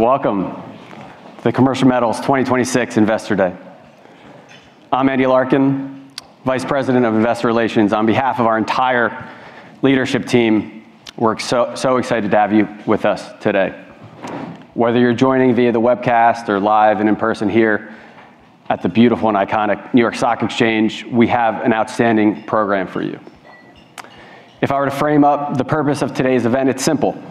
Welcome to the Commercial Metals 2026 Investor Day. I'm Andy Larkin, Vice President of Investor Relations. On behalf of our entire leadership team, we're so excited to have you with us today. Whether you're joining via the webcast or live and in person here at the beautiful and iconic New York Stock Exchange, we have an outstanding program for you. If I were to frame up the purpose of today's event, it's simple: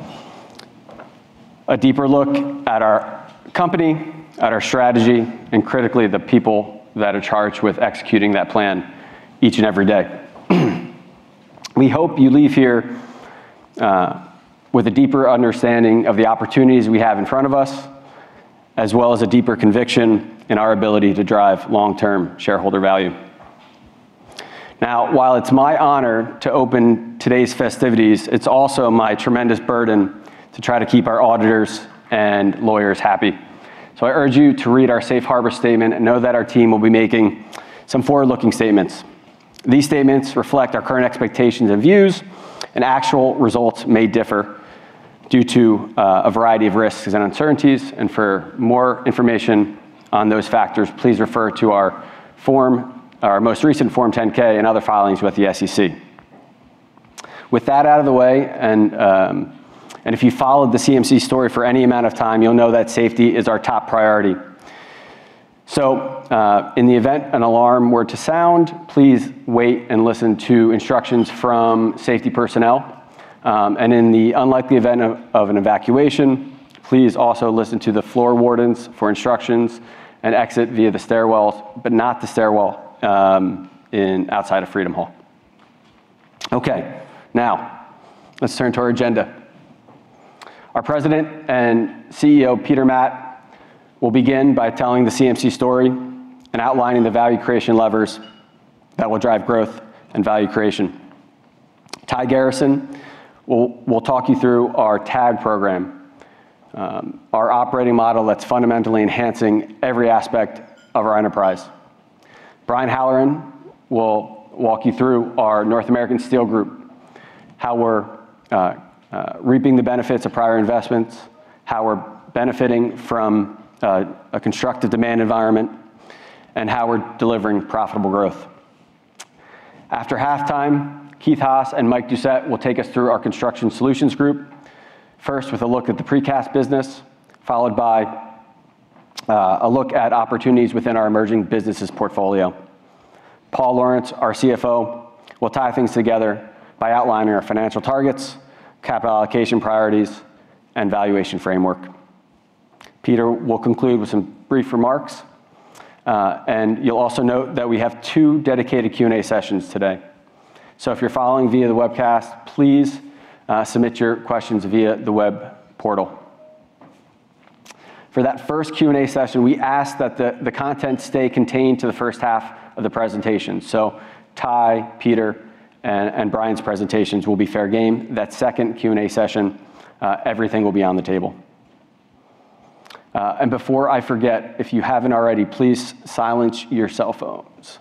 a deeper look at our company, at our strategy, and critically, the people that are charged with executing that plan each and every day. We hope you leave here with a deeper understanding of the opportunities we have in front of us, as well as a deeper conviction in our ability to drive long-term shareholder value. While it's my honor to open today's festivities, it's also my tremendous burden to try to keep our auditors and lawyers happy. I urge you to read our safe harbor statement and know that our team will be making some forward-looking statements. These statements reflect our current expectations and views, and actual results may differ due to a variety of risks and uncertainties. For more information on those factors, please refer to our most recent Form 10-K and other filings with the SEC. With that out of the way, if you've followed the CMC story for any amount of time, you'll know that safety is our top priority. In the event an alarm were to sound, please wait and listen to instructions from safety personnel. In the unlikely event of an evacuation, please also listen to the floor wardens for instructions and exit via the stairwells, but not the stairwell outside of Freedom Hall. Okay. Let's turn to our agenda. Our President and CEO, Peter Matt, will begin by telling the CMC story and outlining the value creation levers that will drive growth and value creation. Ty Garrison will talk you through our TAG program, our operating model that's fundamentally enhancing every aspect of our enterprise. Brian Halloran will walk you through our North America Steel Group, how we're reaping the benefits of prior investments, how we're benefiting from a constructive demand environment, and how we're delivering profitable growth. After halftime, Keith Haas and Mike Doucet will take us through our Construction Solutions Group. First, with a look at the precast business, followed by a look at opportunities within our emerging businesses portfolio. Paul Lawrence, our CFO, will tie things together by outlining our financial targets, capital allocation priorities, and valuation framework. Peter will conclude with some brief remarks. You'll also note that we have two dedicated Q&A sessions today. If you're following via the webcast, please submit your questions via the web portal. For that first Q&A session, we ask that the content stay contained to the first half of the presentation. Ty, Peter, and Brian's presentations will be fair game. That second Q&A session, everything will be on the table. Before I forget, if you haven't already, please silence your cell phones.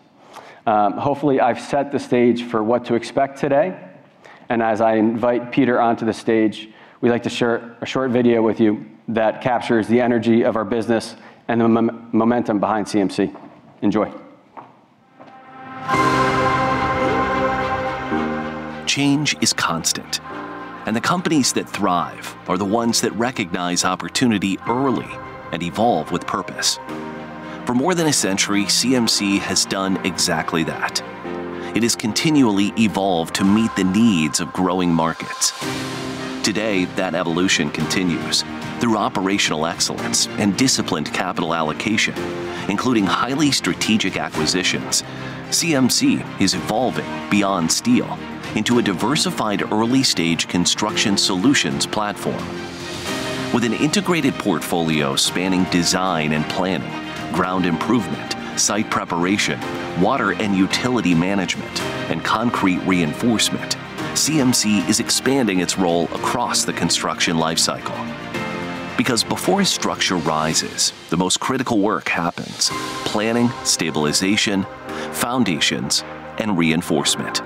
Hopefully, I've set the stage for what to expect today. As I invite Peter onto the stage, we'd like to share a short video with you that captures the energy of our business and the momentum behind CMC. Enjoy. Change is constant, the companies that thrive are the ones that recognize opportunity early and evolve with purpose. For more than a century, CMC has done exactly that. It has continually evolved to meet the needs of growing markets. Today, that evolution continues. Through operational excellence and disciplined capital allocation, including highly strategic acquisitions, CMC is evolving beyond steel into a diversified early-stage construction solutions platform. With an integrated portfolio spanning design and planning, ground improvement, site preparation, water and utility management, and concrete reinforcement, CMC is expanding its role across the construction life cycle. Because before a structure rises, the most critical work happens: planning, stabilization, foundations, and reinforcement.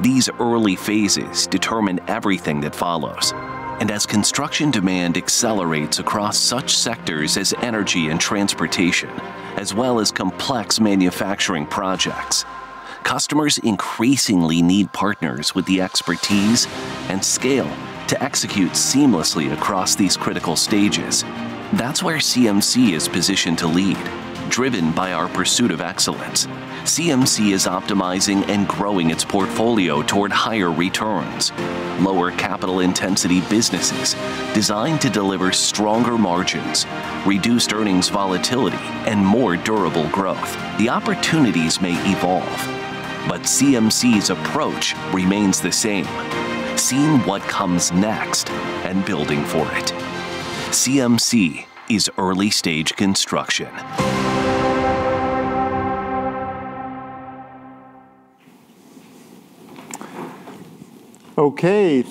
These early phases determine everything that follows, as construction demand accelerates across such sectors as energy and transportation, as well as complex manufacturing projects, customers increasingly need partners with the expertise and scale to execute seamlessly across these critical stages. That's where CMC is positioned to lead. Driven by our pursuit of excellence, CMC is optimizing and growing its portfolio toward higher returns, lower capital intensity businesses designed to deliver stronger margins, reduced earnings volatility, and more durable growth. The opportunities may evolve, CMC's approach remains the same: seeing what comes next and building for it. CMC is early-stage construction.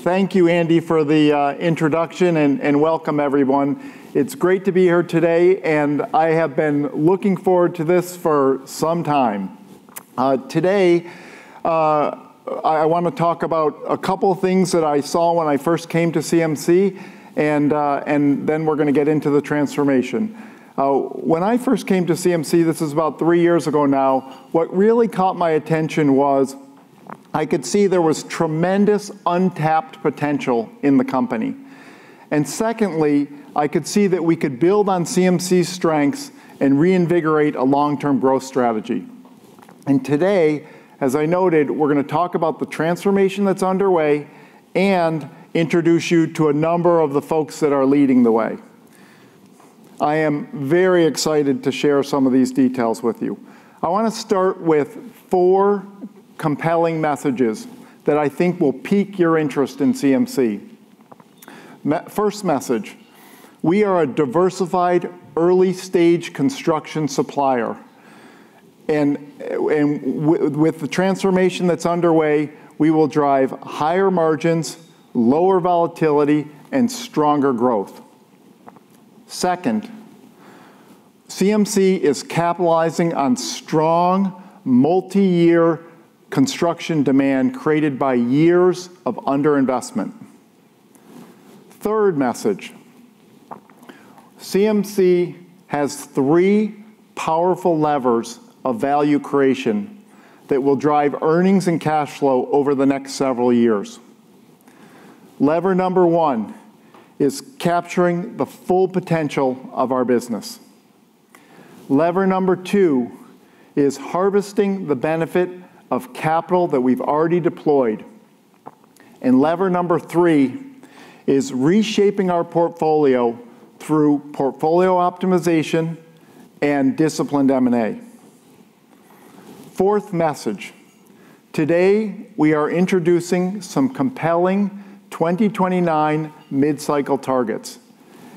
Thank you, Andy, for the introduction, welcome, everyone. It's great to be here today, I have been looking forward to this for some time. Today, I want to talk about a couple things that I saw when I first came to CMC, then we're going to get into the transformation. When I first came to CMC, this is about three years ago now, what really caught my attention was I could see there was tremendous untapped potential in the company. Secondly, I could see that we could build on CMC's strengths and reinvigorate a long-term growth strategy. Today, as I noted, we're going to talk about the transformation that's underway and introduce you to a number of the folks that are leading the way. I am very excited to share some of these details with you. I want to start with four compelling messages that I think will pique your interest in CMC. First message, we are a diversified early-stage construction supplier. With the transformation that's underway, we will drive higher margins, lower volatility, and stronger growth. Second, CMC is capitalizing on strong multi-year construction demand created by years of under-investment. Third message, CMC has three powerful levers of value creation that will drive earnings and cash flow over the next several years. Lever number 1 is capturing the full potential of our business. Lever number 2 is harvesting the benefit of capital that we've already deployed. Lever number 3 is reshaping our portfolio through portfolio optimization and disciplined M&A. Fourth message, today, we are introducing some compelling 2029 mid-cycle targets.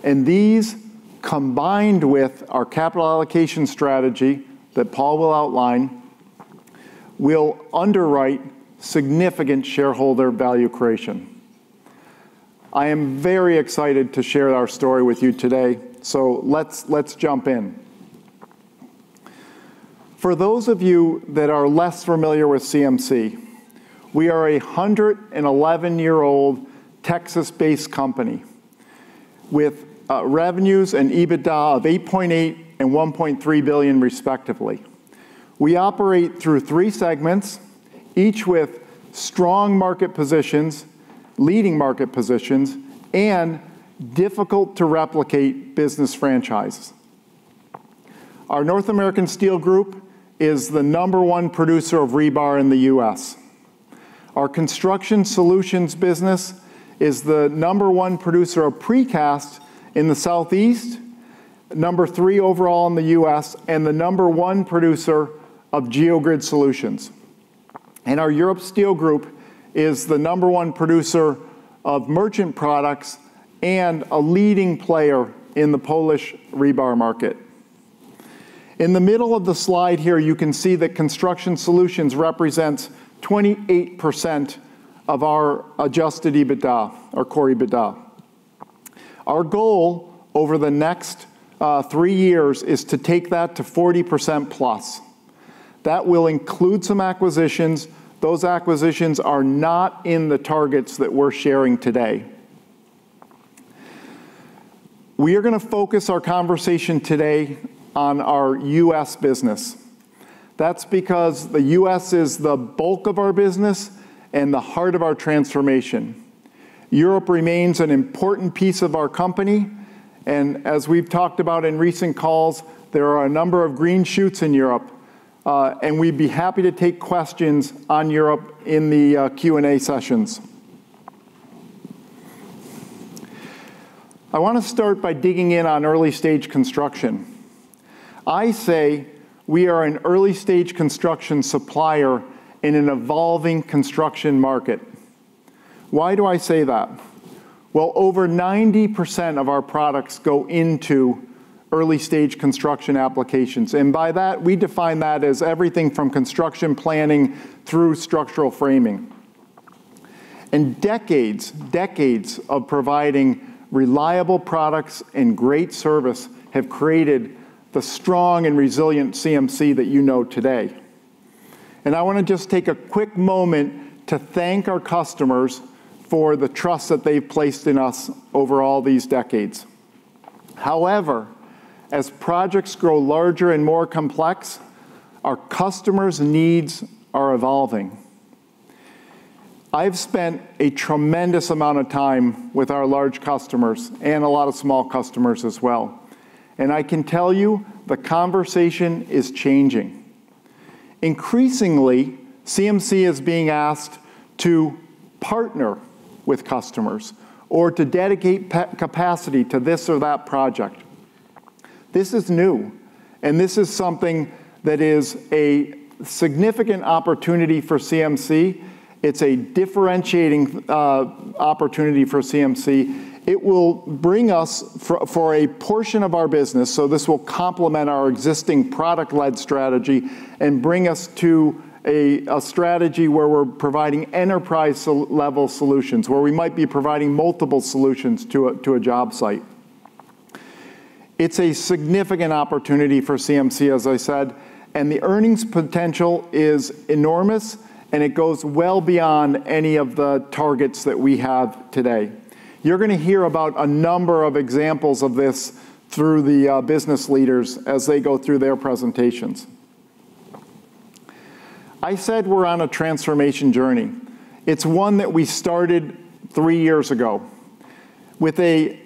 These, combined with our capital allocation strategy that Paul will outline, will underwrite significant shareholder value creation. I am very excited to share our story with you today, let's jump in. For those of you that are less familiar with CMC, we are a 111-year-old Texas-based company with revenues and EBITDA of $8.8 billion and $1.3 billion respectively. We operate through three segments, each with strong market positions, leading market positions, and difficult-to-replicate business franchises. Our North America Steel Group is the number 1 producer of rebar in the U.S. Our Construction Solutions business is the number 1 producer of precast in the Southeast, number 3 overall in the U.S., and the number 1 producer of Geogrid solutions. Our Europe Steel Group is the number 1 producer of merchant products and a leading player in the Polish rebar market. In the middle of the slide here, you can see that Construction Solutions represents 28% of our adjusted EBITDA or core EBITDA. Our goal over the next three years is to take that to 40% plus. That will include some acquisitions. Those acquisitions are not in the targets that we're sharing today. We are going to focus our conversation today on our U.S. business. That's because the U.S. is the bulk of our business and the heart of our transformation. Europe remains an important piece of our company, as we've talked about in recent calls, there are a number of green shoots in Europe. We'd be happy to take questions on Europe in the Q&A sessions. I want to start by digging in on early-stage construction. I say we are an early-stage construction supplier in an evolving construction market. Why do I say that? Over 90% of our products go into early-stage construction applications. By that, we define that as everything from construction planning through structural framing. Decades of providing reliable products and great service have created the strong and resilient CMC that you know today. I want to just take a quick moment to thank our customers for the trust that they've placed in us over all these decades. However, as projects grow larger and more complex, our customers' needs are evolving. I've spent a tremendous amount of time with our large customers and a lot of small customers as well, and I can tell you the conversation is changing. Increasingly, CMC is being asked to partner with customers or to dedicate capacity to this or that project. This is new, and this is something that is a significant opportunity for CMC. It's a differentiating opportunity for CMC. It will bring us, for a portion of our business, this will complement our existing product-led strategy and bring us to a strategy where we're providing enterprise-level solutions, where we might be providing multiple solutions to a job site. It's a significant opportunity for CMC, as I said. The earnings potential is enormous, and it goes well beyond any of the targets that we have today. You're going to hear about a number of examples of this through the business leaders as they go through their presentations. I said we're on a transformation journey. It's one that we started three years ago with a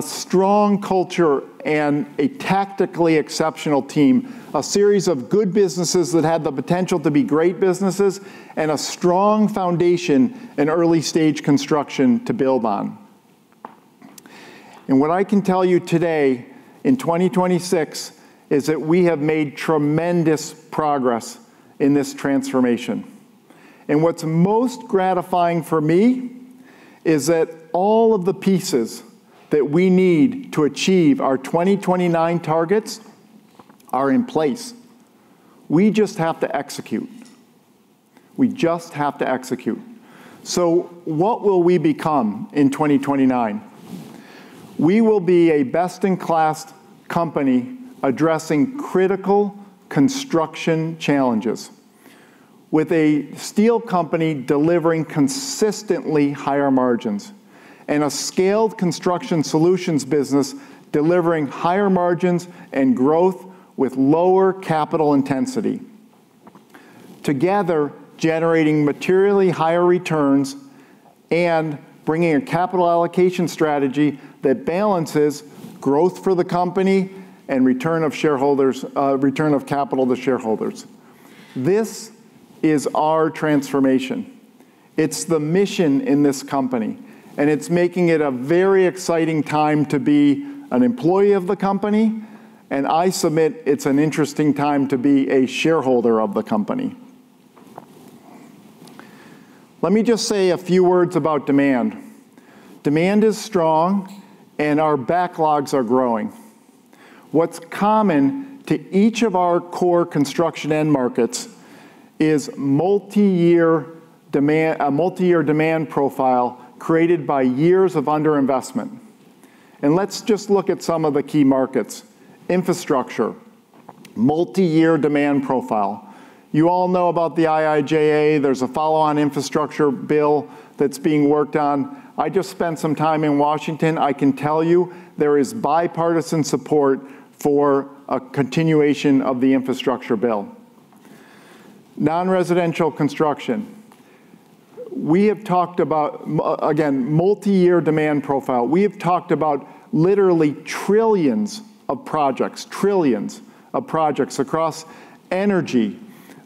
strong culture and a tactically exceptional team, a series of good businesses that had the potential to be great businesses, and a strong foundation and early-stage construction to build on. What I can tell you today, in 2026, is that we have made tremendous progress in this transformation. What's most gratifying for me is that all of the pieces that we need to achieve our 2029 targets are in place. We just have to execute. What will we become in 2029? We will be a best-in-class company addressing critical construction challenges with a steel company delivering consistently higher margins and a scaled Construction Solutions business delivering higher margins and growth with lower capital intensity. Together generating materially higher returns and bringing a capital allocation strategy that balances growth for the company and return of capital to shareholders. This is our transformation. It's the mission in this company. It's making it a very exciting time to be an employee of the company, and I submit it's an interesting time to be a shareholder of the company. Let me just say a few words about demand. Demand is strong. Our backlogs are growing. What's common to each of our core construction end markets is a multi-year demand profile created by years of under-investment. Let's just look at some of the key markets. Infrastructure, multi-year demand profile. You all know about the IIJA. There's a follow-on infrastructure bill that's being worked on. I just spent some time in Washington. I can tell you there is bipartisan support for a continuation of the infrastructure bill. Non-residential construction. We have talked about, again, multi-year demand profile. We have talked about literally trillions of projects across energy,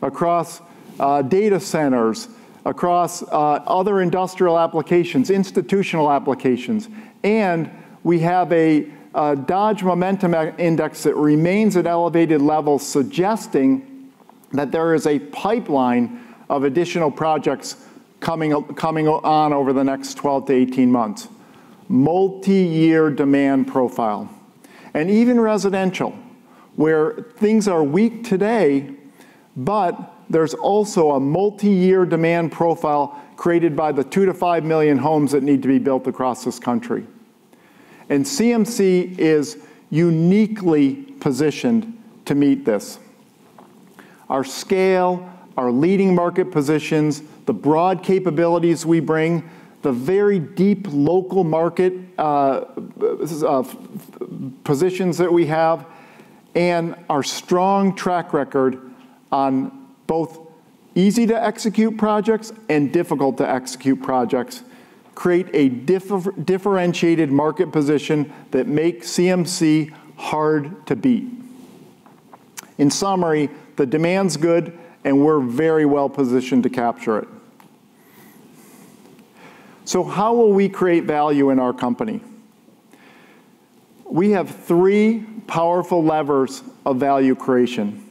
across data centers, across other industrial applications, institutional applications. We have a Dodge Momentum Index that remains at elevated levels, suggesting that there is a pipeline of additional projects coming on over the next 12 to 18 months. Multi-year demand profile. Even residential, where things are weak today, but there's also a multi-year demand profile created by the 2 million-5 million homes that need to be built across this country. CMC is uniquely positioned to meet this. Our scale, our leading market positions, the broad capabilities we bring, the very deep local market positions that we have, and our strong track record on both easy-to-execute projects and difficult-to-execute projects create a differentiated market position that makes CMC hard to beat. In summary, the demand's good. We're very well positioned to capture it. How will we create value in our company? We have three powerful levers of value creation.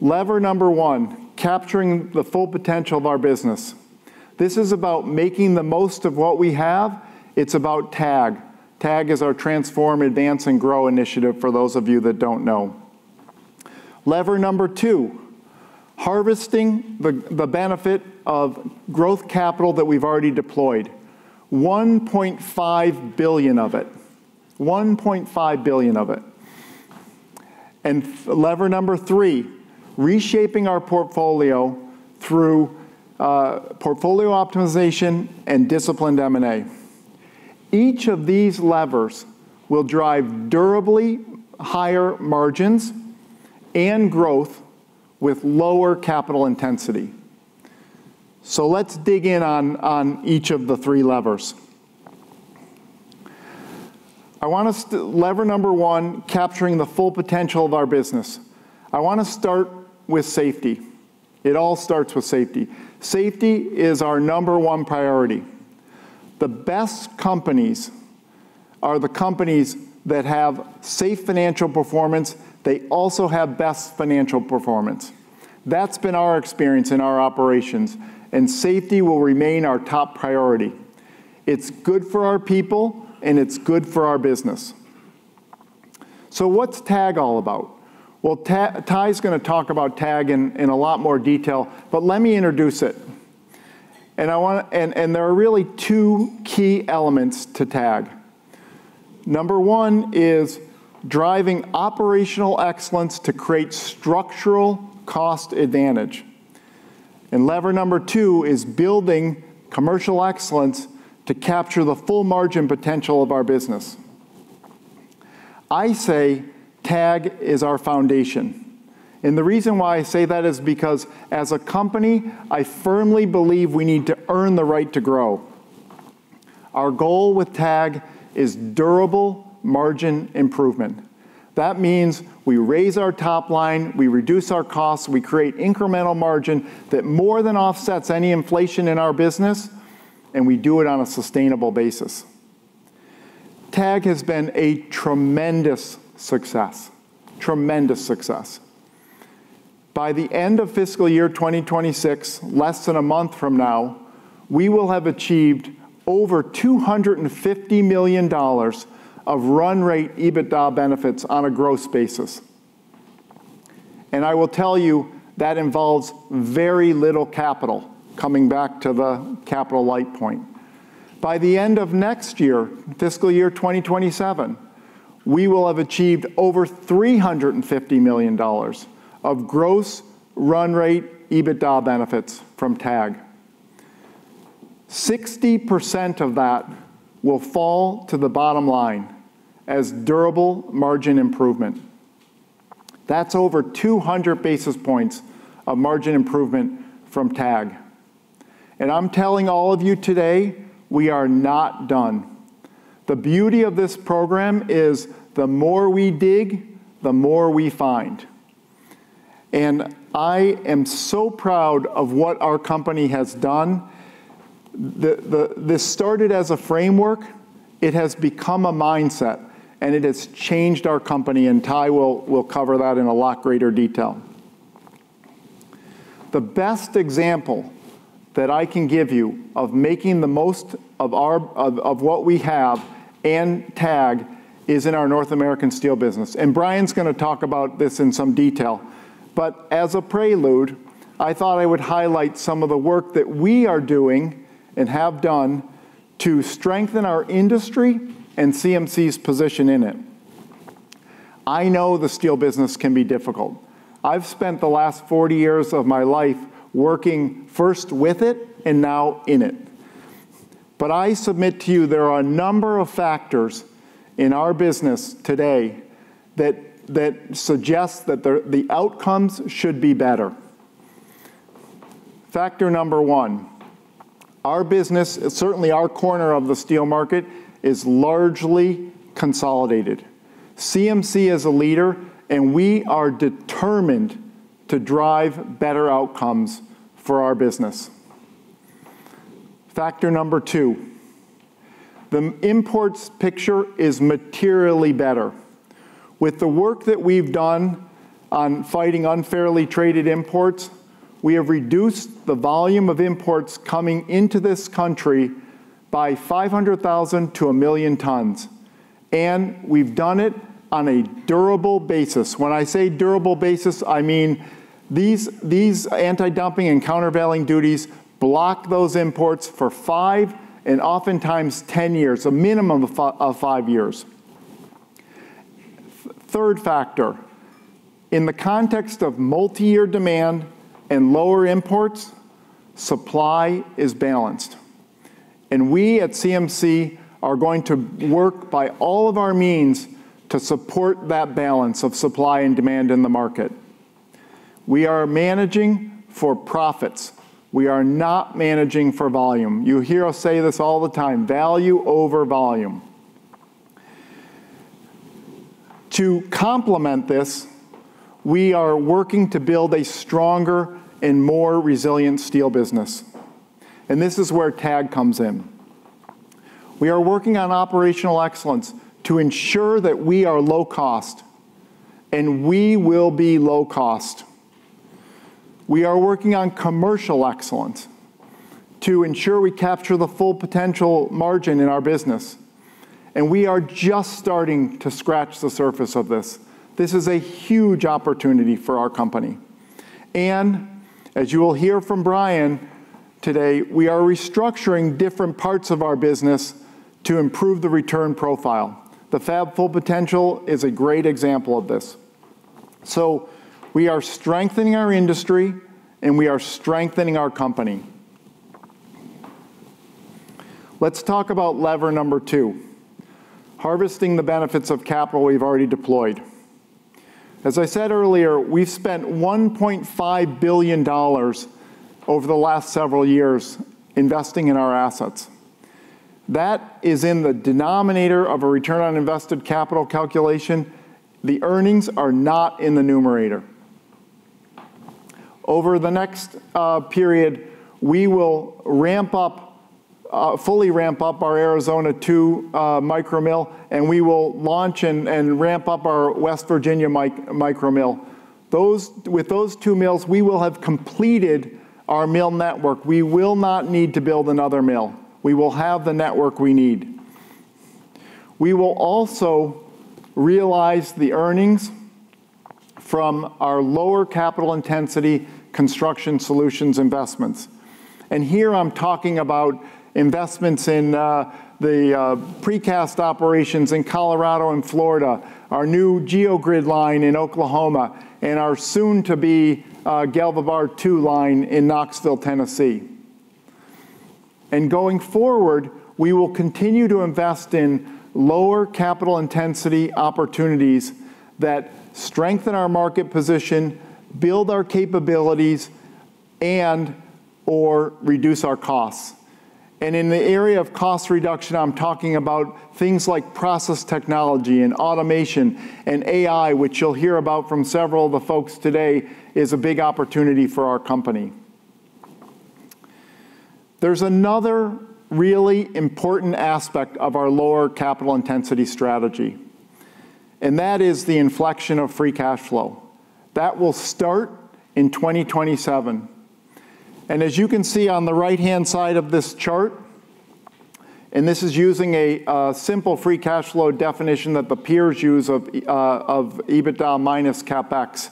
Lever number one, capturing the full potential of our business. This is about making the most of what we have. It's about TAG. TAG is our Transform, Advance, Grow initiative for those of you that don't know. Lever number two, harvesting the benefit of growth capital that we've already deployed, $1.5 billion of it. Lever number three, reshaping our portfolio through portfolio optimization and disciplined M&A. Each of these levers will drive durably higher margins and growth with lower capital intensity. Let's dig in on each of the 3 levers. Lever number 1, capturing the full potential of our business. I want to start with safety. It all starts with safety. Safety is our number 1 priority. The best companies are the companies that have safe financial performance. They also have best financial performance. That's been our experience in our operations, and safety will remain our top priority. It's good for our people, and it's good for our business. What's TAG all about? Ty's going to talk about TAG in a lot more detail, but let me introduce it. There are really 2 key elements to TAG. Number 1 is driving operational excellence to create structural cost advantage. Lever number 2 is building commercial excellence to capture the full margin potential of our business. I say TAG is our foundation, and the reason why I say that is because, as a company, I firmly believe we need to earn the right to grow. Our goal with TAG is durable margin improvement. That means we raise our top line, we reduce our costs, we create incremental margin that more than offsets any inflation in our business, and we do it on a sustainable basis. TAG has been a tremendous success. By the end of FY 2026, less than a month from now, we will have achieved over $250 million of run rate EBITDA benefits on a gross basis. I will tell you that involves very little capital, coming back to the capital light point. By the end of next year, FY 2027, we will have achieved over $350 million of gross run rate EBITDA benefits from TAG. 60% of that will fall to the bottom line as durable margin improvement. That's over 200 basis points of margin improvement from TAG. I'm telling all of you today, we are not done. The beauty of this program is the more we dig, the more we find. I am so proud of what our company has done. This started as a framework, it has become a mindset, and it has changed our company, and Ty will cover that in a lot greater detail. The best example that I can give you of making the most of what we have and TAG is in our North American Steel Business. Brian's going to talk about this in some detail. As a prelude, I thought I would highlight some of the work that we are doing and have done to strengthen our industry and CMC's position in it. I know the steel business can be difficult. I've spent the last 40 years of my life working first with it and now in it. I submit to you there are a number of factors in our business today that suggest that the outcomes should be better. Factor number 1, our business, certainly our corner of the steel market, is largely consolidated. CMC is a leader, and we are determined to drive better outcomes for our business. Factor number 2, the imports picture is materially better. With the work that we've done on fighting unfairly traded imports, we have reduced the volume of imports coming into this country by 500,000 to 1 million tons, and we've done it on a durable basis. When I say durable basis, I mean these anti-dumping and countervailing duties block those imports for 5 and oftentimes 10 years, a minimum of 5 years. Third factor, in the context of multi-year demand and lower imports, supply is balanced. We at CMC are going to work by all of our means to support that balance of supply and demand in the market. We are managing for profits. We are not managing for volume. You hear us say this all the time, "Value over volume." To complement this, we are working to build a stronger and more resilient steel business. This is where TAG comes in. We are working on operational excellence to ensure that we are low cost. We will be low cost. We are working on commercial excellence to ensure we capture the full potential margin in our business. We are just starting to scratch the surface of this. This is a huge opportunity for our company. As you will hear from Brian today, we are restructuring different parts of our business to improve the return profile. The Fab Full Potential is a great example of this. We are strengthening our industry and we are strengthening our company. Let's talk about lever number 2, harvesting the benefits of capital we've already deployed. As I said earlier, we've spent $1.5 billion over the last several years investing in our assets. That is in the denominator of a return on invested capital calculation. The earnings are not in the numerator. Over the next period, we will fully ramp up our Arizona 2 micro mill. We will launch and ramp up our West Virginia micro mill. With those two mills, we will have completed our mill network. We will not need to build another mill. We will have the network we need. We will also realize the earnings from our lower capital intensity construction solutions investments. Here I'm talking about investments in the precast operations in Colorado and Florida, our new Geogrid line in Oklahoma, and our soon-to-be GalvaBar 2 line in Knoxville, Tennessee. Going forward, we will continue to invest in lower capital intensity opportunities that strengthen our market position, build our capabilities, and/or reduce our costs. In the area of cost reduction, I'm talking about things like process technology and automation and AI, which you'll hear about from several of the folks today, is a big opportunity for our company. There's another really important aspect of our lower capital intensity strategy. That is the inflection of free cash flow. That will start in 2027. As you can see on the right-hand side of this chart, this is using a simple free cash flow definition that the peers use of EBITDA minus CapEx.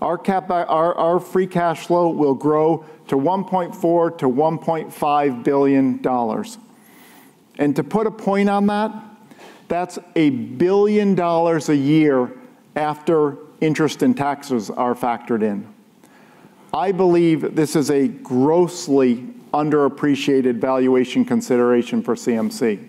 Our free cash flow will grow to $1.4 billion-$1.5 billion. To put a point on that's $1 billion a year after interest and taxes are factored in. I believe this is a grossly underappreciated valuation consideration for CMC.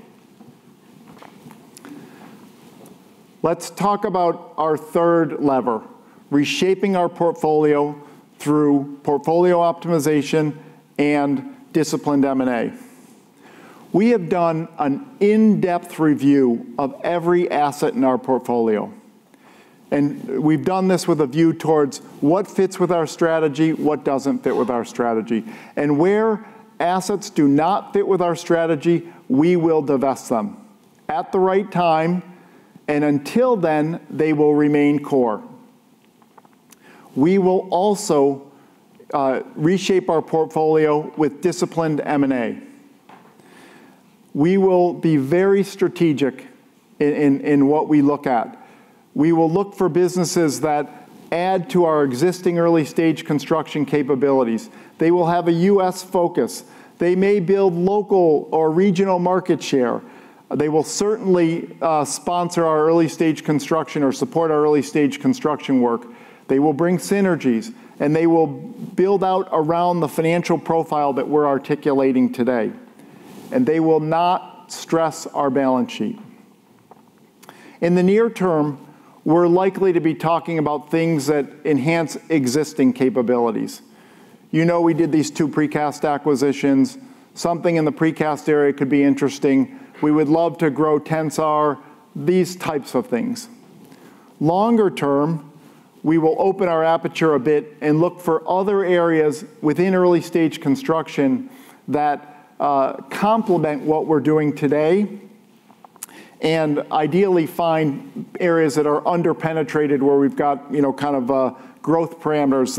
Let's talk about our third lever, reshaping our portfolio through portfolio optimization and disciplined M&A. We have done an in-depth review of every asset in our portfolio. We've done this with a view towards what fits with our strategy, what doesn't fit with our strategy. Where assets do not fit with our strategy, we will divest them at the right time. Until then, they will remain core. We will also reshape our portfolio with disciplined M&A. We will be very strategic in what we look at. We will look for businesses that add to our existing early-stage construction capabilities. They will have a U.S. focus. They may build local or regional market share. They will certainly sponsor our early-stage construction or support our early-stage construction work. They will bring synergies. They will build out around the financial profile that we're articulating today. They will not stress our balance sheet. In the near term, we're likely to be talking about things that enhance existing capabilities. You know, we did these two precast acquisitions. Something in the precast area could be interesting. We would love to grow Tensar, these types of things. Longer term, we will open our aperture a bit, look for other areas within early-stage construction that complement what we're doing today, ideally find areas that are under-penetrated where we've got growth parameters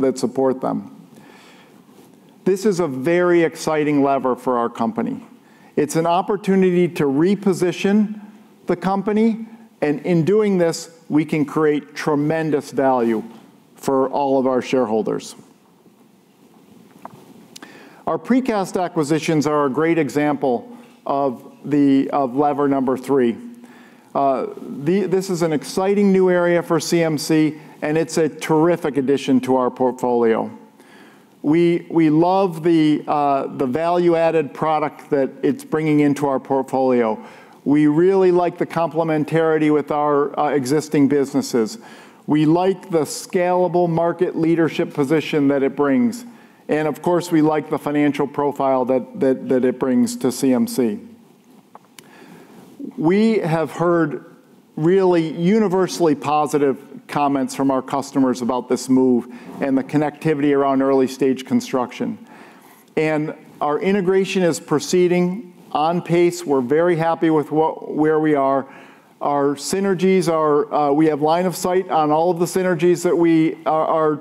that support them. This is a very exciting lever for our company. It's an opportunity to reposition the company. In doing this, we can create tremendous value for all of our shareholders. Our precast acquisitions are a great example of lever number 3. This is an exciting new area for CMC, it's a terrific addition to our portfolio. We love the value-added product that it's bringing into our portfolio. We really like the complementarity with our existing businesses. We like the scalable market leadership position that it brings. Of course, we like the financial profile that it brings to CMC. We have heard really universally positive comments from our customers about this move and the connectivity around early-stage construction. Our integration is proceeding on pace. We're very happy with where we are. We have line of sight on all of the synergies that we are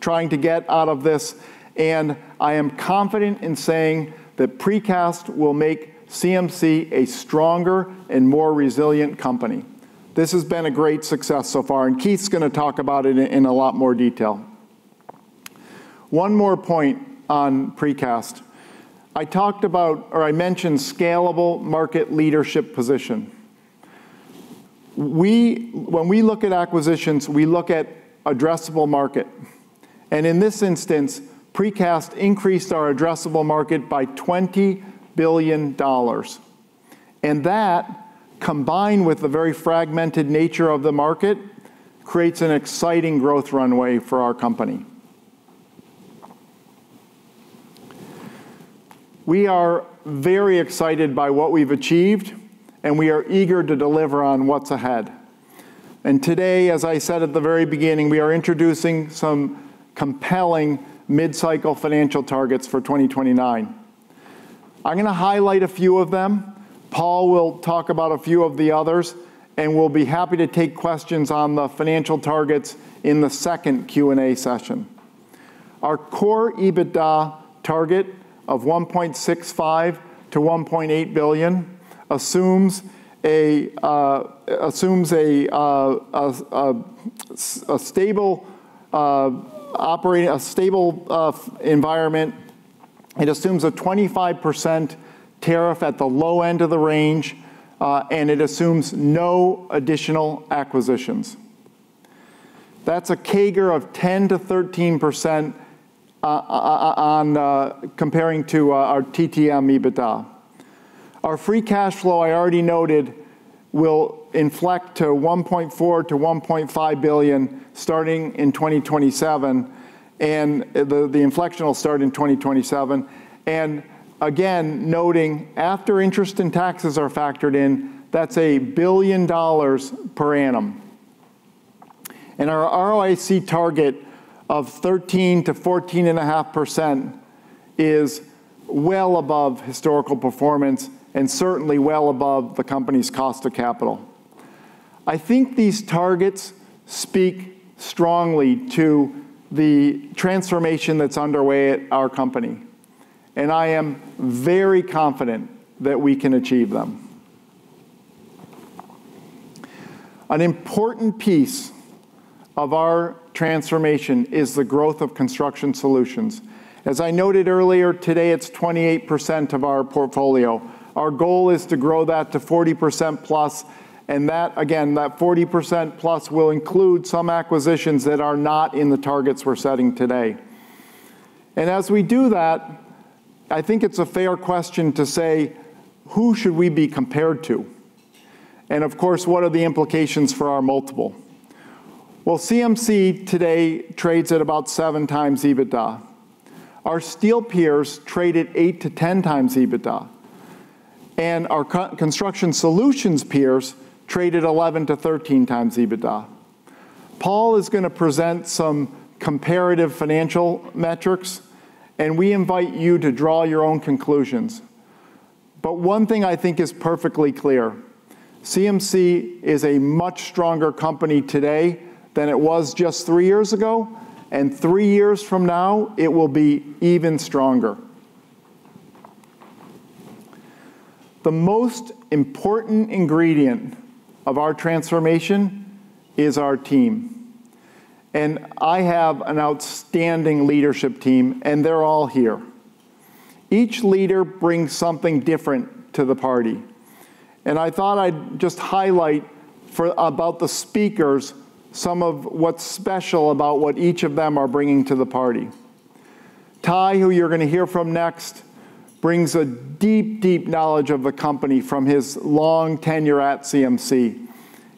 trying to get out of this. I am confident in saying that precast will make CMC a stronger and more resilient company. This has been a great success so far. Keith's going to talk about it in a lot more detail. One more point on precast. I mentioned scalable market leadership position. When we look at acquisitions, we look at addressable market. In this instance, precast increased our addressable market by $20 billion. That, combined with the very fragmented nature of the market, creates an exciting growth runway for our company. We are very excited by what we've achieved. We are eager to deliver on what's ahead. Today, as I said at the very beginning, we are introducing some compelling mid-cycle financial targets for 2029. I'm going to highlight a few of them. Paul will talk about a few of the others. We'll be happy to take questions on the financial targets in the second Q&A session. Our core EBITDA target of $1.65 billion-$1.8 billion assumes a stable operating environment. It assumes a 25% tariff at the low end of the range. It assumes no additional acquisitions. That's a CAGR of 10%-13% on comparing to our TTM EBITDA. Our free cash flow, I already noted, will inflect to $1.4 billion-$1.5 billion starting in 2027, the inflection will start in 2027. Again, noting after interest and taxes are factored in, that's $1 billion per annum. Our ROIC target of 13%-14.5% is well above historical performance and certainly well above the company's cost of capital. I think these targets speak strongly to the transformation that's underway at our company, and I am very confident that we can achieve them. An important piece of our transformation is the growth of Construction Solutions. As I noted earlier today, it's 28% of our portfolio. Our goal is to grow that to 40%+, and that, again, that 40%+ will include some acquisitions that are not in the targets we're setting today. As we do that, I think it's a fair question to say, "Who should we be compared to?" Of course, what are the implications for our multiple? Well, CMC today trades at about 7 times EBITDA. Our steel peers trade at 8-10 times EBITDA, and our Construction Solutions peers trade at 11-13 times EBITDA. Paul is going to present some comparative financial metrics, and we invite you to draw your own conclusions. But one thing I think is perfectly clear, CMC is a much stronger company today than it was just 3 years ago, and 3 years from now, it will be even stronger. The most important ingredient of our transformation is our team, and I have an outstanding leadership team, and they're all here. Each leader brings something different to the party, and I thought I'd just highlight about the speakers, some of what's special about what each of them are bringing to the party. Ty, who you're going to hear from next, brings a deep, deep knowledge of the company from his long tenure at CMC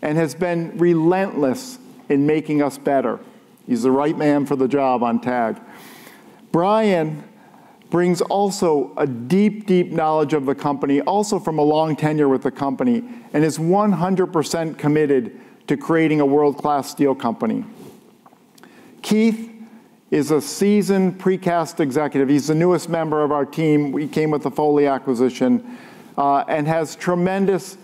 and has been relentless in making us better. He's the right man for the job on TAG. Brian brings also a deep, deep knowledge of the company, also from a long tenure with the company, and is 100% committed to creating a world-class steel company. Keith is a seasoned precast executive. He's the newest member of our team. He came with the Foley acquisition, and has tremendous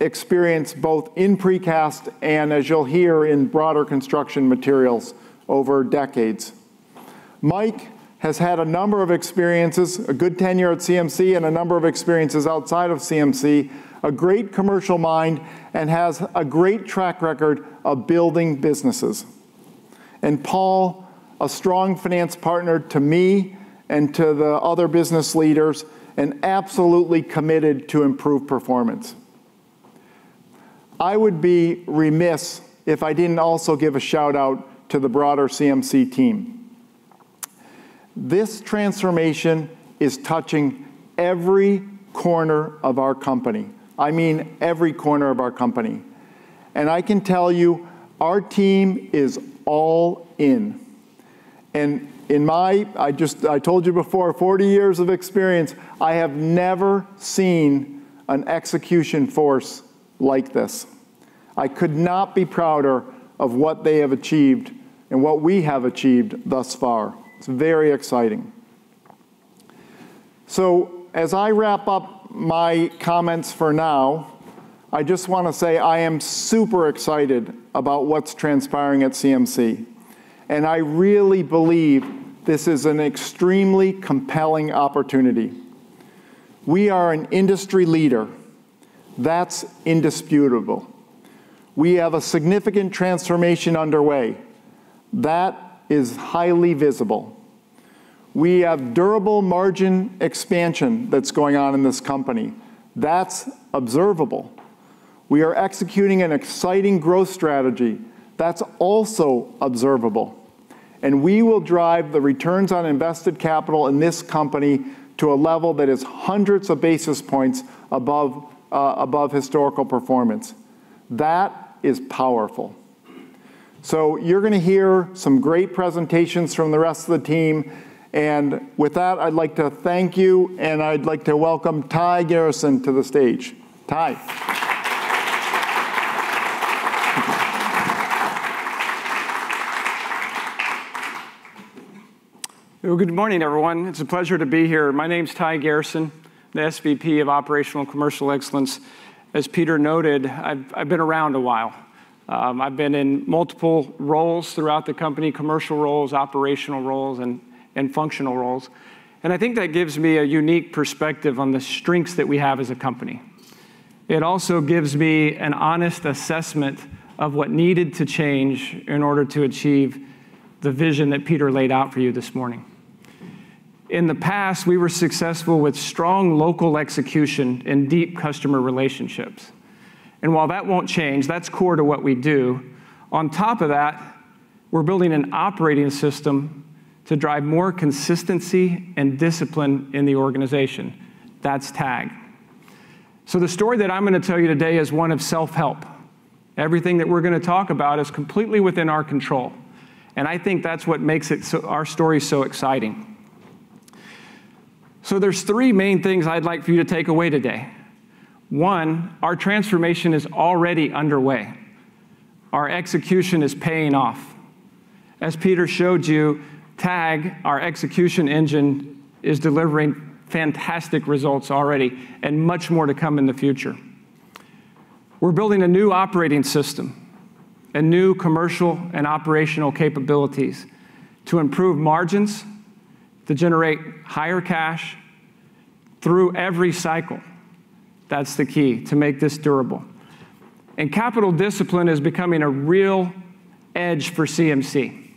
experience both in precast and, as you'll hear, in broader construction materials over decades. Mike has had a number of experiences, a good tenure at CMC, and a number of experiences outside of CMC, a great commercial mind, and has a great track record of building businesses. Paul, a strong finance partner to me and to the other business leaders, and absolutely committed to improve performance. I would be remiss if I didn't also give a shout-out to the broader CMC team. This transformation is touching every corner of our company. I mean every corner of our company, and I can tell you our team is all in. In my, I told you before, 40 years of experience, I have never seen an execution force like this. I could not be prouder of what they have achieved and what we have achieved thus far. It's very exciting. As I wrap up my comments for now, I just want to say I am super excited about what's transpiring at CMC, and I really believe this is an extremely compelling opportunity. We are an industry leader. That's indisputable. We have a significant transformation underway. That is highly visible. We have durable margin expansion that's going on in this company. That's observable. We are executing an exciting growth strategy. That's also observable. We will drive the returns on invested capital in this company to a level that is hundreds of basis points above historical performance. That is powerful. You're going to hear some great presentations from the rest of the team. With that, I'd like to thank you, and I'd like to welcome Ty Garrison to the stage. Ty. Good morning, everyone. It's a pleasure to be here. My name's Ty Garrison, the SVP of Operational Commercial Excellence. As Peter noted, I've been around a while. I've been in multiple roles throughout the company, commercial roles, operational roles, and functional roles. I think that gives me a unique perspective on the strengths that we have as a company. It also gives me an honest assessment of what needed to change in order to achieve the vision that Peter laid out for you this morning. In the past, we were successful with strong local execution and deep customer relationships. While that won't change, that's core to what we do. On top of that, we're building an operating system to drive more consistency and discipline in the organization. That's TAG. The story that I'm going to tell you today is one of self-help. Everything that we're going to talk about is completely within our control, and I think that's what makes our story so exciting. There's three main things I'd like for you to take away today. One, our transformation is already underway. Our execution is paying off. As Peter showed you, TAG, our execution engine, is delivering fantastic results already and much more to come in the future. We're building a new operating system and new commercial and operational capabilities to improve margins, to generate higher cash through every cycle. That's the key to make this durable. Capital discipline is becoming a real edge for CMC.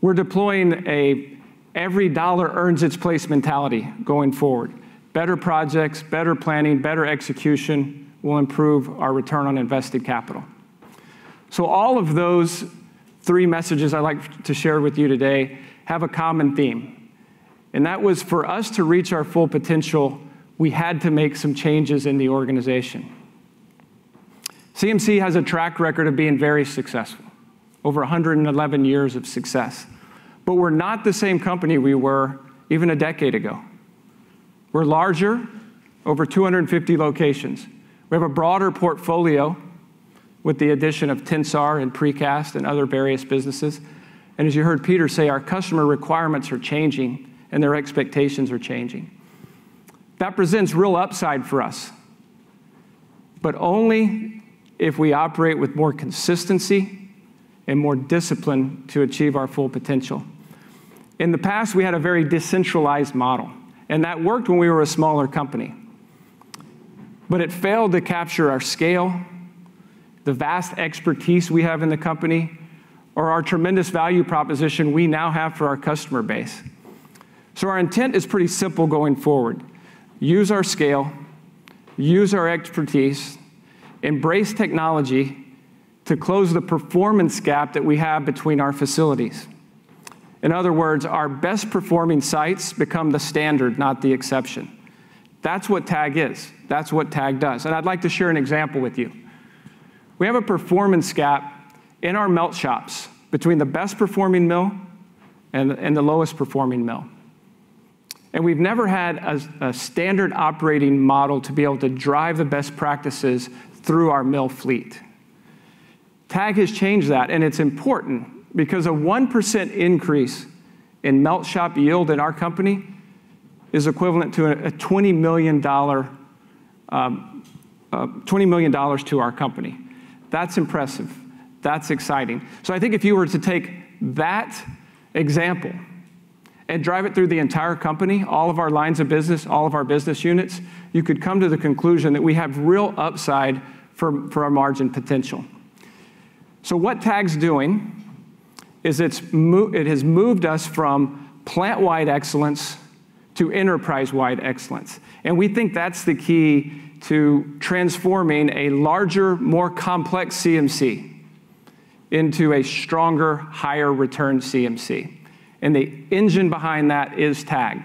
We're deploying a every dollar earns its place mentality going forward. Better projects, better planning, better execution will improve our return on invested capital. All of those three messages I'd like to share with you today have a common theme, that was for us to reach our full potential, we had to make some changes in the organization. CMC has a track record of being very successful, over 111 years of success. We're not the same company we were even a decade ago. We're larger, over 250 locations. We have a broader portfolio with the addition of Tensar and Precast and other various businesses. As you heard Peter say, our customer requirements are changing and their expectations are changing. That presents real upside for us, but only if we operate with more consistency and more discipline to achieve our full potential. In the past, we had a very decentralized model, that worked when we were a smaller company. It failed to capture our scale, the vast expertise we have in the company, or our tremendous value proposition we now have for our customer base. Our intent is pretty simple going forward. Use our scale, use our expertise, embrace technology to close the performance gap that we have between our facilities. In other words, our best performing sites become the standard, not the exception. That's what TAG is. That's what TAG does. I'd like to share an example with you. We have a performance gap in our melt shops between the best performing mill and the lowest performing mill. We've never had a standard operating model to be able to drive the best practices through our mill fleet. TAG has changed that, and it's important because a 1% increase in melt shop yield in our company is equivalent to a $20 million to our company. That's impressive. That's exciting. I think if you were to take that example and drive it through the entire company, all of our lines of business, all of our business units, you could come to the conclusion that we have real upside for our margin potential. What TAG's doing is it has moved us from plant-wide excellence to enterprise-wide excellence, and we think that's the key to transforming a larger, more complex CMC into a stronger, higher return CMC. The engine behind that is TAG.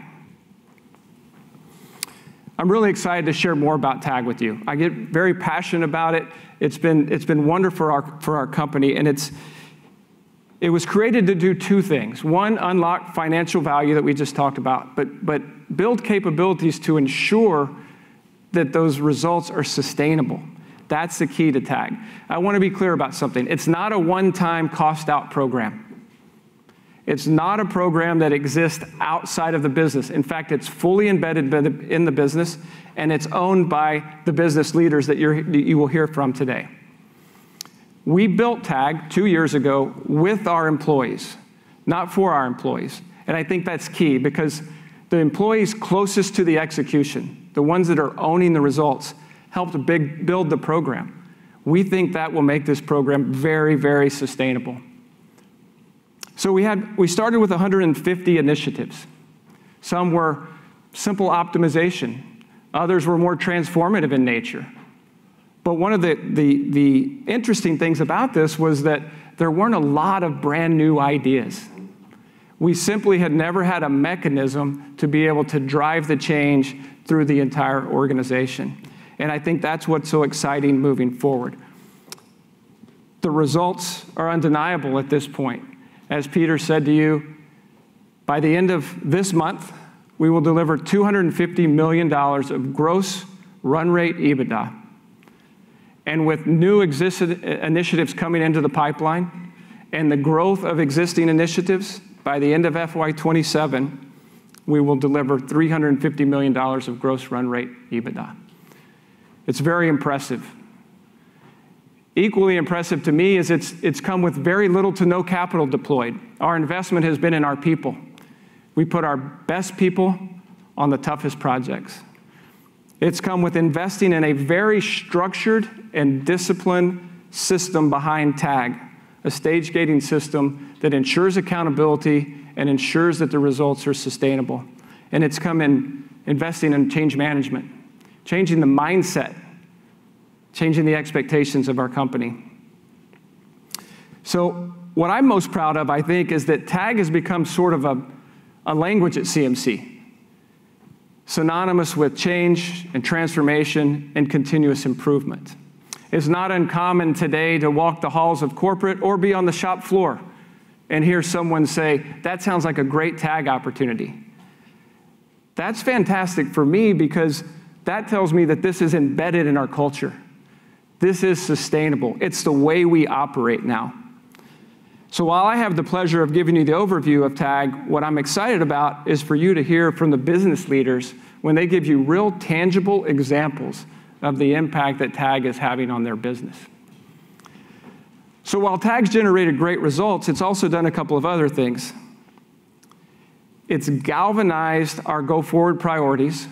I'm really excited to share more about TAG with you. I get very passionate about it. It's been wonderful for our company, and it was created to do two things. One, unlock financial value that we just talked about, build capabilities to ensure that those results are sustainable. That's the key to TAG. I want to be clear about something. It's not a one-time cost out program. It's not a program that exists outside of the business. In fact, it's fully embedded in the business, and it's owned by the business leaders that you will hear from today. We built TAG two years ago with our employees, not for our employees. I think that's key because the employees closest to the execution, the ones that are owning the results, helped build the program. We think that will make this program very sustainable. We started with 150 initiatives. Some were simple optimization, others were more transformative in nature. One of the interesting things about this was that there weren't a lot of brand new ideas. We simply had never had a mechanism to be able to drive the change through the entire organization. I think that's what's so exciting moving forward. The results are undeniable at this point. As Peter said to you, by the end of this month, we will deliver $250 million of gross run rate EBITDA. With new initiatives coming into the pipeline and the growth of existing initiatives, by the end of FY 2027, we will deliver $350 million of gross run rate EBITDA. It's very impressive. Equally impressive to me is it's come with very little to no capital deployed. Our investment has been in our people. We put our best people on the toughest projects. It's come with investing in a very structured and disciplined system behind TAG, a stage-gating system that ensures accountability and ensures that the results are sustainable. It's come in investing in change management, changing the mindset, changing the expectations of our company. What I'm most proud of, I think, is that TAG has become sort of a language at CMC, synonymous with change and transformation and continuous improvement. It's not uncommon today to walk the halls of corporate or be on the shop floor and hear someone say, "That sounds like a great TAG opportunity." That's fantastic for me because that tells me that this is embedded in our culture. This is sustainable. It's the way we operate now. While I have the pleasure of giving you the overview of TAG, what I'm excited about is for you to hear from the business leaders when they give you real, tangible examples of the impact that TAG is having on their business. While TAG's generated great results, it's also done a couple of other things. It's galvanized our go-forward priorities,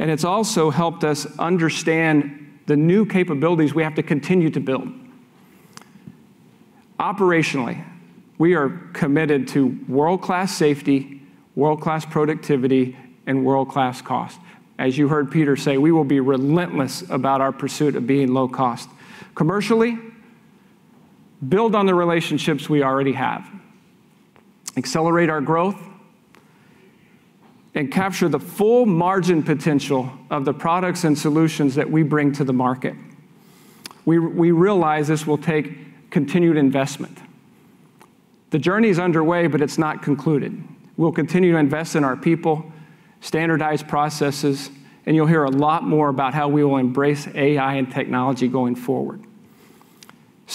and it's also helped us understand the new capabilities we have to continue to build. Operationally, we are committed to world-class safety, world-class productivity, and world-class cost. As you heard Peter say, we will be relentless about our pursuit of being low cost. Commercially, build on the relationships we already have, accelerate our growth, and capture the full margin potential of the products and solutions that we bring to the market. We realize this will take continued investment. The journey's underway, but it's not concluded. We'll continue to invest in our people, standardized processes, and you'll hear a lot more about how we will embrace AI and technology going forward.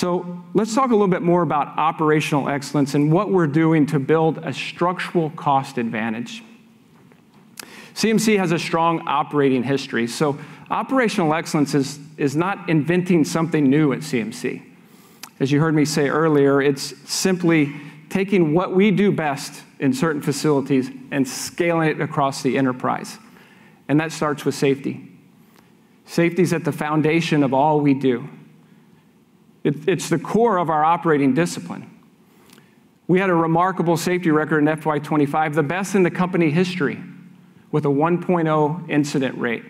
Let's talk a little bit more about operational excellence and what we're doing to build a structural cost advantage. CMC has a strong operating history, operational excellence is not inventing something new at CMC. As you heard me say earlier, it's simply taking what we do best in certain facilities and scaling it across the enterprise, and that starts with safety. Safety is at the foundation of all we do. It's the core of our operating discipline. We had a remarkable safety record in FY 2025, the best in the company history, with a 1.0 incident rate.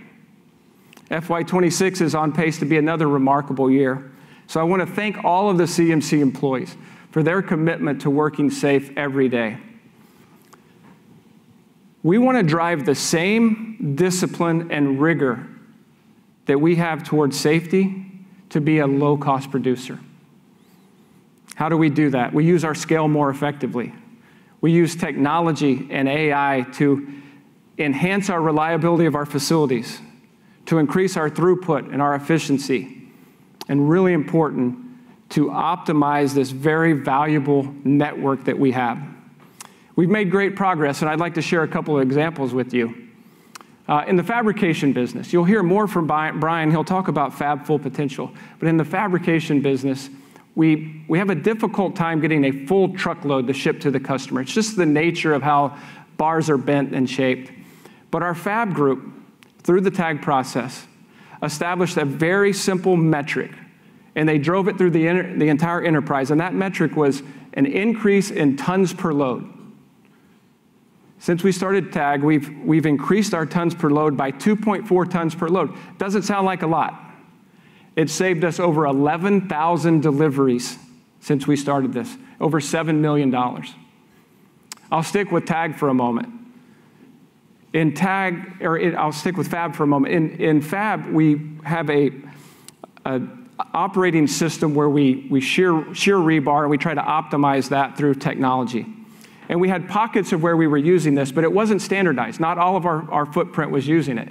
FY 2026 is on pace to be another remarkable year, I want to thank all of the CMC employees for their commitment to working safe every day. We want to drive the same discipline and rigor that we have towards safety to be a low-cost producer. How do we do that? We use our scale more effectively. We use technology and AI to enhance our reliability of our facilities, to increase our throughput and our efficiency, and really important, to optimize this very valuable network that we have. We've made great progress, and I'd like to share a couple of examples with you. In the fabrication business, you'll hear more from Brian. He'll talk about Fab Full Potential. In the fabrication business, we have a difficult time getting a full truckload to ship to the customer. It's just the nature of how bars are bent and shaped. Our fab group, through the TAG process, established a very simple metric, and they drove it through the entire enterprise, and that metric was an increase in tons per load. Since we started TAG, we've increased our tons per load by 2.4 tons per load. Doesn't sound like a lot. It's saved us over 11,000 deliveries since we started this, over $7 million. I'll stick with TAG for a moment. I'll stick with fab for a moment. In fab, we have an operating system where we shear rebar, and we try to optimize that through technology. We had pockets of where we were using this, but it wasn't standardized. Not all of our footprint was using it.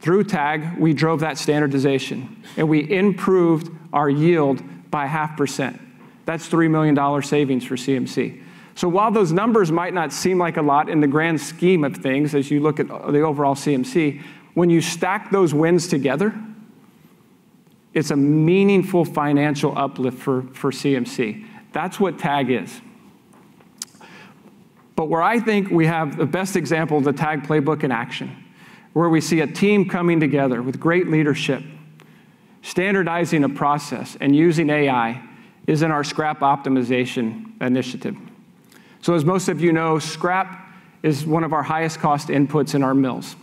Through TAG, we drove that standardization, and we improved our yield by half %. That's $3 million savings for CMC. While those numbers might not seem like a lot in the grand scheme of things as you look at the overall CMC, when you stack those wins together, it's a meaningful financial uplift for CMC. That's what TAG is. Where I think we have the best example of the TAG playbook in action, where we see a team coming together with great leadership, standardizing a process and using AI is in our scrap optimization initiative. As most of you know, scrap is one of our highest cost inputs in our mills.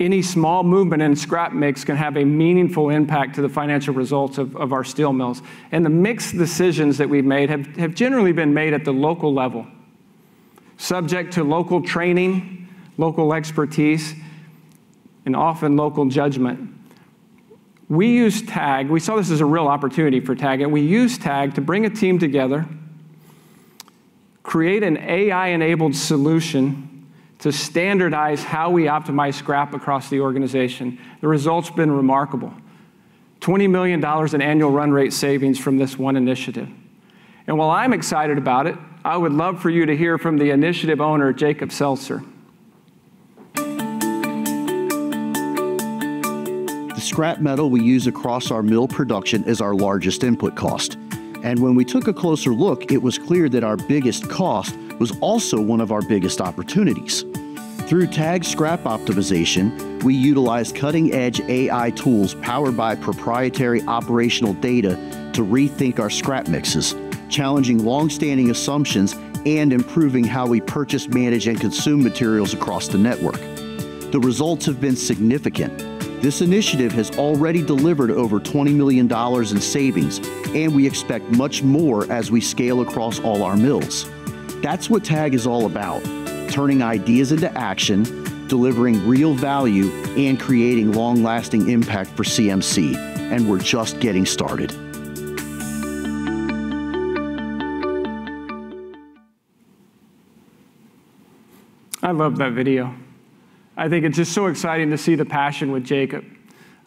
Any small movement in scrap mix can have a meaningful impact to the financial results of our steel mills. The mix decisions that we've made have generally been made at the local level, subject to local training, local expertise, and often local judgment. We saw this as a real opportunity for TAG, and we used TAG to bring a team together Create an AI-enabled solution to standardize how we optimize scrap across the organization. The result's been remarkable. $20 million in annual run rate savings from this one initiative. While I'm excited about it, I would love for you to hear from the initiative owner, Jacob Selzer. The scrap metal we use across our mill production is our largest input cost. When we took a closer look, it was clear that our biggest cost was also one of our biggest opportunities. Through TAG Scrap Optimization, we utilized cutting-edge AI tools powered by proprietary operational data to rethink our scrap mixes, challenging longstanding assumptions and improving how we purchase, manage, and consume materials across the network. The results have been significant. This initiative has already delivered over $20 million in savings, and we expect much more as we scale across all our mills. That's what TAG is all about, turning ideas into action, delivering real value, and creating long-lasting impact for CMC. We're just getting started. I love that video. I think it's just so exciting to see the passion with Jacob.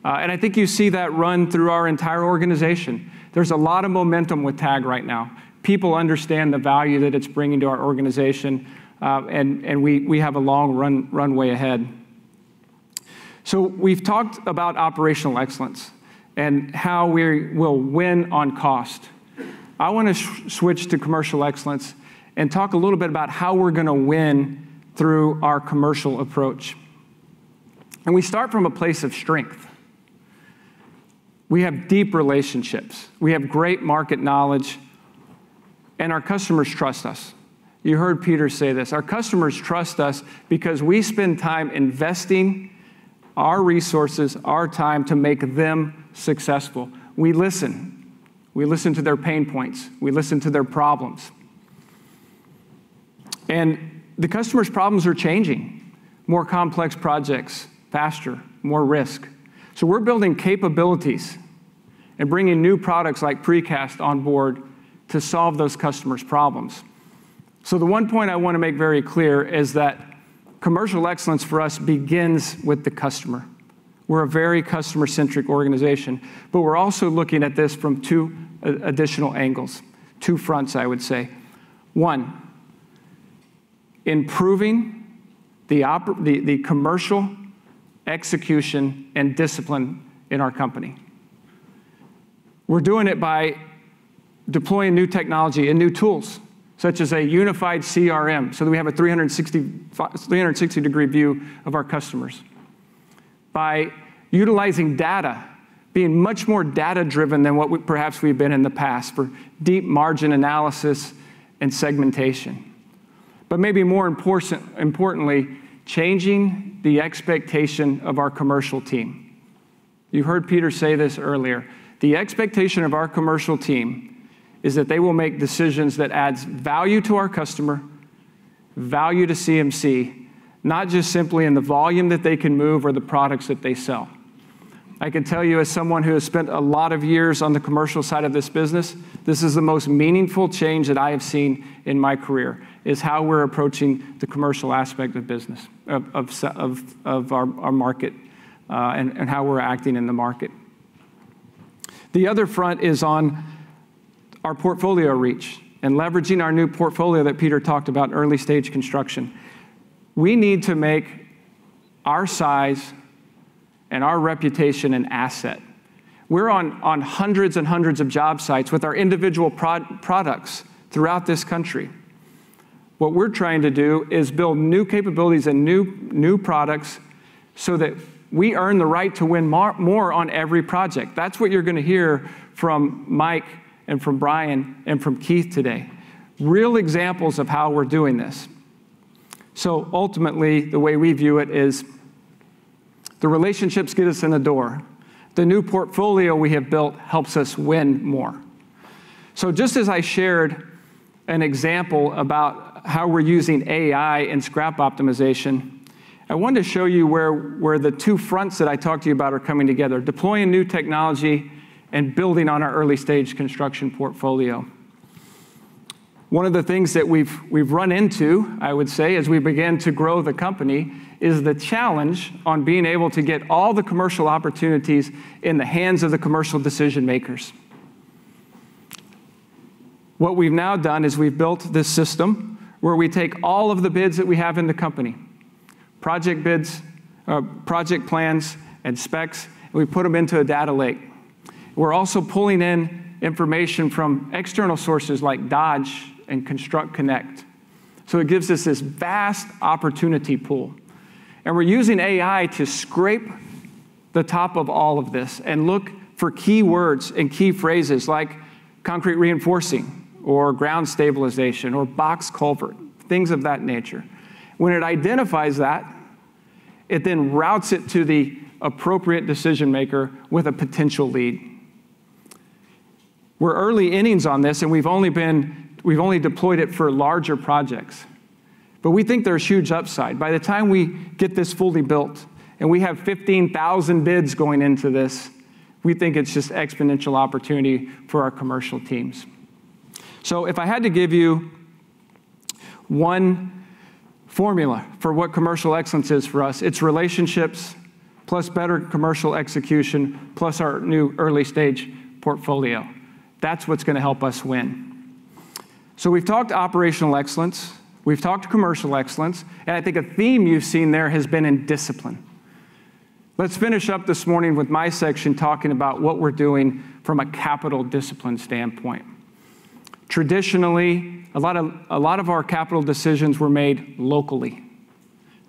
I think you see that run through our entire organization. There's a lot of momentum with TAG right now. People understand the value that it's bringing to our organization, and we have a long runway ahead. We've talked about operational excellence and how we will win on cost. I want to switch to commercial excellence and talk a little bit about how we're going to win through our commercial approach. We start from a place of strength. We have deep relationships. We have great market knowledge, and our customers trust us. You heard Peter say this. Our customers trust us because we spend time investing our resources, our time, to make them successful. We listen. We listen to their pain points. We listen to their problems. The customer's problems are changing. More complex projects, faster, more risk. We're building capabilities and bringing new products like precast on board to solve those customers' problems. The one point I want to make very clear is that commercial excellence for us begins with the customer. We're a very customer-centric organization, but we're also looking at this from two additional angles, two fronts, I would say. One, improving the commercial execution and discipline in our company. We're doing it by deploying new technology and new tools, such as a unified CRM, so that we have a 360-degree view of our customers. By utilizing data, being much more data-driven than what perhaps we've been in the past for deep margin analysis and segmentation. Maybe more importantly, changing the expectation of our commercial team. You heard Peter say this earlier. The expectation of our commercial team is that they will make decisions that adds value to our customer, value to CMC, not just simply in the volume that they can move or the products that they sell. I can tell you, as someone who has spent a lot of years on the commercial side of this business, this is the most meaningful change that I have seen in my career, is how we're approaching the commercial aspect of business, of our market, and how we're acting in the market. The other front is on our portfolio reach and leveraging our new portfolio that Peter talked about in early-stage construction. We need to make our size and our reputation an asset. We're on hundreds and hundreds of job sites with our individual products throughout this country. What we're trying to do is build new capabilities and new products so that we earn the right to win more on every project. That's what you're going to hear from Mike and from Brian and from Keith today. Real examples of how we're doing this. Ultimately, the way we view it is the relationships get us in the door. The new portfolio we have built helps us win more. Just as I shared an example about how we're using AI and scrap optimization, I wanted to show you where the two fronts that I talked to you about are coming together, deploying new technology and building on our early-stage construction portfolio. One of the things that we've run into, I would say, as we began to grow the company, is the challenge on being able to get all the commercial opportunities in the hands of the commercial decision-makers. What we've now done is we've built this system where we take all of the bids that we have in the company, project bids, project plans, and specs, and we put them into a data lake. We're also pulling in information from external sources like Dodge and ConstructConnect. It gives us this vast opportunity pool. We're using AI to scrape the top of all of this and look for keywords and key phrases like concrete reinforcing or ground stabilization or box culvert, things of that nature. When it identifies that, it then routes it to the appropriate decision-maker with a potential lead. We're early innings on this, and we've only deployed it for larger projects. We think there's huge upside. By the time we get this fully built and we have 15,000 bids going into this, we think it's just exponential opportunity for our commercial teams. If I had to give you one formula for what commercial excellence is for us, it's relationships, plus better commercial execution, plus our new early-stage portfolio. That's what's going to help us win. We've talked operational excellence, we've talked commercial excellence, and I think a theme you've seen there has been in discipline. Let's finish up this morning with my section, talking about what we're doing from a capital discipline standpoint. Traditionally, a lot of our capital decisions were made locally.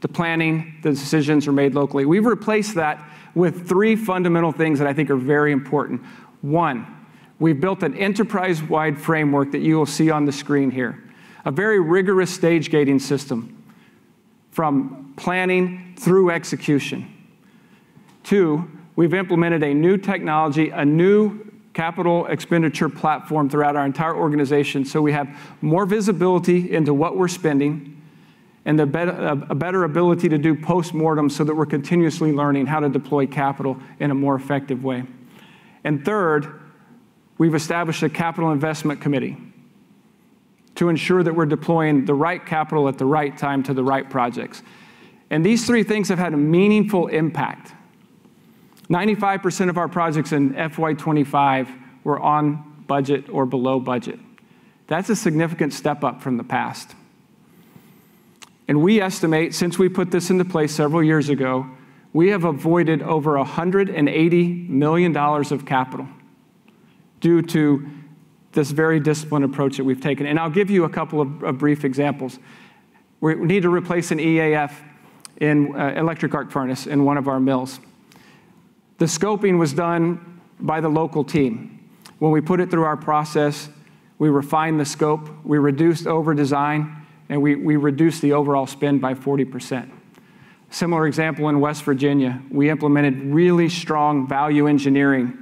The planning, the decisions were made locally. We've replaced that with three fundamental things that I think are very important. One, we've built an enterprise-wide framework that you will see on the screen here, a very rigorous stage-gating system from planning through execution. Two, we've implemented a new technology, a new capital expenditure platform throughout our entire organization so we have more visibility into what we're spending and a better ability to do post-mortems so that we're continuously learning how to deploy capital in a more effective way. Third, we've established a capital investment committee to ensure that we're deploying the right capital at the right time to the right projects. These three things have had a meaningful impact. 95% of our projects in FY 2025 were on budget or below budget. That's a significant step up from the past. We estimate, since we put this into place several years ago, we have avoided over $180 million of capital due to this very disciplined approach that we've taken. I'll give you a couple of brief examples. We need to replace an EAF, an electric arc furnace, in one of our mills. The scoping was done by the local team. When we put it through our process, we refined the scope, we reduced overdesign, and we reduced the overall spend by 40%. Similar example in West Virginia, we implemented really strong value engineering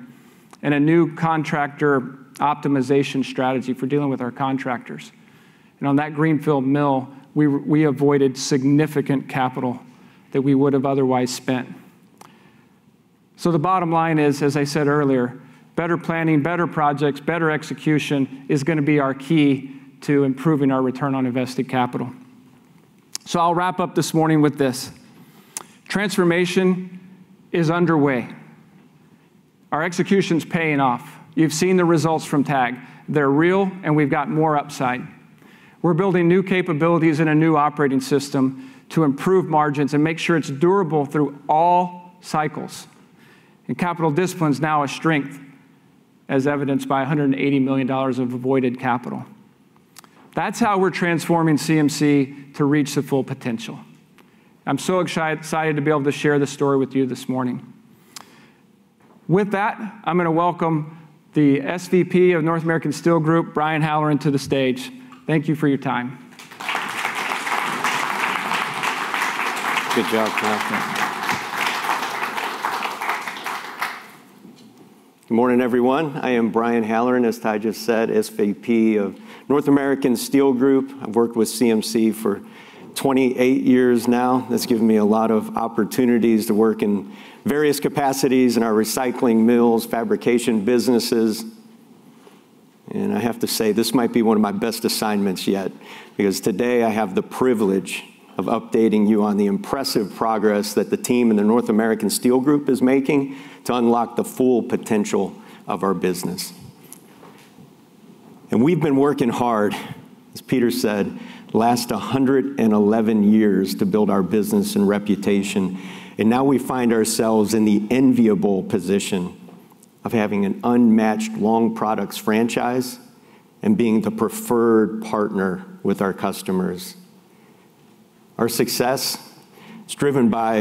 and a new contractor optimization strategy for dealing with our contractors. On that greenfield mill, we avoided significant capital that we would have otherwise spent. The bottom line is, as I said earlier, better planning, better projects, better execution is going to be our key to improving our return on invested capital. I'll wrap up this morning with this. Transformation is underway. Our execution's paying off. You've seen the results from TAG. They're real, and we've got more upside. We're building new capabilities and a new operating system to improve margins and make sure it's durable through all cycles. Capital discipline is now a strength, as evidenced by $180 million of avoided capital. That's how we're transforming CMC to reach the full potential. I'm so excited to be able to share this story with you this morning. With that, I'm going to welcome the SVP of North American Steel Group, Brian Halloran, to the stage. Thank you for your time. Good job, Ty. Thank you. Good morning, everyone. I am Brian Halloran, as Ty just said, SVP of North American Steel Group. I've worked with CMC for 28 years now. That's given me a lot of opportunities to work in various capacities in our recycling mills, fabrication businesses. I have to say, this might be one of my best assignments yet, because today I have the privilege of updating you on the impressive progress that the team in the North American Steel Group is making to unlock the full potential of our business. We've been working hard, as Peter said, the last 111 years to build our business and reputation. Now we find ourselves in the enviable position of having an unmatched long products franchise and being the preferred partner with our customers. Our success is driven by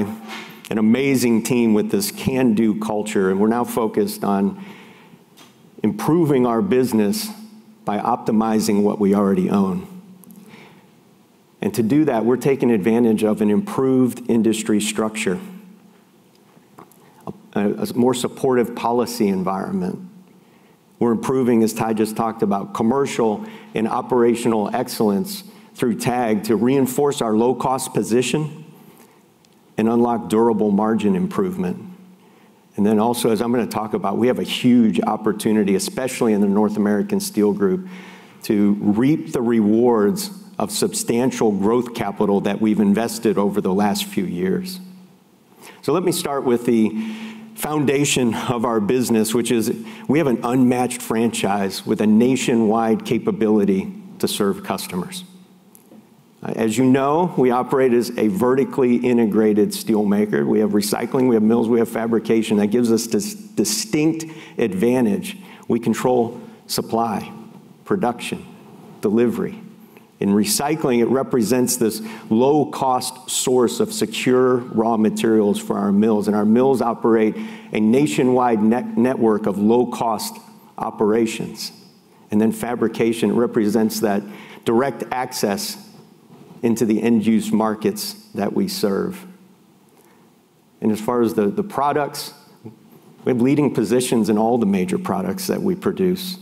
an amazing team with this can-do culture. We're now focused on improving our business by optimizing what we already own. To do that, we're taking advantage of an improved industry structure, a more supportive policy environment. We're improving, as Ty just talked about, commercial and operational excellence through TAG to reinforce our low-cost position and unlock durable margin improvement. Also, as I'm going to talk about, we have a huge opportunity, especially in the North America Steel Group, to reap the rewards of substantial growth capital that we've invested over the last few years. Let me start with the foundation of our business, which is we have an unmatched franchise with a nationwide capability to serve customers. As you know, we operate as a vertically integrated steel maker. We have recycling, we have mills, we have fabrication. That gives us this distinct advantage. We control supply, production, delivery. In recycling, it represents this low-cost source of secure raw materials for our mills. Our mills operate a nationwide network of low-cost operations. Fabrication represents that direct access into the end-use markets that we serve. As far as the products, we have leading positions in all the major products that we produce.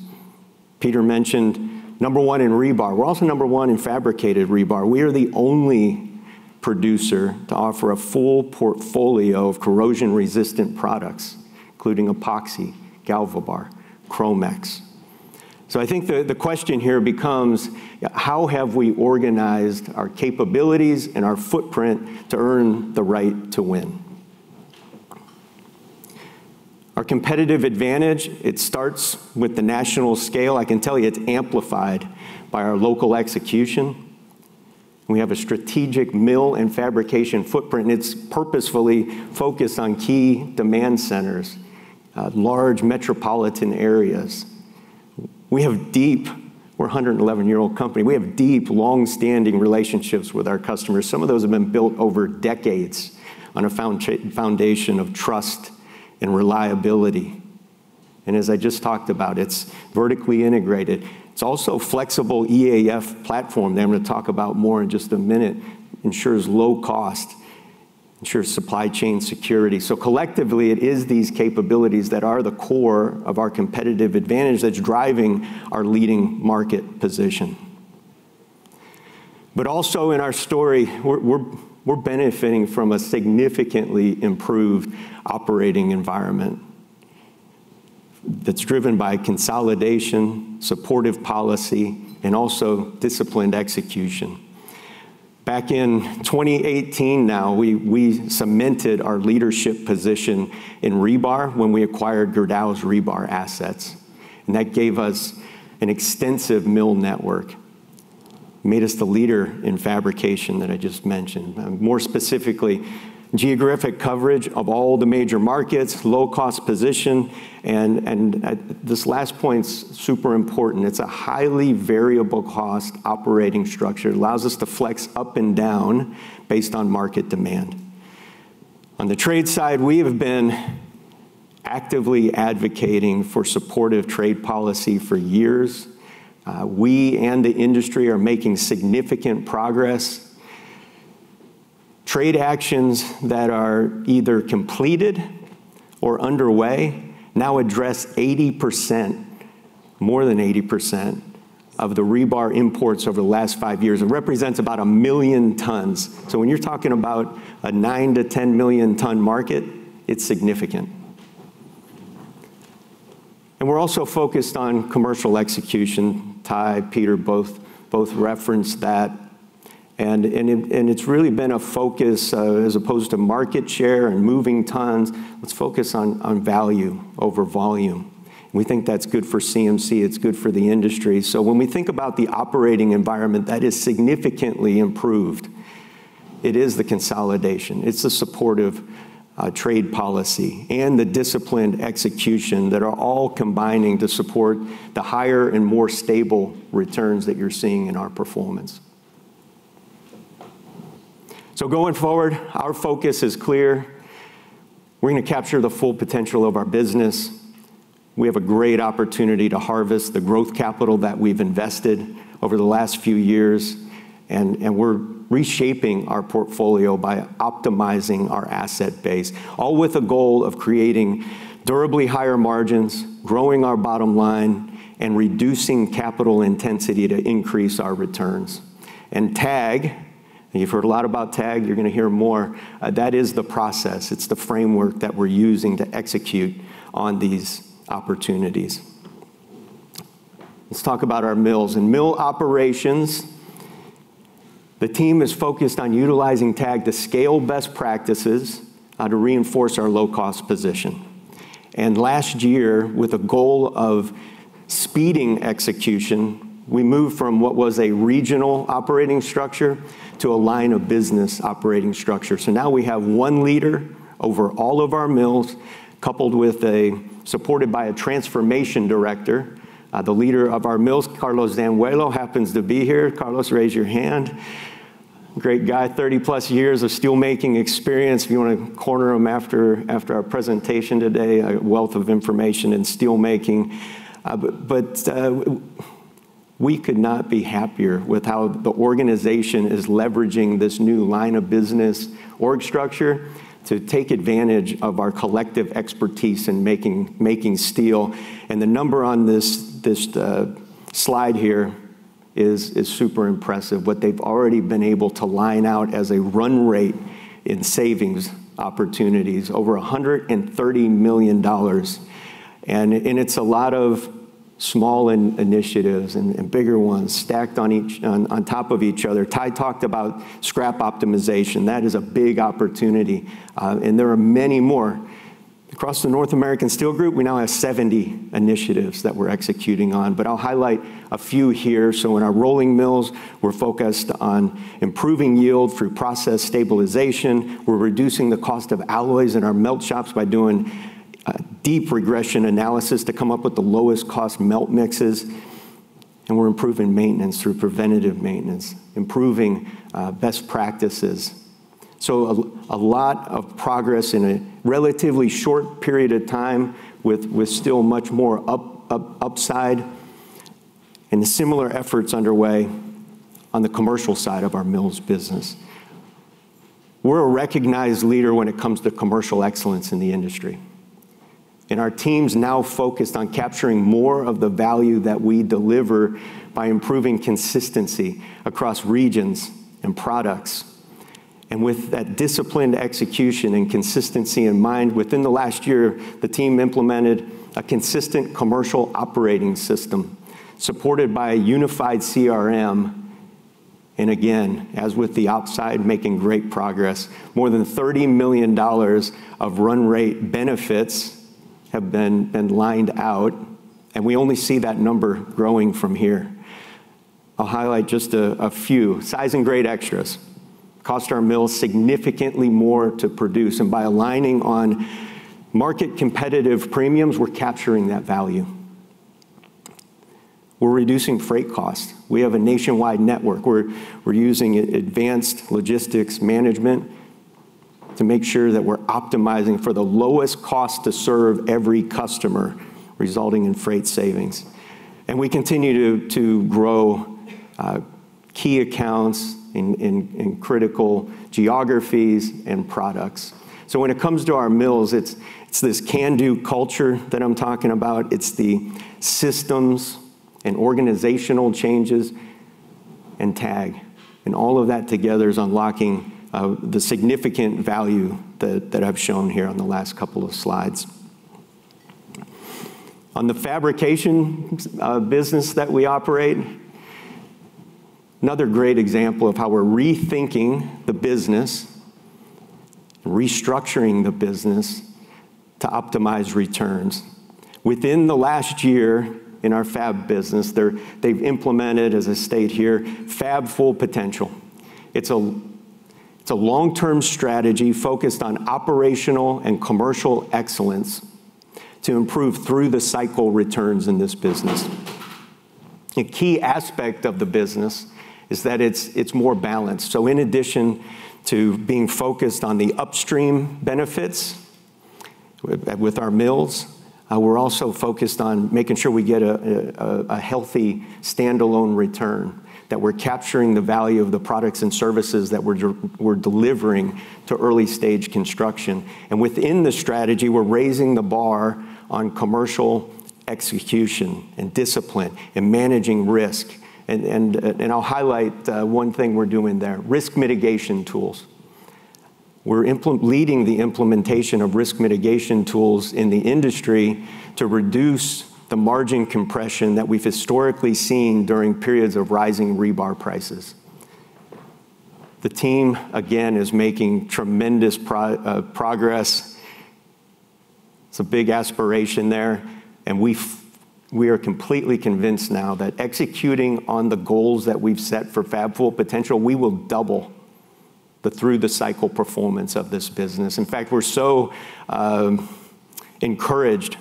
Peter mentioned number one in rebar. We're also number one in fabricated rebar. We are the only producer to offer a full portfolio of corrosion-resistant products, including Epoxy, GalvaBar, ChromX. I think the question here becomes, how have we organized our capabilities and our footprint to earn the right to win? Our competitive advantage, it starts with the national scale. I can tell you it's amplified by our local execution. We have a strategic mill and fabrication footprint. It's purposefully focused on key demand centers, large metropolitan areas. We're a 111-year-old company. We have deep, longstanding relationships with our customers. Some of those have been built over decades on a foundation of trust and reliability. As I just talked about, it's vertically integrated. It's also a flexible EAF platform that I'm going to talk about more in just a minute. Ensures low cost, ensures supply chain security. Collectively, it is these capabilities that are the core of our competitive advantage that's driving our leading market position. Also in our story, we're benefiting from a significantly improved operating environment that's driven by consolidation, supportive policy, and also disciplined execution. Back in 2018 now, we cemented our leadership position in rebar when we acquired Gerdau's rebar assets. That gave us an extensive mill network. Made us the leader in fabrication that I just mentioned. More specifically, geographic coverage of all the major markets, low-cost position. This last point's super important. It's a highly variable cost operating structure. It allows us to flex up and down based on market demand. On the trade side, we have been actively advocating for supportive trade policy for years. We and the industry are making significant progress. Trade actions that are either completed or underway now address 80%, more than 80%, of the rebar imports over the last 5 years and represents about 1 million tons. When you're talking about a 9-10 million-ton market, it's significant. We're also focused on commercial execution. Ty, Peter, both referenced that. It's really been a focus, as opposed to market share and moving tons, let's focus on value over volume. We think that's good for CMC, it's good for the industry. When we think about the operating environment, that is significantly improved. It is the consolidation, it's the supportive trade policy, and the disciplined execution that are all combining to support the higher and more stable returns that you're seeing in our performance. Going forward, our focus is clear. We're going to capture the full potential of our business. We have a great opportunity to harvest the growth capital that we've invested over the last few years, and we're reshaping our portfolio by optimizing our asset base. All with a goal of creating durably higher margins, growing our bottom line, and reducing capital intensity to increase our returns. TAG, you've heard a lot about TAG, you're gonna hear more. That is the process. It's the framework that we're using to execute on these opportunities. Let's talk about our mills. In mill operations, the team is focused on utilizing TAG to scale best practices to reinforce our low-cost position. Last year, with a goal of speeding execution, we moved from what was a regional operating structure to a line of business operating structure. Now we have one leader over all of our mills, coupled with a supported by a transformation director, the leader of our mills, Carlos Zazueta, happens to be here. Carlos, raise your hand. Great guy, 30-plus years of steelmaking experience. If you want to corner him after our presentation today, a wealth of information in steelmaking. We could not be happier with how the organization is leveraging this new line of business org structure to take advantage of our collective expertise in making steel. The number on this slide here is super impressive. What they've already been able to line out as a run rate in savings opportunities, over $130 million. It's a lot of small initiatives and bigger ones stacked on top of each other. Ty talked about scrap optimization. That is a big opportunity. There are many more. Across the North America Steel Group, we now have 70 initiatives that we're executing on, but I'll highlight a few here. In our rolling mills, we're focused on improving yield through process stabilization. We're reducing the cost of alloys in our melt shops by doing deep regression analysis to come up with the lowest-cost melt mixes. We're improving maintenance through preventative maintenance, improving best practices. A lot of progress in a relatively short period of time with still much more upside. The similar effort's underway on the commercial side of our mills business. We're a recognized leader when it comes to commercial excellence in the industry, our team's now focused on capturing more of the value that we deliver by improving consistency across regions and products. With that disciplined execution and consistency in mind, within the last year, the team implemented a consistent commercial operating system supported by a unified CRM. Again, as with the outside, making great progress, more than $30 million of run rate benefits have been lined out, we only see that number growing from here. I'll highlight just a few. Size and grade extras cost our mills significantly more to produce, by aligning on market competitive premiums, we're capturing that value. We're reducing freight costs. We have a nationwide network. We're using advanced logistics management to make sure that we're optimizing for the lowest cost to serve every customer, resulting in freight savings. We continue to grow key accounts in critical geographies and products. When it comes to our mills, it's this can-do culture that I'm talking about. It's the systems and organizational changes and TAG. All of that together is unlocking the significant value that I've shown here on the last couple of slides. On the fabrication business that we operate, another great example of how we're rethinking the business, restructuring the business to optimize returns. Within the last year in our fab business, they've implemented, as I state here, Fab Full Potential. It's a long-term strategy focused on operational and commercial excellence to improve through-the-cycle returns in this business. A key aspect of the business is that it's more balanced. In addition to being focused on the upstream benefits with our mills, we're also focused on making sure we get a healthy standalone return, that we're capturing the value of the products and services that we're delivering to early-stage construction. Within the strategy, we're raising the bar on commercial execution and discipline and managing risk. I'll highlight one thing we're doing there, risk mitigation tools. We're leading the implementation of risk mitigation tools in the industry to reduce the margin compression that we've historically seen during periods of rising rebar prices. The team, again, is making tremendous progress. It's a big aspiration there. We are completely convinced now that executing on the goals that we've set for Fab Full Potential, we will double the through-the-cycle performance of this business. In fact, we're so encouraged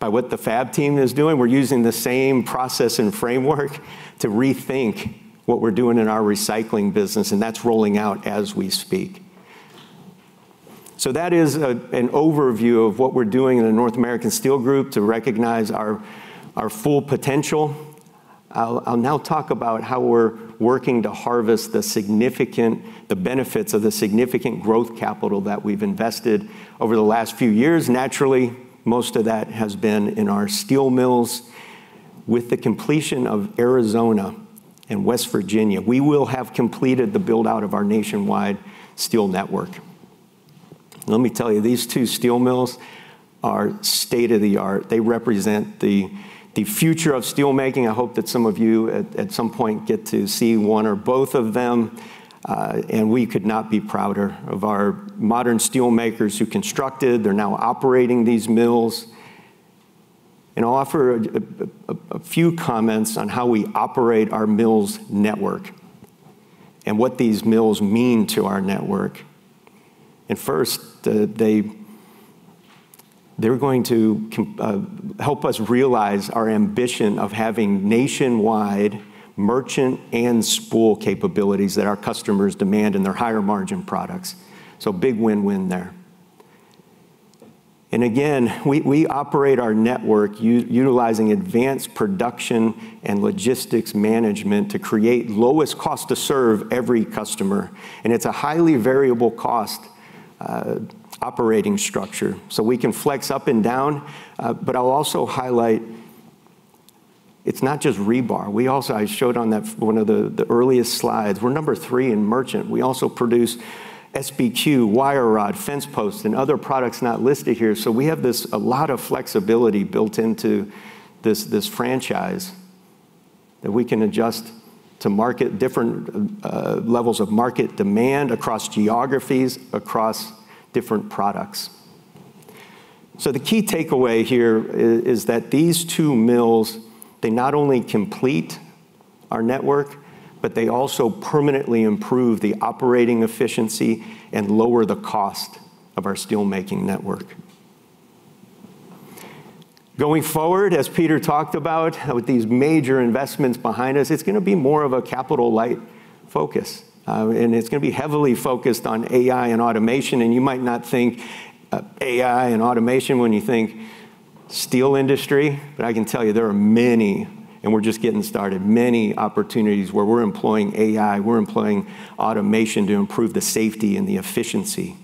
by what the fab team is doing, we're using the same process and framework to rethink what we're doing in our recycling business, and that's rolling out as we speak. That is an overview of what we're doing in the North America Steel Group to recognize our full potential. I'll now talk about how we're working to harvest the benefits of the significant growth capital that we've invested over the last few years. Naturally, most of that has been in our steel mills. With the completion of Arizona and West Virginia, we will have completed the build-out of our nationwide steel network. Let me tell you, these two steel mills are state-of-the-art. They represent the future of steel making. I hope that some of you at some point get to see one or both of them. We could not be prouder of our modern steel makers who constructed, they're now operating these mills. I'll offer a few comments on how we operate our mills network and what these mills mean to our network. First, they're going to help us realize our ambition of having nationwide merchant and spool capabilities that our customers demand in their higher margin products. Big win-win there. Again, we operate our network utilizing advanced production and logistics management to create lowest cost to serve every customer, and it's a highly variable cost operating structure. We can flex up and down, but I'll also highlight it's not just rebar. I showed on one of the earliest slides, we're number 3 in merchant. We also produce SBQ, wire rod, fence posts, and other products not listed here. We have a lot of flexibility built into this franchise that we can adjust to different levels of market demand across geographies, across different products. The key takeaway here is that these two mills, they not only complete our network, but they also permanently improve the operating efficiency and lower the cost of our steel-making network. As Peter talked about, with these major investments behind us, it is going to be more of a capital light focus. It is going to be heavily focused on AI and automation. You might not think AI and automation when you think steel industry, but I can tell you there are many, and we are just getting started. Many opportunities where we are employing AI, we are employing automation to improve the safety and the efficiency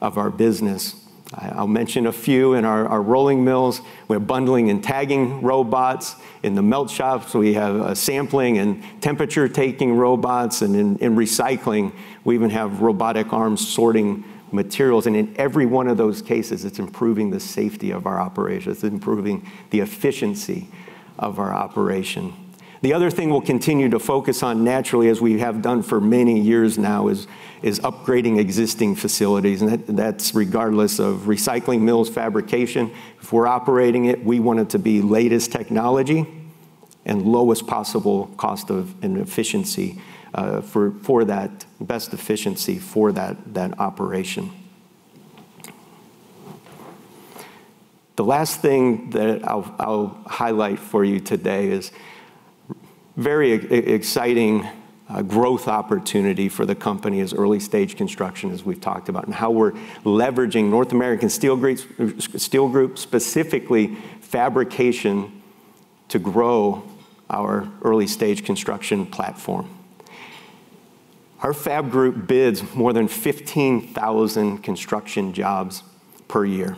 of our business. I will mention a few. In our rolling mills, we have bundling and tagging robots. In the melt shops, we have sampling and temperature-taking robots. In recycling, we even have robotic arms sorting materials. In every one of those cases, it is improving the safety of our operation. It is improving the efficiency of our operation. We will continue to focus on naturally, as we have done for many years now, is upgrading existing facilities, and that is regardless of recycling mills, fabrication. If we are operating it, we want it to be latest technology and lowest possible cost of, and best efficiency for that operation. I will highlight for you today is very exciting growth opportunity for the company as early stage construction, as we have talked about, and how we are leveraging North America Steel Group, specifically fabrication, to grow our early stage construction platform. Our fab group bids more than 15,000 construction jobs per year.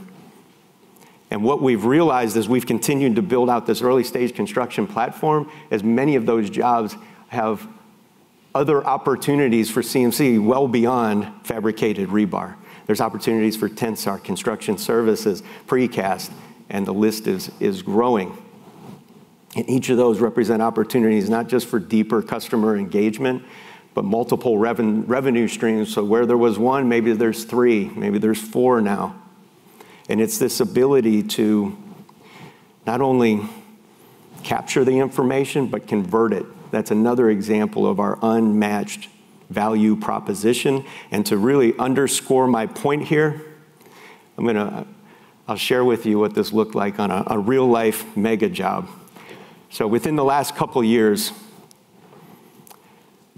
What we have realized as we have continued to build out this early stage construction platform, is many of those jobs have other opportunities for CMC well beyond fabricated rebar. There is opportunities for Tensar construction services, precast, and the list is growing. Each of those represent opportunities, not just for deeper customer engagement, but multiple revenue streams. Where there was one, maybe there is three, maybe there is four now. It is this ability to not only capture the information but convert it. That is another example of our unmatched value proposition. To really underscore my point here, I will share with you what this looked like on a real-life mega job. Within the last couple of years,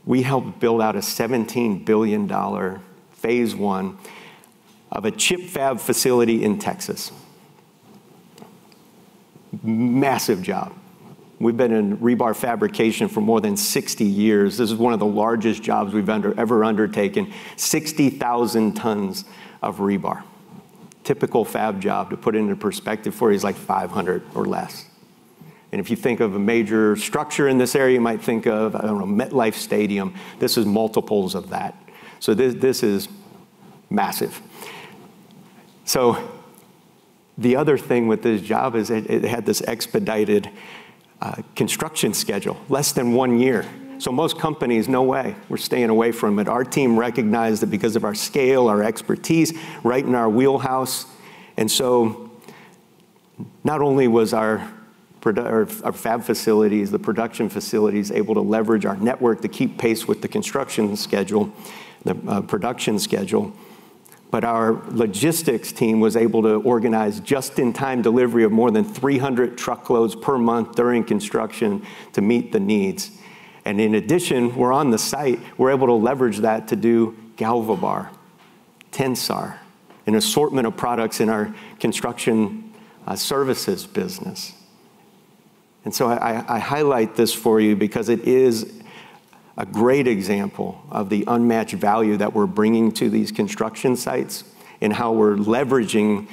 we helped build out a $17 billion phase 1 of a chip fab facility in Texas. Massive job. We have been in rebar fabrication for more than 60 years. This is one of the largest jobs we have ever undertaken. 60,000 tons of rebar. Typical fab job, to put it into perspective for you, is like 500 or less. If you think of a major structure in this area, you might think of, I do not know, MetLife Stadium. This is multiples of that. This is massive. The other thing with this job is that it had this expedited construction schedule, less than one year. Most companies, "No way. We are staying away from it." Our team recognized that because of our scale, our expertise, right in our wheelhouse. Not only was our fab facilities, the production facilities, able to leverage our network to keep pace with the construction schedule, the production schedule, but our logistics team was able to organize just-in-time delivery of more than 300 truckloads per month during construction to meet the needs. In addition, we're on the site, we're able to leverage that to do GalvaBar, Tensar, an assortment of products in our construction services business. I highlight this for you because it is a great example of the unmatched value that we're bringing to these construction sites and how we're leveraging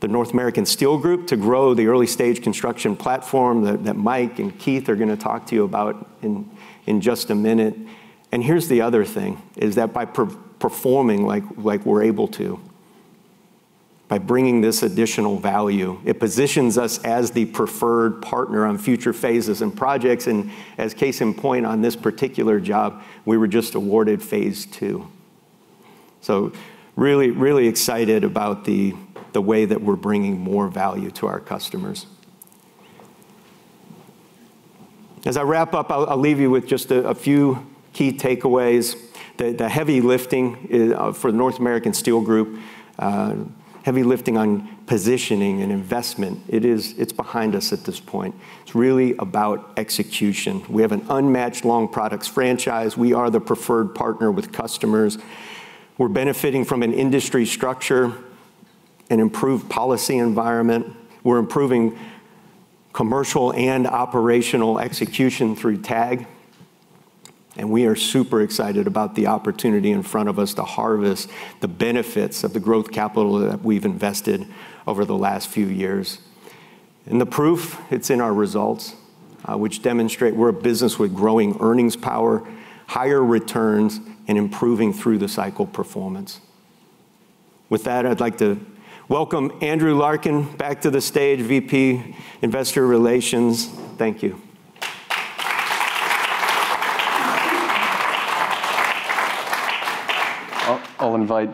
the North America Steel Group to grow the early stage construction platform that Mike and Keith are going to talk to you about in just a minute. Here's the other thing, is that by performing like we're able to, by bringing this additional value, it positions us as the preferred partner on future phases and projects, and as case in point on this particular job, we were just awarded phase 2. Really, really excited about the way that we're bringing more value to our customers. As I wrap up, I'll leave you with just a few key takeaways. The heavy lifting for the North America Steel Group, heavy lifting on positioning and investment, it's behind us at this point. It's really about execution. We have an unmatched long products franchise. We are the preferred partner with customers. We're benefiting from an industry structure and improved policy environment. We're improving commercial and operational execution through TAG, and we are super excited about the opportunity in front of us to harvest the benefits of the growth capital that we've invested over the last few years. The proof, it's in our results, which demonstrate we're a business with growing earnings power, higher returns, and improving through the cycle performance. With that, I'd like to welcome Andy Larkin back to the stage, VP Investor Relations. Thank you. I'll invite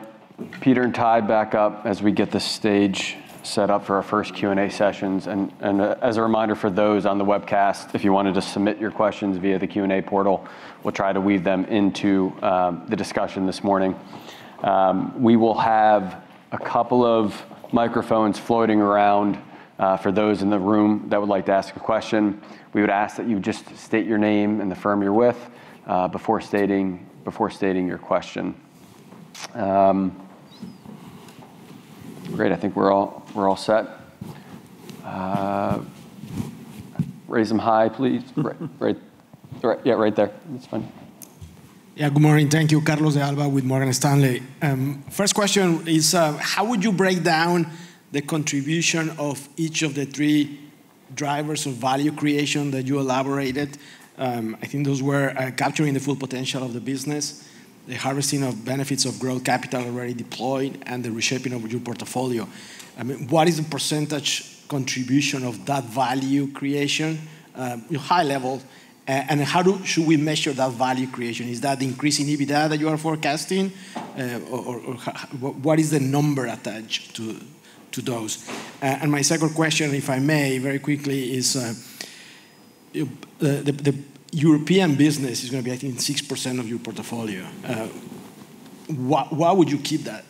Peter and Ty back up as we get the stage set up for our first Q&A sessions. As a reminder for those on the webcast, if you wanted to submit your questions via the Q&A portal, we'll try to weave them into the discussion this morning. We will have a couple of microphones floating around. For those in the room that would like to ask a question, we would ask that you just state your name and the firm you're with before stating your question. Great, I think we're all set. Raise them high, please. Right there. That's fine. Good morning. Thank you. Carlos de Alba with Morgan Stanley. First question is, how would you break down the contribution of each of the three drivers of value creation that you elaborated? I think those were capturing the full potential of the business, the harvesting of benefits of growth capital already deployed, and the reshaping of your portfolio. What is the percentage contribution of that value creation, high level, and how should we measure that value creation? Is that increasing EBITDA that you are forecasting, or what is the number attached to those? My second question, if I may, very quickly, is the European business is going to be, I think, 6% of your portfolio. Why would you keep that,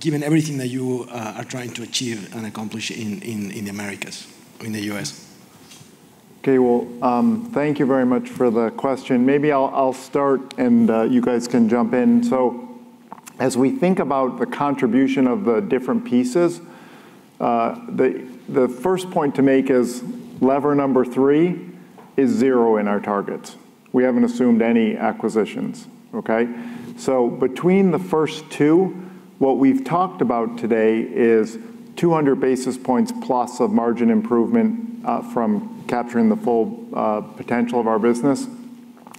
given everything that you are trying to achieve and accomplish in the Americas, in the U.S.? Well, thank you very much for the question. Maybe I'll start, and you guys can jump in. As we think about the contribution of the different pieces, the first point to make is lever number 3 is zero in our targets. We haven't assumed any acquisitions, okay? Between the first two, what we've talked about today is 200 basis points plus of margin improvement from capturing the full potential of our business.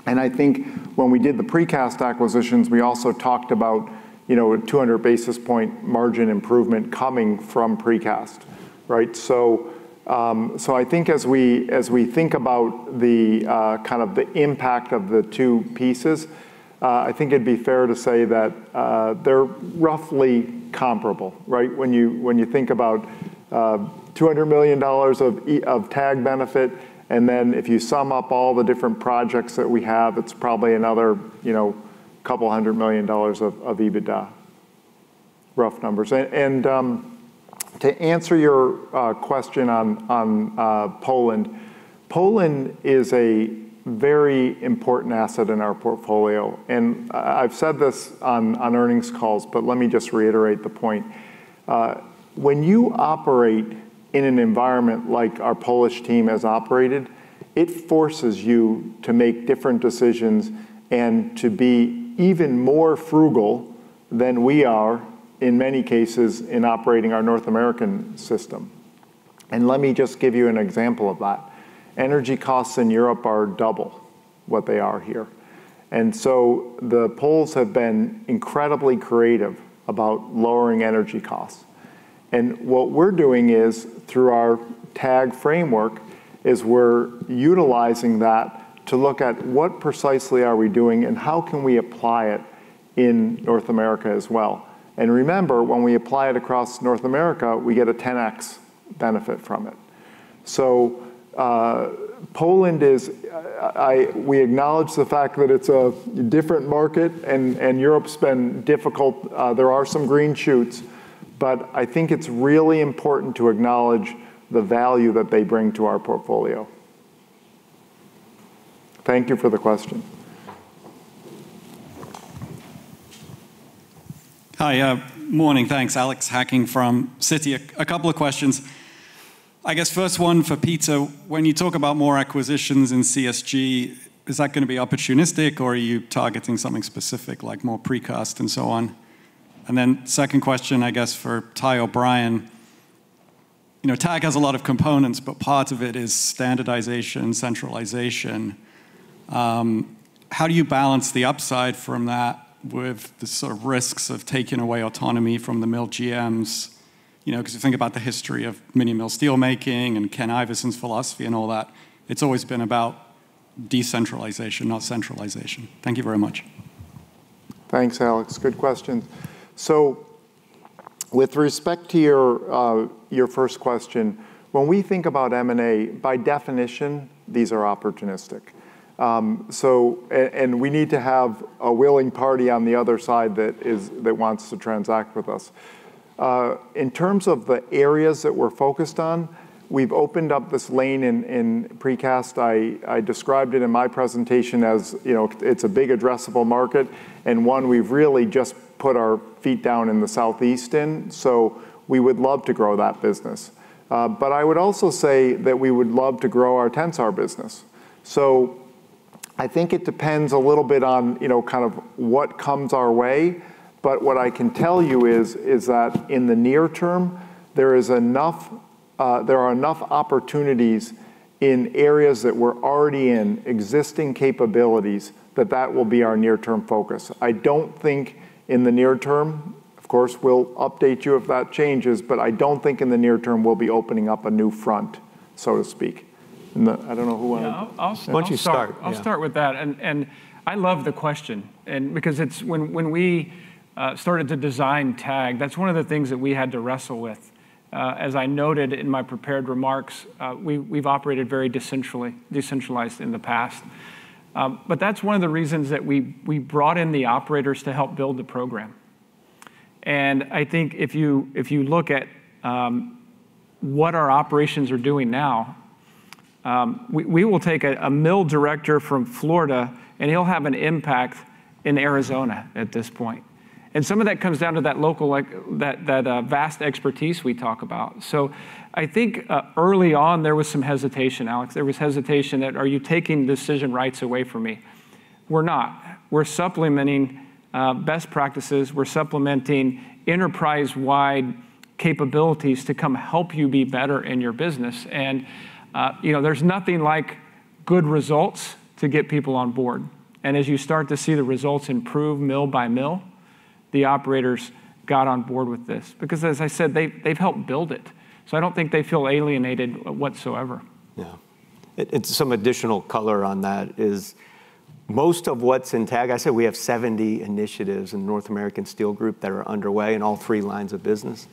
I think when we did the precast acquisitions, we also talked about a 200 basis point margin improvement coming from precast, right? I think as we think about the impact of the two pieces, I think it'd be fair to say that they're roughly comparable, right? When you think about $200 million of TAG benefit, if you sum up all the different projects that we have, it's probably another couple hundred million dollars of EBITDA. Rough numbers. To answer your question on Poland is a very important asset in our portfolio, I've said this on earnings calls, but let me just reiterate the point. When you operate in an environment like our Polish team has operated, it forces you to make different decisions and to be even more frugal than we are, in many cases, in operating our North American system. Let me just give you an example of that. Energy costs in Europe are double what they are here. The Poles have been incredibly creative about lowering energy costs. What we're doing is, through our TAG framework, we're utilizing that to look at what precisely are we doing and how can we apply it in North America as well. Remember, when we apply it across North America, we get a 10x benefit from it. Poland is, we acknowledge the fact that it's a different market and Europe's been difficult. There are some green shoots, but I think it's really important to acknowledge the value that they bring to our portfolio. Thank you for the question. Hi, morning. Thanks. Alex Hacking from Citi. A couple of questions. I guess first one for Peter, when you talk about more acquisitions in CSG, is that going to be opportunistic, or are you targeting something specific, like more precast and so on? Second question, I guess for Ty O'Brien, TAG has a lot of components, but part of it is standardization, centralization. How do you balance the upside from that with the sort of risks of taking away autonomy from the mill GMs? You think about the history of micro mill steelmaking and Ken Iverson's philosophy and all that, it's always been about decentralization, not centralization. Thank you very much. Thanks, Alex. Good questions. With respect to your first question, when we think about M&A, by definition, these are opportunistic. We need to have a willing party on the other side that wants to transact with us. In terms of the areas that we're focused on, we've opened up this lane in precast. I described it in my presentation as it's a big addressable market and one we've really just put our feet down in the Southeast in. We would love to grow that business. I would also say that we would love to grow our Tensar business. I think it depends a little bit on what comes our way. What I can tell you is that in the near term, there are enough opportunities in areas that we're already in, existing capabilities, that that will be our near-term focus. I don't think in the near term, of course, we'll update you if that changes. I don't think in the near term we'll be opening up a new front, so to speak. I don't know who wants to. Yeah, I'll start. Why don't you start? Yeah. I'll start with that. I love the question, because when we started to design TAG, that's one of the things that we had to wrestle with. As I noted in my prepared remarks, we've operated very decentralized in the past. That's one of the reasons that we brought in the operators to help build the program. I think if you look at what our operations are doing now, we will take a mill director from Florida, and he'll have an impact in Arizona at this point. Some of that comes down to that local, that vast expertise we talk about. I think early on, there was some hesitation, Alex. There was hesitation that, "Are you taking decision rights away from me?" We're not. We're supplementing best practices. We're supplementing enterprise-wide capabilities to come help you be better in your business. There's nothing like good results to get people on board. As you start to see the results improve mill by mill, the operators got on board with this because, as I said, they've helped build it. I don't think they feel alienated whatsoever. Yeah. Some additional color on that is most of what's in TAG, I said we have 70 initiatives in North America Steel Group that are underway in all three lines of business.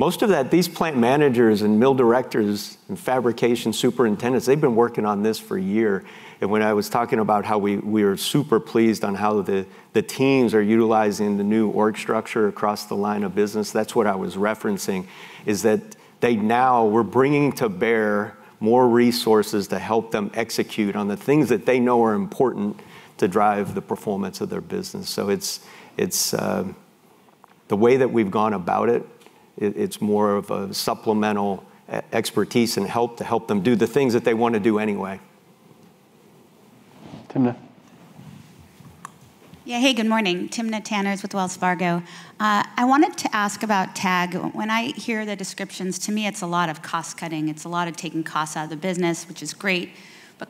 Most of that, these plant managers and mill directors and fabrication superintendents, they've been working on this for a year. When I was talking about how we are super pleased on how the teams are utilizing the new org structure across the line of business, that's what I was referencing, is that they now, we're bringing to bear more resources to help them execute on the things that they know are important to drive the performance of their business. The way that we've gone about it's more of a supplemental expertise and help to help them do the things that they want to do anyway. Timna. Yeah. Hey, good morning. Timna Tanners with Wells Fargo. I wanted to ask about TAG. When I hear the descriptions, to me, it's a lot of cost cutting. It's a lot of taking costs out of the business, which is great,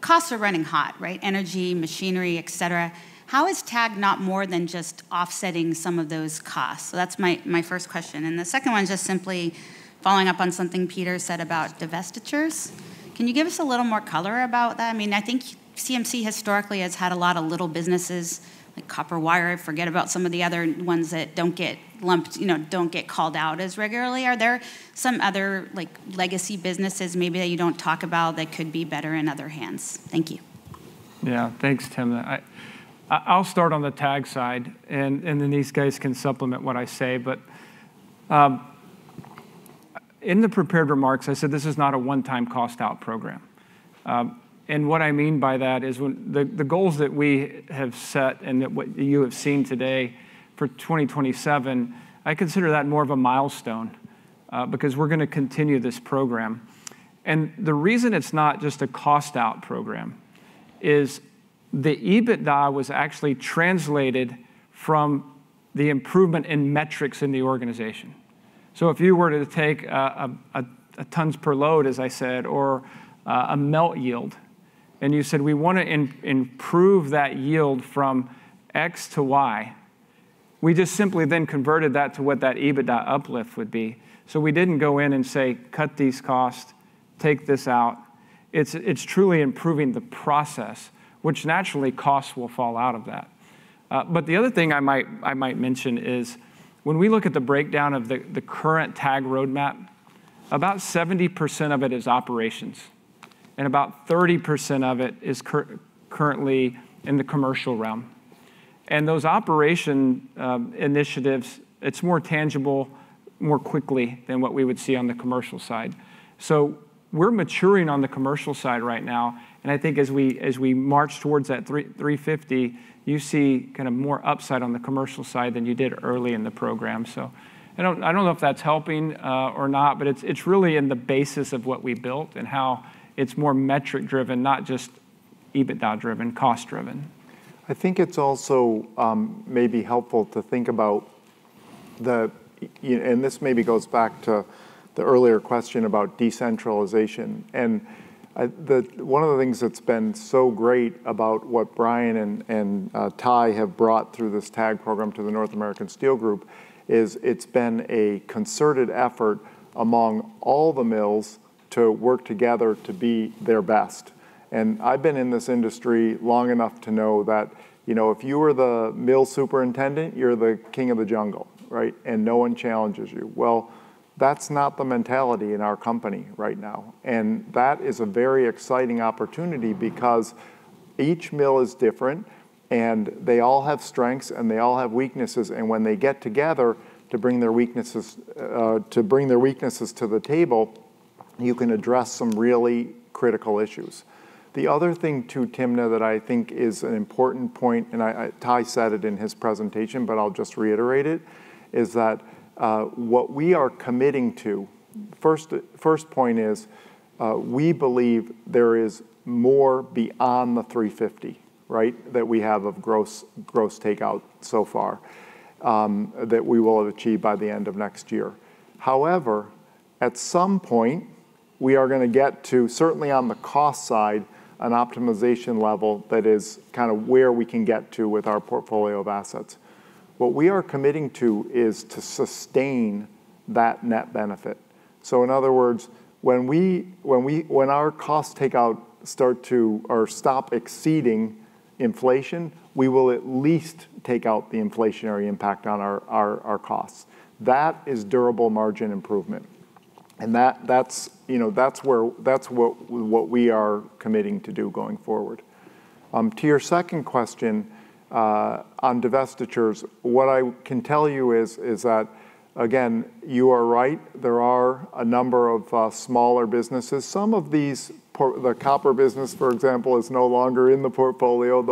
costs are running hot, right? Energy, machinery, et cetera. How is TAG not more than just offsetting some of those costs? That's my first question. The second one is just simply following up on something Peter said about divestitures. Can you give us a little more color about that? I think CMC historically has had a lot of little businesses like copper wire. I forget about some of the other ones that don't get called out as regularly. Are there some other legacy businesses maybe that you don't talk about that could be better in other hands? Thank you. Yeah. Thanks, Timna. I'll start on the TAG side, and then these guys can supplement what I say. In the prepared remarks, I said this is not a one-time cost-out program. What I mean by that is the goals that we have set and that what you have seen today for 2027, I consider that more of a milestone, because we're going to continue this program. The reason it's not just a cost-out program is the EBITDA was actually translated from the improvement in metrics in the organization. If you were to take tons per load, as I said, or a melt yield, and you said, "We want to improve that yield from X to Y," we just simply then converted that to what that EBITDA uplift would be. We didn't go in and say, "Cut these costs, take this out." It's truly improving the process, which naturally costs will fall out of that. The other thing I might mention is when we look at the breakdown of the current TAG roadmap, about 70% of it is operations and about 30% of it is currently in the commercial realm. Those operation initiatives, it's more tangible more quickly than what we would see on the commercial side. We're maturing on the commercial side right now, and I think as we march towards that 350, you see more upside on the commercial side than you did early in the program. I don't know if that's helping or not, but it's really in the basis of what we built and how it's more metric-driven, not just EBITDA-driven, cost-driven. I think it's also maybe helpful to think about the, this maybe goes back to the earlier question about decentralization. One of the things that's been so great about what Brian and Ty have brought through this TAG program to the North America Steel Group is it's been a concerted effort among all the mills to work together to be their best. I've been in this industry long enough to know that if you are the mill superintendent, you're the king of the jungle, right? No one challenges you. That's not the mentality in our company right now. That is a very exciting opportunity because each mill is different, and they all have strengths and they all have weaknesses, and when they get together to bring their weaknesses to the table, you can address some really critical issues. The other thing, too, Timna, that I think is an important point, Ty said it in his presentation, I'll just reiterate it, is that what we are committing to, first point is, we believe there is more beyond the 350, right, that we have of gross takeout so far, that we will achieve by the end of next year. However, at some point, we are going to get to, certainly on the cost side, an optimization level that is where we can get to with our portfolio of assets. What we are committing to is to sustain that net benefit. In other words, when our cost takeout start to or stop exceeding inflation, we will at least take out the inflationary impact on our costs. That is durable margin improvement. That's what we are committing to do going forward. To your second question, on divestitures, what I can tell you is that, again, you are right. There are a number of smaller businesses. Some of these, the copper business, for example, is no longer in the portfolio.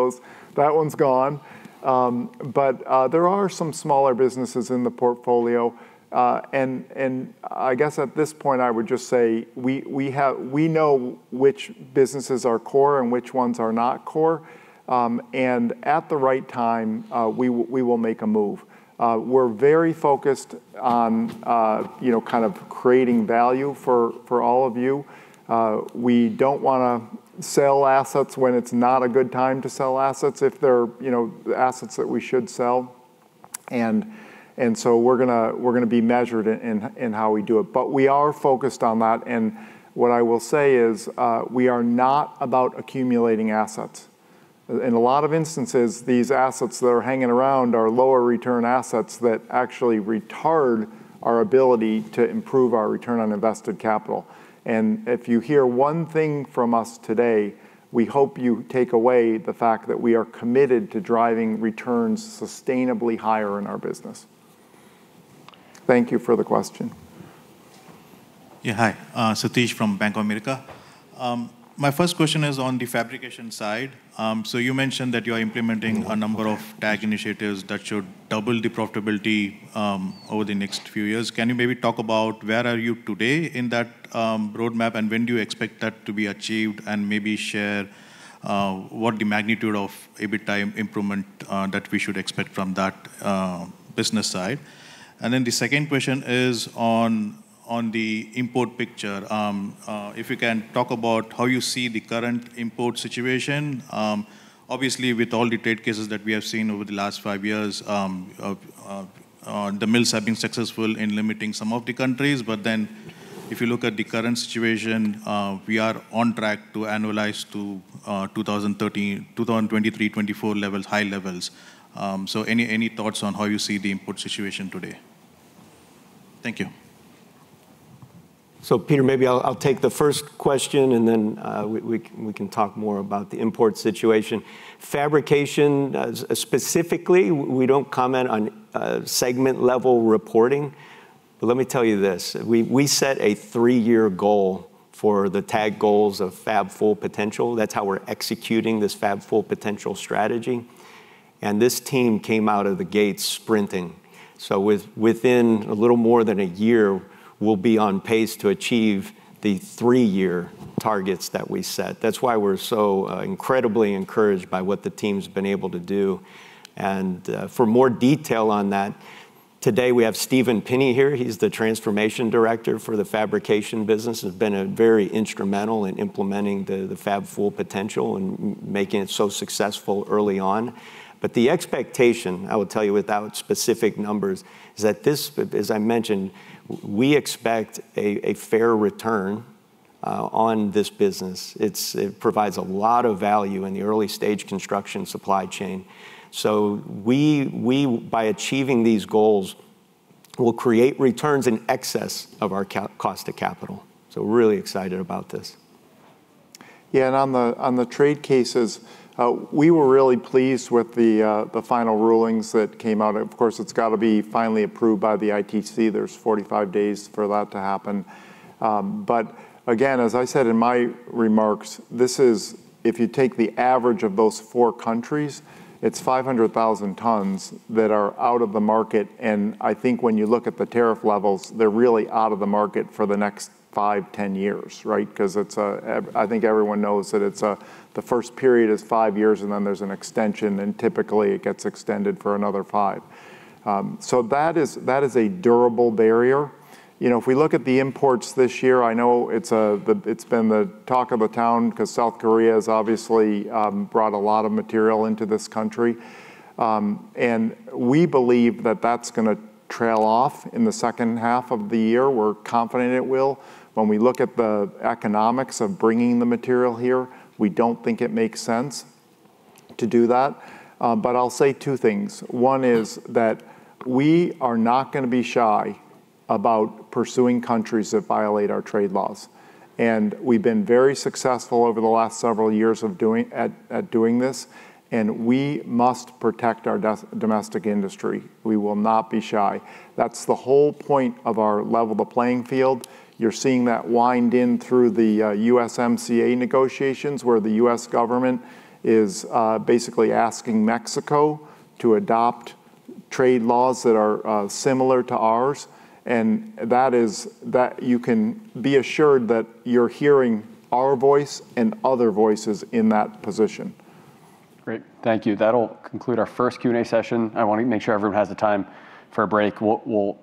That one's gone. There are some smaller businesses in the portfolio, and I guess at this point, I would just say we know which businesses are core and which ones are not core. At the right time, we will make a move. We're very focused on kind of creating value for all of you. We don't want to sell assets when it's not a good time to sell assets if they're assets that we should sell, we're going to be measured in how we do it. We are focused on that, and what I will say is, we are not about accumulating assets. In a lot of instances, these assets that are hanging around are lower return assets that actually retard our ability to improve our return on invested capital. If you hear one thing from us today, we hope you take away the fact that we are committed to driving returns sustainably higher in our business. Thank you for the question. Hi. Sathish from Bank of America. My first question is on the fabrication side. You mentioned that you're implementing a number of TAG initiatives that should double the profitability over the next few years. Can you maybe talk about where are you today in that roadmap, and when do you expect that to be achieved? Maybe share what the magnitude of EBITDA improvement that we should expect from that business side. The second question is on the import picture. If you can talk about how you see the current import situation. Obviously, with all the trade cases that we have seen over the last 5 years, the mills have been successful in limiting some of the countries, if you look at the current situation, we are on track to annualize to 2023, 2024 levels, high levels. Any thoughts on how you see the import situation today? Thank you. Peter, maybe I'll take the first question, then we can talk more about the import situation. Fabrication, specifically, we don't comment on segment-level reporting, let me tell you this. We set a three-year goal for the TAG goals of Fab Full Potential. That's how we're executing this Fab Full Potential strategy. This team came out of the gates sprinting. Within a little more than a year, we'll be on pace to achieve the three-year targets that we set. That's why we're so incredibly encouraged by what the team's been able to do. For more detail on that, today we have Steven Pinney here. He's the Transformation Director for the fabrication business. He's been very instrumental in implementing the Fab Full Potential and making it so successful early on. The expectation, I will tell you without specific numbers, is that this, as I mentioned, we expect a fair return on this business. It provides a lot of value in the early-stage construction supply chain. We, by achieving these goals, will create returns in excess of our cost of capital. We're really excited about this. On the trade cases, we were really pleased with the final rulings that came out. Of course, it's got to be finally approved by the ITC. There's 45 days for that to happen. Again, as I said in my remarks, if you take the average of those four countries, it's 500,000 tons that are out of the market, and I think when you look at the tariff levels, they're really out of the market for the next 5, 10 years, right? Because I think everyone knows that the first period is 5 years, then there's an extension, and typically it gets extended for another 5. That is a durable barrier. If we look at the imports this year, I know it's been the talk of the town because South Korea has obviously brought a lot of material into this country. We believe that that's going to trail off in the second half of the year. We're confident it will. When we look at the economics of bringing the material here, we don't think it makes sense to do that. I'll say two things. One is that we are not going to be shy about pursuing countries that violate our trade laws, we've been very successful over the last several years at doing this, we must protect our domestic industry. We will not be shy. That's the whole point of our level the playing field. You're seeing that wind in through the USMCA negotiations, where the U.S. government is basically asking Mexico to adopt trade laws that are similar to ours, you can be assured that you're hearing our voice and other voices in that position. Great. Thank you. That'll conclude our first Q&A session. I want to make sure everyone has the time for a break. We'll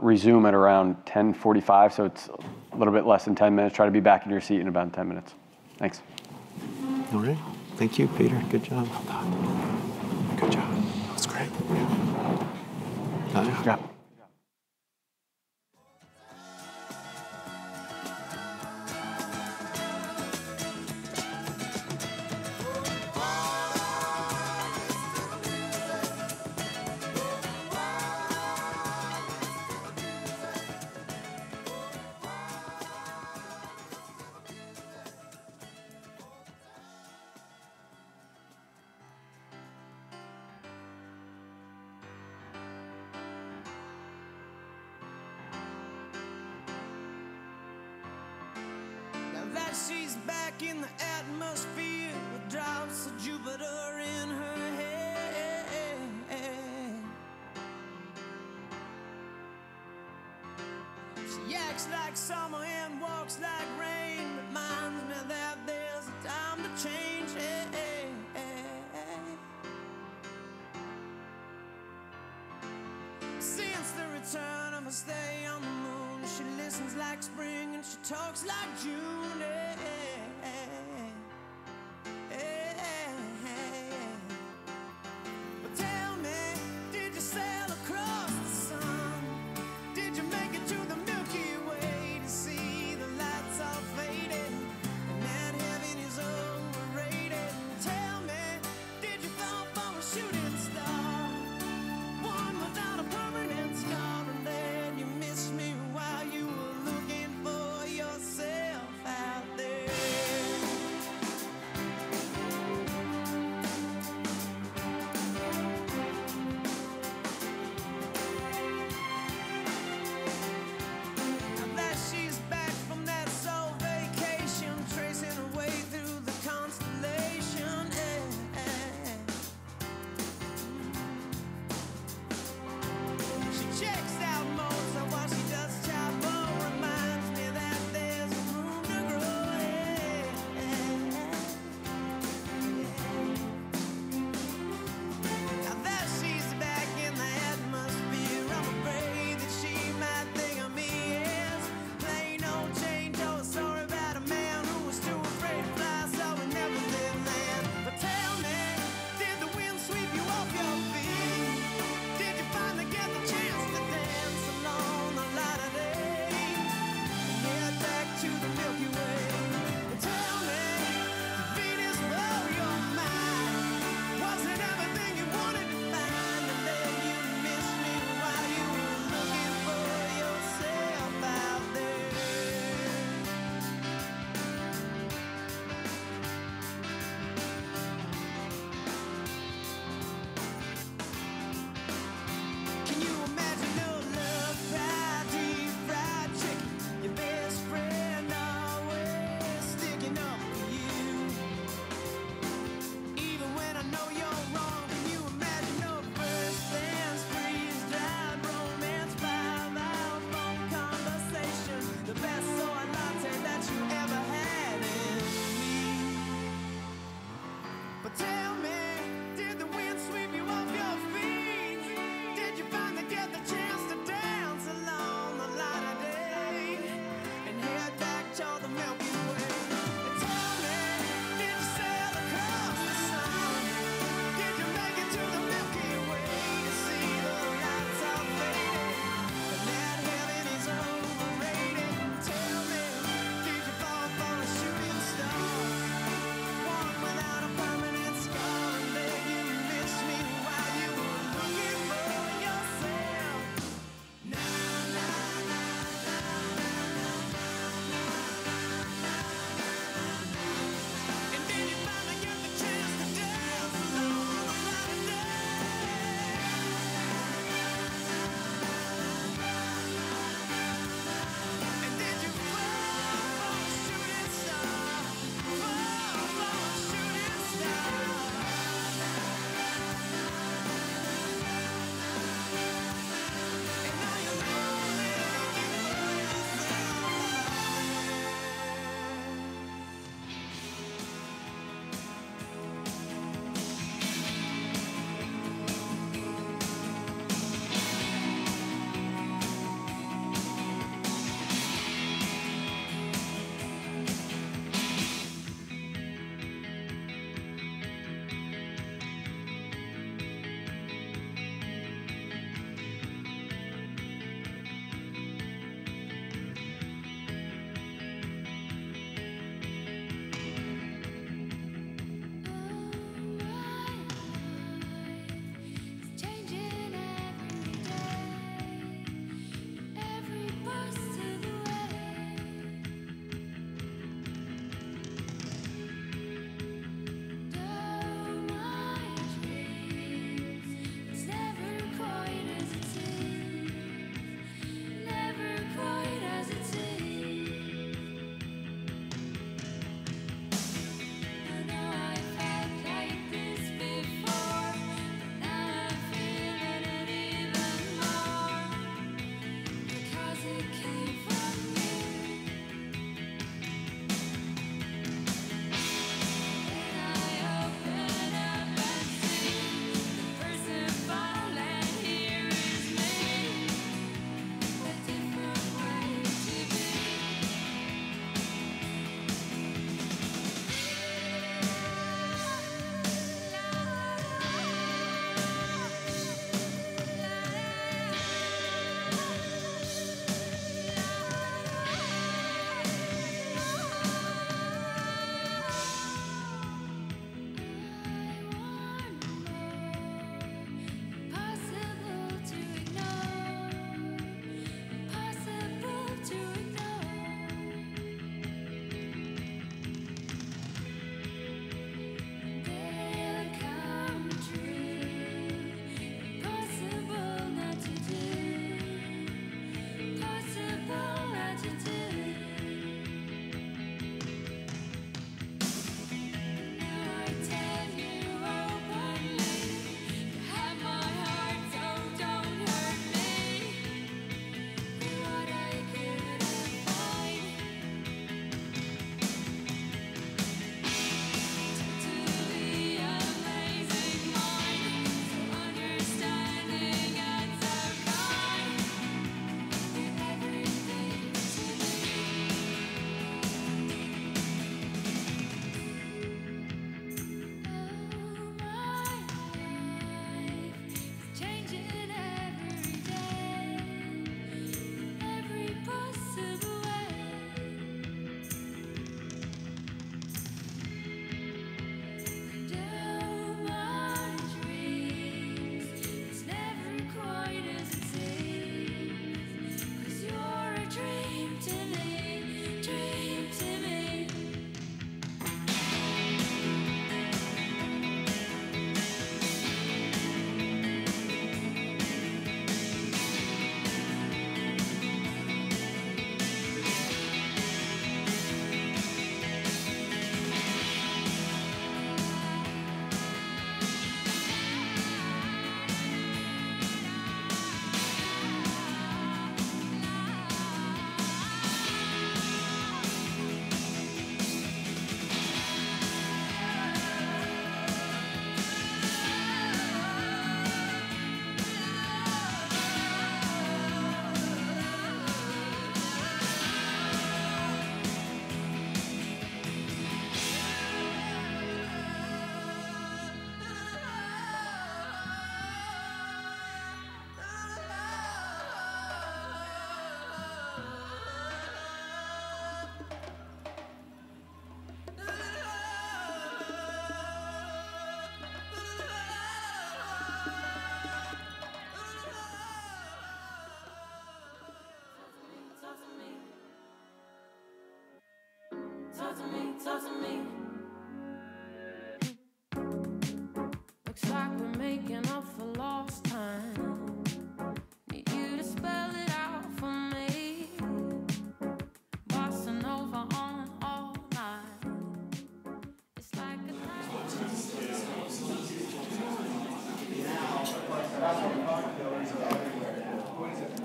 resume at around 10:45 A.M., so it's a little bit less than 10 minutes. Try to be back in your seat in about 10 minutes. Thanks. All right. Thank you, Peter. Good job.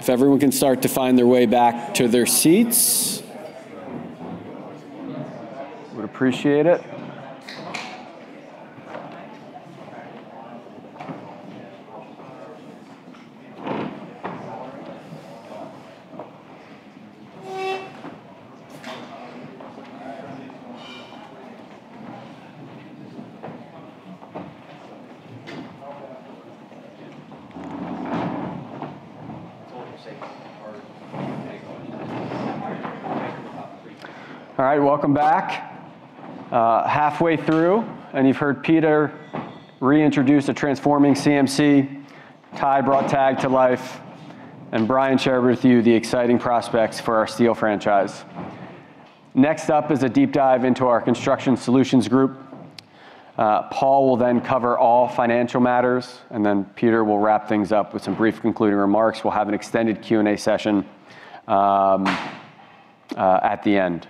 If everyone can start to find their way back to their seats. Would appreciate it. All right. Welcome back. Halfway through, you've heard Peter reintroduce a transforming CMC. Ty brought TAG to life, Brian shared with you the exciting prospects for our steel franchise. Next up is a deep dive into our Construction Solutions Group. Paul will then cover all financial matters, Peter will wrap things up with some brief concluding remarks. We'll have an extended Q&A session at the end.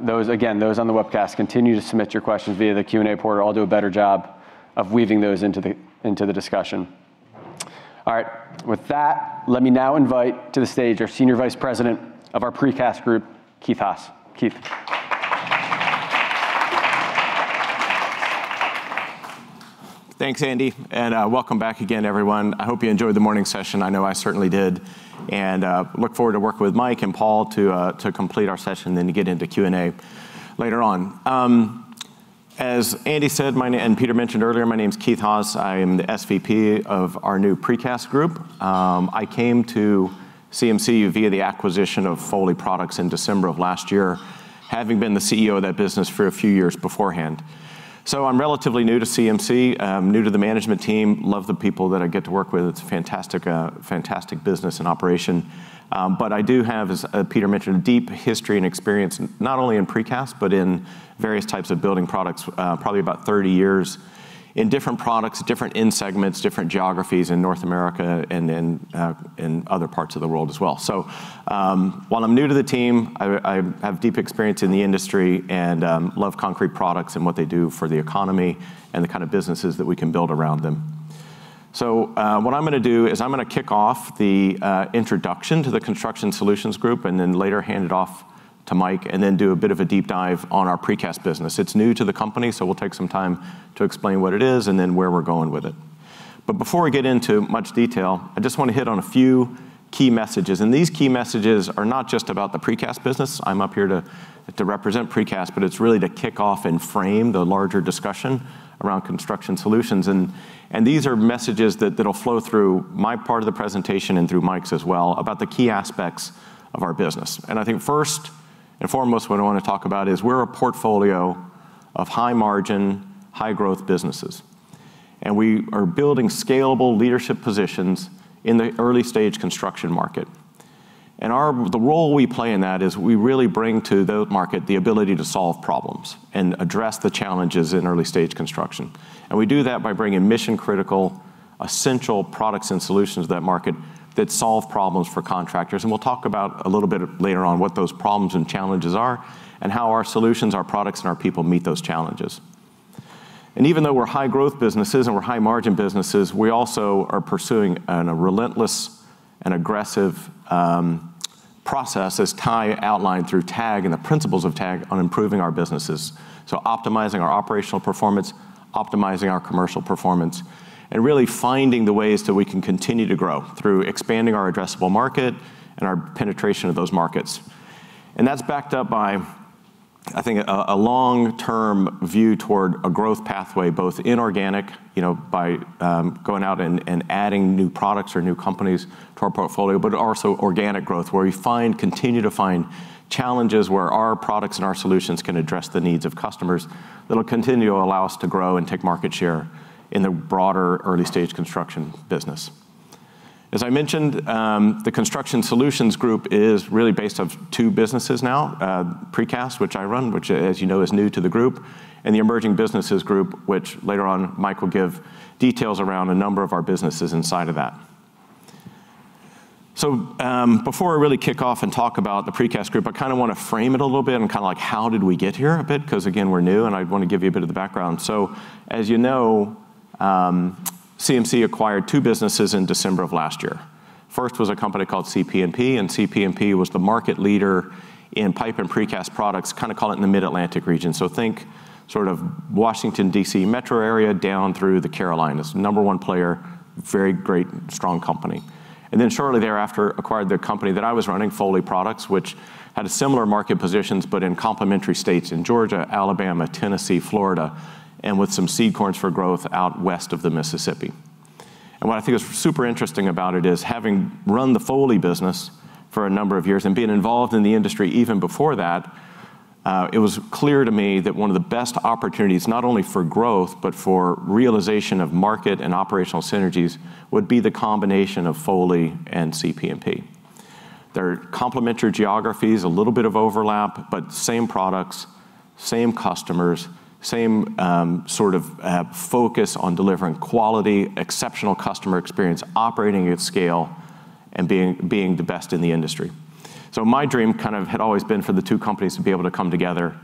Those, again, those on the webcast, continue to submit your questions via the Q&A portal. I'll do a better job of weaving those into the discussion. All right. With that, let me now invite to the stage our Senior Vice President of our Precast Group, Keith Haas. Keith. Thanks, Andy, welcome back again, everyone. I hope you enjoyed the morning session. I know I certainly did, look forward to working with Mike and Paul to complete our session, get into Q&A later on. As Andy said, Peter mentioned earlier, my name's Keith Haas. I am the SVP of our new Precast Group. I came to CMC via the acquisition of Foley Products in December of last year, having been the CEO of that business for a few years beforehand. I'm relatively new to CMC, new to the management team. Love the people that I get to work with. It's a fantastic business and operation. I do have, as Peter mentioned, a deep history and experience, not only in precast but in various types of building products, probably about 30 years in different products, different end segments, different geographies in North America and in other parts of the world as well. While I'm new to the team, I have deep experience in the industry and love concrete products and what they do for the economy and the kind of businesses that we can build around them. What I'm going to do is I'm going to kick off the introduction to the Construction Solutions Group and later hand it off to Mike and do a bit of a deep dive on our precast business. It's new to the company, we'll take some time to explain what it is and where we're going with it. Before I get into much detail, I just want to hit on a few key messages. These key messages are not just about the precast business. I'm up here to represent precast, it's really to kick off and frame the larger discussion around Construction Solutions. These are messages that'll flow through my part of the presentation and through Mike's as well about the key aspects of our business. I think first and foremost, what I want to talk about is we're a portfolio of high-margin, high-growth businesses. We are building scalable leadership positions in the early-stage construction market. The role we play in that is we really bring to the market the ability to solve problems and address the challenges in early-stage construction. We do that by bringing mission-critical, essential products and solutions to that market that solve problems for contractors. We'll talk about, a little bit later on, what those problems and challenges are, how our solutions, our products, and our people meet those challenges. Even though we're high-growth businesses and we're high-margin businesses, we also are pursuing a relentless and aggressive process, as Ty outlined through TAG and the principles of TAG, on improving our businesses. Optimizing our operational performance, optimizing our commercial performance, and really finding the ways that we can continue to grow through expanding our addressable market and our penetration of those markets. That's backed up by, I think, a long-term view toward a growth pathway, both inorganic, by going out and adding new products or new companies to our portfolio, also organic growth, where we continue to find challenges where our products and our solutions can address the needs of customers that'll continue to allow us to grow and take market share in the broader early-stage construction business. As I mentioned, the Construction Solutions Group is really based off two businesses now, Precast, which I run, which as you know, is new to the group, and the Emerging Businesses Group, which later on Mike will give details around a number of our businesses inside of that. Before I really kick off and talk about the Precast Group, I want to frame it a little bit and kind of like how did we get here a bit. Again, we're new, and I want to give you a bit of the background. As you know, CMC acquired two businesses in December of last year. First was a company called CP&P, and CP&P was the market leader in pipe and precast products, kind of call it in the Mid-Atlantic region. Think sort of Washington, D.C. metro area down through the Carolinas. Number 1 player, very great, strong company. Shortly thereafter, acquired the company that I was running, Foley Products, which had similar market positions but in complementary states. In Georgia, Alabama, Tennessee, Florida, and with some seed corns for growth out west of the Mississippi. What I think is super interesting about it is having run the Foley business for a number of years and been involved in the industry even before that, it was clear to me that one of the best opportunities, not only for growth but for realization of market and operational synergies, would be the combination of Foley and CP&P. They're complementary geographies, a little bit of overlap, but same products, same customers, same sort of focus on delivering quality, exceptional customer experience, operating at scale, and being the best in the industry. My dream kind of had always been for the two companies to be able to come together.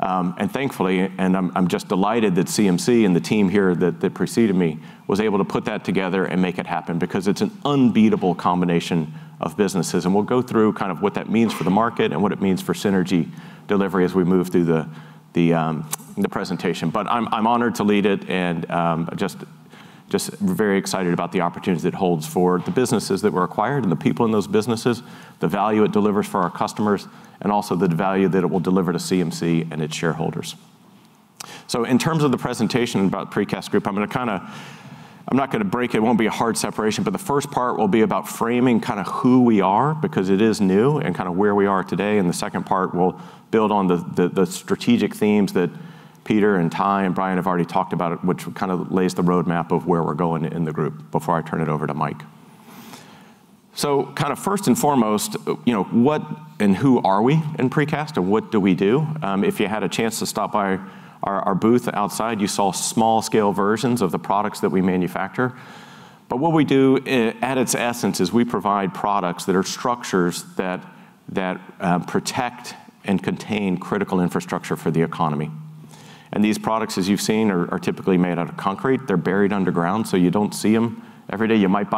Thankfully, I'm just delighted that CMC and the team here that preceded me was able to put that together and make it happen because it's an unbeatable combination of businesses. We'll go through kind of what that means for the market and what it means for synergy delivery as we move through the presentation. I'm honored to lead it and just very excited about the opportunities it holds for the businesses that were acquired and the people in those businesses, the value it delivers for our customers, also the value that it will deliver to CMC and its shareholders. In terms of the presentation about Precast Group, I'm not going to break, it won't be a hard separation, but the first part will be about framing kind of who we are because it is new and kind of where we are today. The second part will build on the strategic themes that Peter and Ty and Brian have already talked about, which kind of lays the roadmap of where we're going in the group before I turn it over to Mike. Kind of first and foremost, what and who are we in Precast, and what do we do? If you had a chance to stop by our booth outside, you saw small-scale versions of the products that we manufacture. What we do, at its essence, is we provide products that are structures that protect and contain critical infrastructure for the economy. These products, as you've seen, are typically made out of concrete. They're buried underground, so you don't see them every day. You might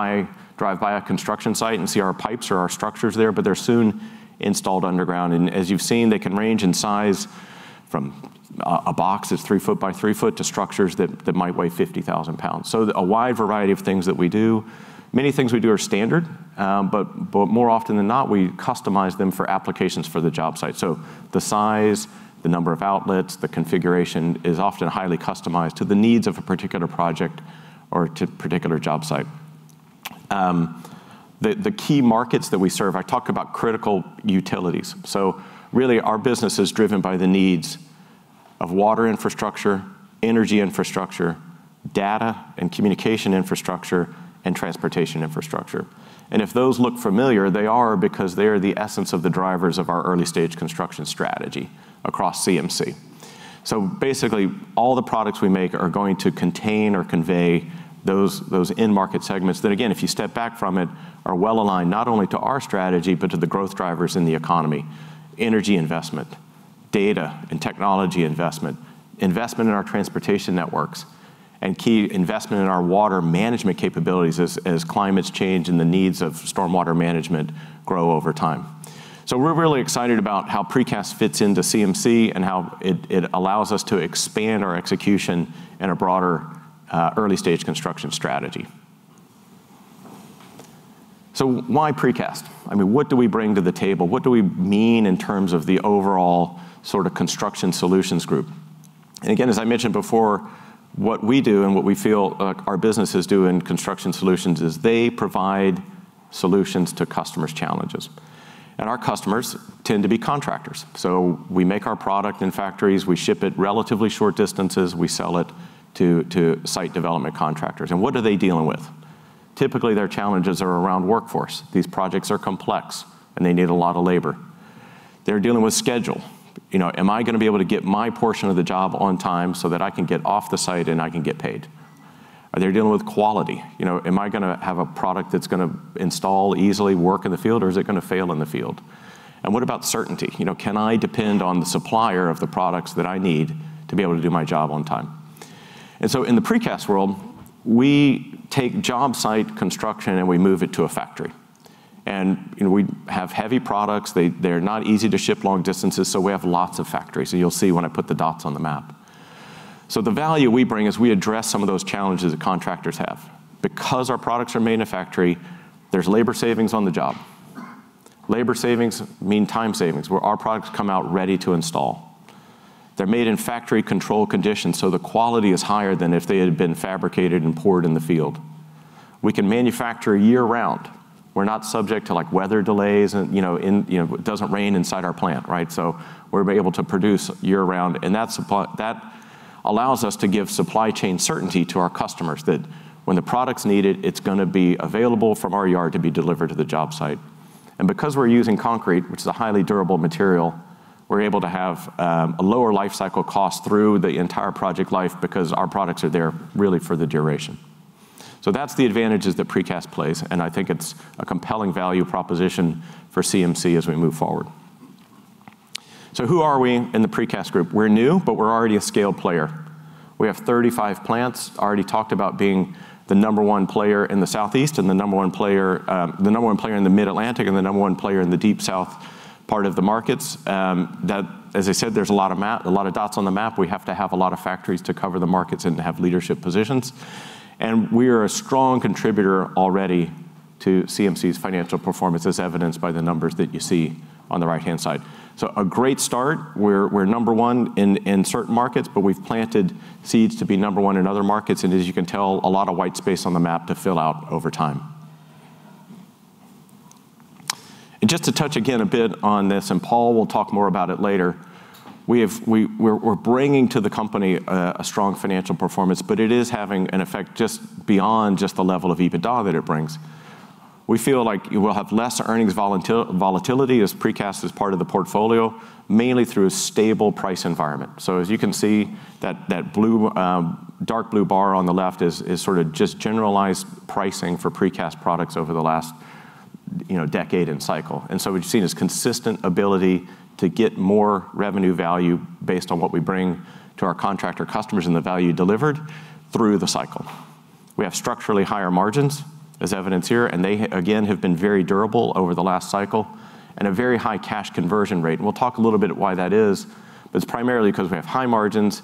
drive by a construction site and see our pipes or our structures there, but they're soon installed underground. As you've seen, they can range in size from a box that's three foot by three foot to structures that might weigh 50,000 pounds. A wide variety of things that we do. Many things we do are standard, but more often than not, we customize them for applications for the job site. The size, the number of outlets, the configuration is often highly customized to the needs of a particular project or to a particular job site. The key markets that we serve, I talk about critical utilities. Really our business is driven by the needs of water infrastructure, energy infrastructure, data and communication infrastructure, and transportation infrastructure. If those look familiar, they are because they are the essence of the drivers of our early-stage construction strategy across CMC. Basically, all the products we make are going to contain or convey those end-market segments that, again, if you step back from it, are well-aligned not only to our strategy but to the growth drivers in the economy. Energy investment, data and technology investment in our transportation networks, and key investment in our water management capabilities as climates change and the needs of stormwater management grow over time. We're really excited about how Precast fits into CMC and how it allows us to expand our execution in a broader early-stage construction strategy. Why Precast? I mean, what do we bring to the table? What do we mean in terms of the overall sort of Construction Solutions Group? Again, as I mentioned before, what we do and what we feel our businesses do in Construction Solutions is they provide solutions to customers' challenges. Our customers tend to be contractors. We make our product in factories, we ship it relatively short distances, we sell it to site development contractors. What are they dealing with? Typically, their challenges are around workforce. These projects are complex and they need a lot of labor. They're dealing with schedule. Am I going to be able to get my portion of the job on time so that I can get off the site and I can get paid? Are they dealing with quality? Am I going to have a product that's going to install easily, work in the field, or is it going to fail in the field? What about certainty? Can I depend on the supplier of the products that I need to be able to do my job on time? In the precast world, we take job site construction and we move it to a factory. We have heavy products. They're not easy to ship long distances, so we have lots of factories. You'll see when I put the dots on the map. The value we bring is we address some of those challenges that contractors have. Because our products are made in a factory, there's labor savings on the job. Labor savings mean time savings, where our products come out ready to install. They're made in factory-controlled conditions, so the quality is higher than if they had been fabricated and poured in the field. We can manufacture year-round. We're not subject to weather delays. It doesn't rain inside our plant, right? We're able to produce year-round, and that allows us to give supply chain certainty to our customers that when the product's needed, it's going to be available from our yard to be delivered to the job site. Because we're using concrete, which is a highly durable material, we're able to have a lower lifecycle cost through the entire project life because our products are there really for the duration. That's the advantages that precast plays, and I think it's a compelling value proposition for CMC as we move forward. Who are we in the precast group? We're new, but we're already a scaled player. We have 35 plants. Already talked about being the number one player in the Southeast and the number one player in the Mid-Atlantic and the number one player in the Deep South part of the markets. As I said, there's a lot of dots on the map. We have to have a lot of factories to cover the markets and to have leadership positions. We are a strong contributor already to CMC's financial performance, as evidenced by the numbers that you see on the right-hand side. A great start. We're number one in certain markets, but we've planted seeds to be number one in other markets. As you can tell, a lot of white space on the map to fill out over time. Just to touch again a bit on this, and Paul will talk more about it later, we're bringing to the company a strong financial performance, but it is having an effect just beyond just the level of EBITDA that it brings. We feel like we'll have less earnings volatility as precast is part of the portfolio, mainly through a stable price environment. As you can see, that dark blue bar on the left is sort of just generalized pricing for precast products over the last decade and cycle. What you've seen is consistent ability to get more revenue value based on what we bring to our contractor customers and the value delivered through the cycle. We have structurally higher margins, as evidenced here, and they, again, have been very durable over the last cycle and a very high cash conversion rate. We'll talk a little bit why that is, but it's primarily because we have high margins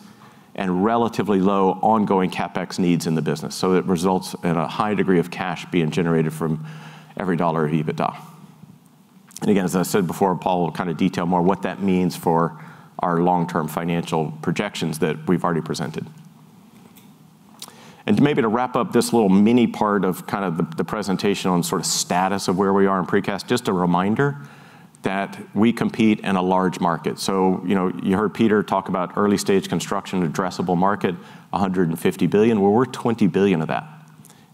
and relatively low ongoing CapEx needs in the business. It results in a high degree of cash being generated from every dollar of EBITDA. As I said before, Paul will kind of detail more what that means for our long-term financial projections that we've already presented. To wrap up this little mini part of the presentation on sort of status of where we are in precast, just a reminder that we compete in a large market. You heard Peter talk about early-stage construction, addressable market, $150 billion. We're $20 billion of that,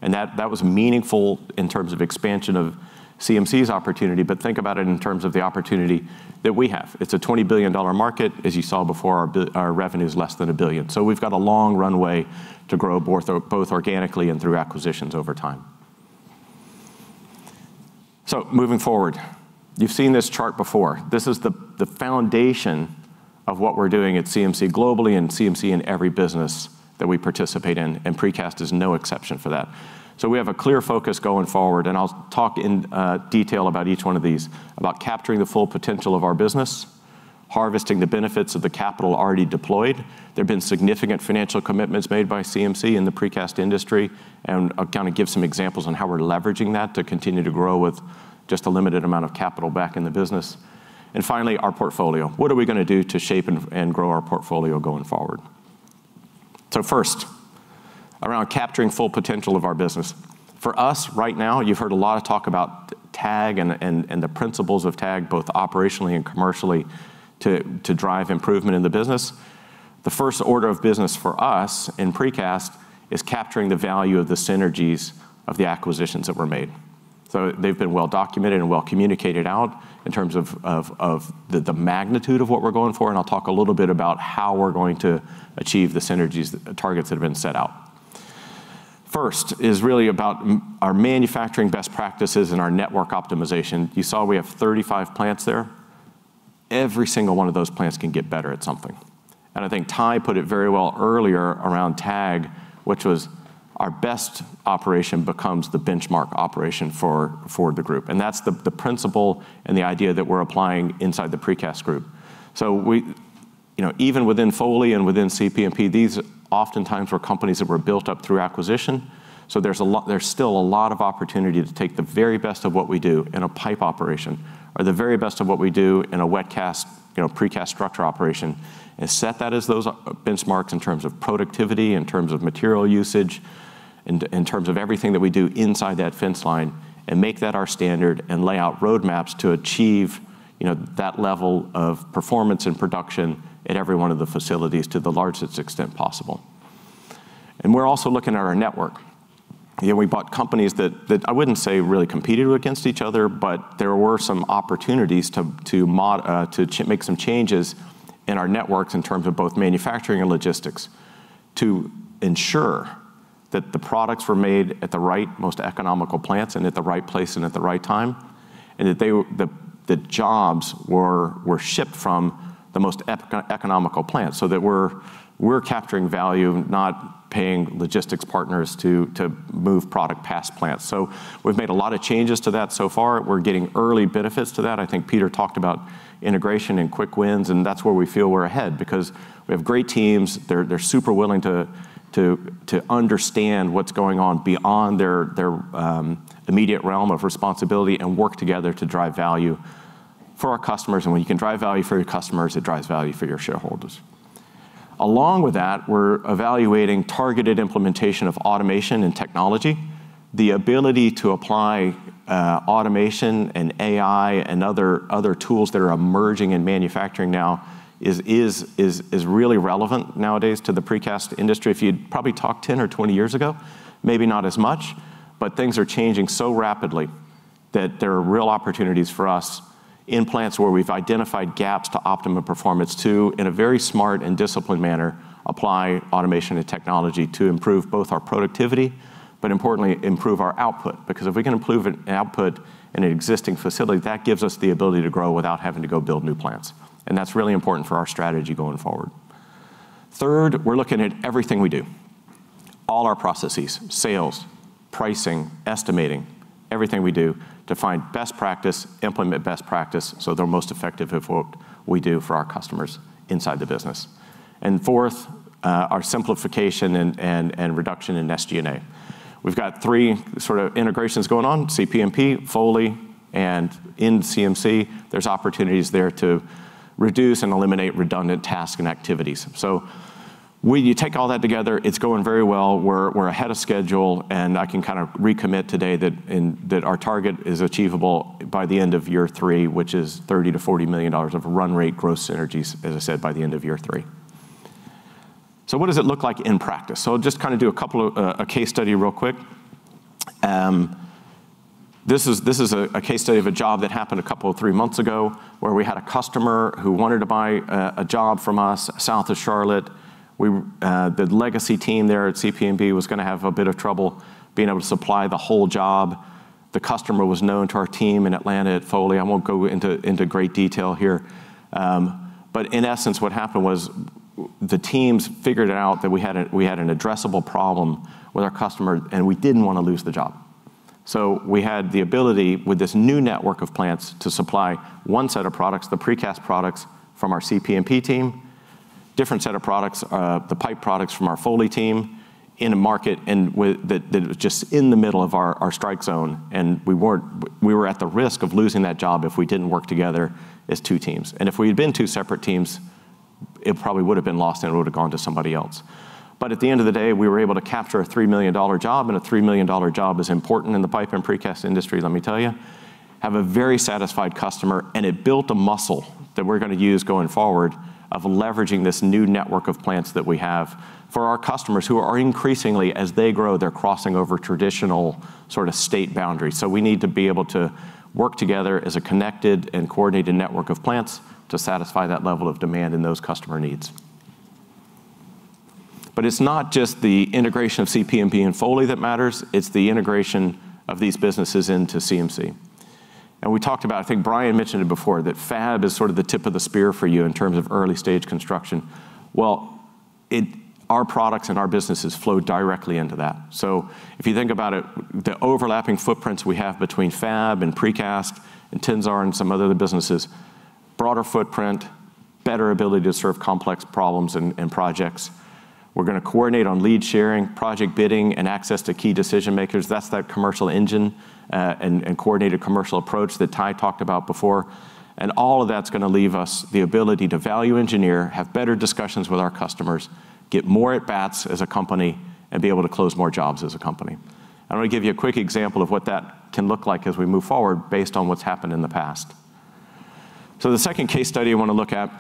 and that was meaningful in terms of expansion of CMC's opportunity, but think about it in terms of the opportunity that we have. It's a $20 billion market. As you saw before, our revenue is less than $1 billion. We've got a long runway to grow both organically and through acquisitions over time. Moving forward, you've seen this chart before. This is the foundation of what we're doing at CMC globally and CMC in every business that we participate in, and precast is no exception for that. We have a clear focus going forward, and I'll talk in detail about each one of these, about capturing the full potential of our business, harvesting the benefits of the capital already deployed. There've been significant financial commitments made by CMC in the precast industry, and I'll give some examples on how we're leveraging that to continue to grow with just a limited amount of capital back in the business. Finally, our portfolio. What are we going to do to shape and grow our portfolio going forward? First, around capturing full potential of our business. For us right now, you've heard a lot of talk about TAG and the principles of TAG, both operationally and commercially, to drive improvement in the business. The first order of business for us in precast is capturing the value of the synergies of the acquisitions that were made. They've been well-documented and well-communicated out in terms of the magnitude of what we're going for. I'll talk a little bit about how we're going to achieve the synergies targets that have been set out. First is really about our manufacturing best practices and our network optimization. You saw we have 35 plants there. Every single one of those plants can get better at something. I think Ty put it very well earlier around TAG, which was our best operation becomes the benchmark operation for the group. That's the principle and the idea that we're applying inside the precast group. Even within Foley and within CP&P, these oftentimes were companies that were built up through acquisition. There's still a lot of opportunity to take the very best of what we do in a pipe operation, or the very best of what we do in a wet cast precast structure operation. Set that as those benchmarks in terms of productivity, in terms of material usage, in terms of everything that we do inside that fence line, and make that our standard and lay out roadmaps to achieve that level of performance and production at every one of the facilities to the largest extent possible. We're also looking at our network. We bought companies that I wouldn't say really competed against each other. There were some opportunities to make some changes in our networks in terms of both manufacturing and logistics to ensure that the products were made at the right most economical plants and at the right place and at the right time, and that the jobs were shipped from the most economical plants so that we're capturing value, not paying logistics partners to move product past plants. We've made a lot of changes to that so far. We're getting early benefits to that. I think Peter talked about integration and quick wins, and that's where we feel we're ahead because we have great teams. They're super willing to understand what's going on beyond their immediate realm of responsibility and work together to drive value for our customers. When you can drive value for your customers, it drives value for your shareholders. Along with that, we're evaluating targeted implementation of automation and technology. The ability to apply automation and AI and other tools that are emerging in manufacturing now is really relevant nowadays to the precast industry. If you'd probably talked 10 or 20 years ago, maybe not as much, things are changing so rapidly that there are real opportunities for us in plants where we've identified gaps to optimum performance to, in a very smart and disciplined manner, apply automation and technology to improve both our productivity, but importantly, improve our output. Because if we can improve output in an existing facility, that gives us the ability to grow without having to go build new plants. That's really important for our strategy going forward. Third, we're looking at everything we do. All our processes, sales, pricing, estimating, everything we do to find best practice, implement best practice, so they're most effective at what we do for our customers inside the business. Fourth, our simplification and reduction in SG&A. We've got three sort of integrations going on, CP&P, Foley, and in CMC, there's opportunities there to reduce and eliminate redundant tasks and activities. When you take all that together, it's going very well. We're ahead of schedule, and I can kind of recommit today that our target is achievable by the end of year three, which is $30 million-$40 million of run rate gross synergies, as I said, by the end of year three. What does it look like in practice? I'll just kind of do a case study real quick. This is a case study of a job that happened a couple or three months ago where we had a customer who wanted to buy a job from us south of Charlotte. The legacy team there at CP&P was going to have a bit of trouble being able to supply the whole job. The customer was known to our team in Atlanta at Foley. I won't go into great detail here. In essence, what happened was the teams figured it out that we had an addressable problem with our customer, and we didn't want to lose the job. We had the ability with this new network of plants to supply 1 set of products, the precast products from our CP&P team, different set of products, the pipe products from our Foley team in a market that was just in the middle of our strike zone. We were at the risk of losing that job if we didn't work together as two teams. If we had been two separate teams, it probably would've been lost and it would've gone to somebody else. At the end of the day, we were able to capture a $3 million job, and a $3 million job is important in the pipe and precast industry, let me tell you. Have a very satisfied customer, and it built a muscle that we're going to use going forward of leveraging this new network of plants that we have for our customers who are increasingly, as they grow, they're crossing over traditional sort of state boundaries. We need to be able to work together as a connected and coordinated network of plants to satisfy that level of demand and those customer needs. It's not just the integration of CP&P and Foley that matters, it's the integration of these businesses into CMC. We talked about, I think Brian mentioned it before, that fab is sort of the tip of the spear for you in terms of early-stage construction. Our products and our businesses flow directly into that. If you think about it, the overlapping footprints we have between fab and precast and Tensar and some of the other businesses, broader footprint, better ability to serve complex problems and projects. We're going to coordinate on lead sharing, project bidding, and access to key decision-makers. That's that commercial engine, and coordinated commercial approach that Ty talked about before. All of that's going to leave us the ability to value engineer, have better discussions with our customers, get more at-bats as a company, and be able to close more jobs as a company. I'm going to give you a quick example of what that can look like as we move forward based on what's happened in the past. The second case study I want to look at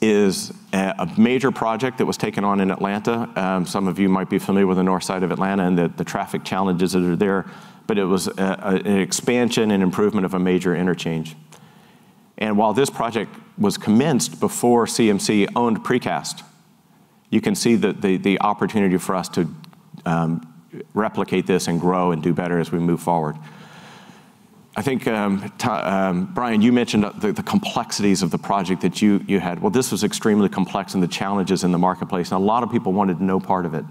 is a major project that was taken on in Atlanta. Some of you might be familiar with the north side of Atlanta and the traffic challenges that are there, but it was an expansion and improvement of a major interchange. While this project was commenced before CMC owned precast, you can see the opportunity for us to replicate this and grow and do better as we move forward. I think, Brian, you mentioned the complexities of the project that you had. This was extremely complex and the challenges in the marketplace. A lot of people wanted no part of it.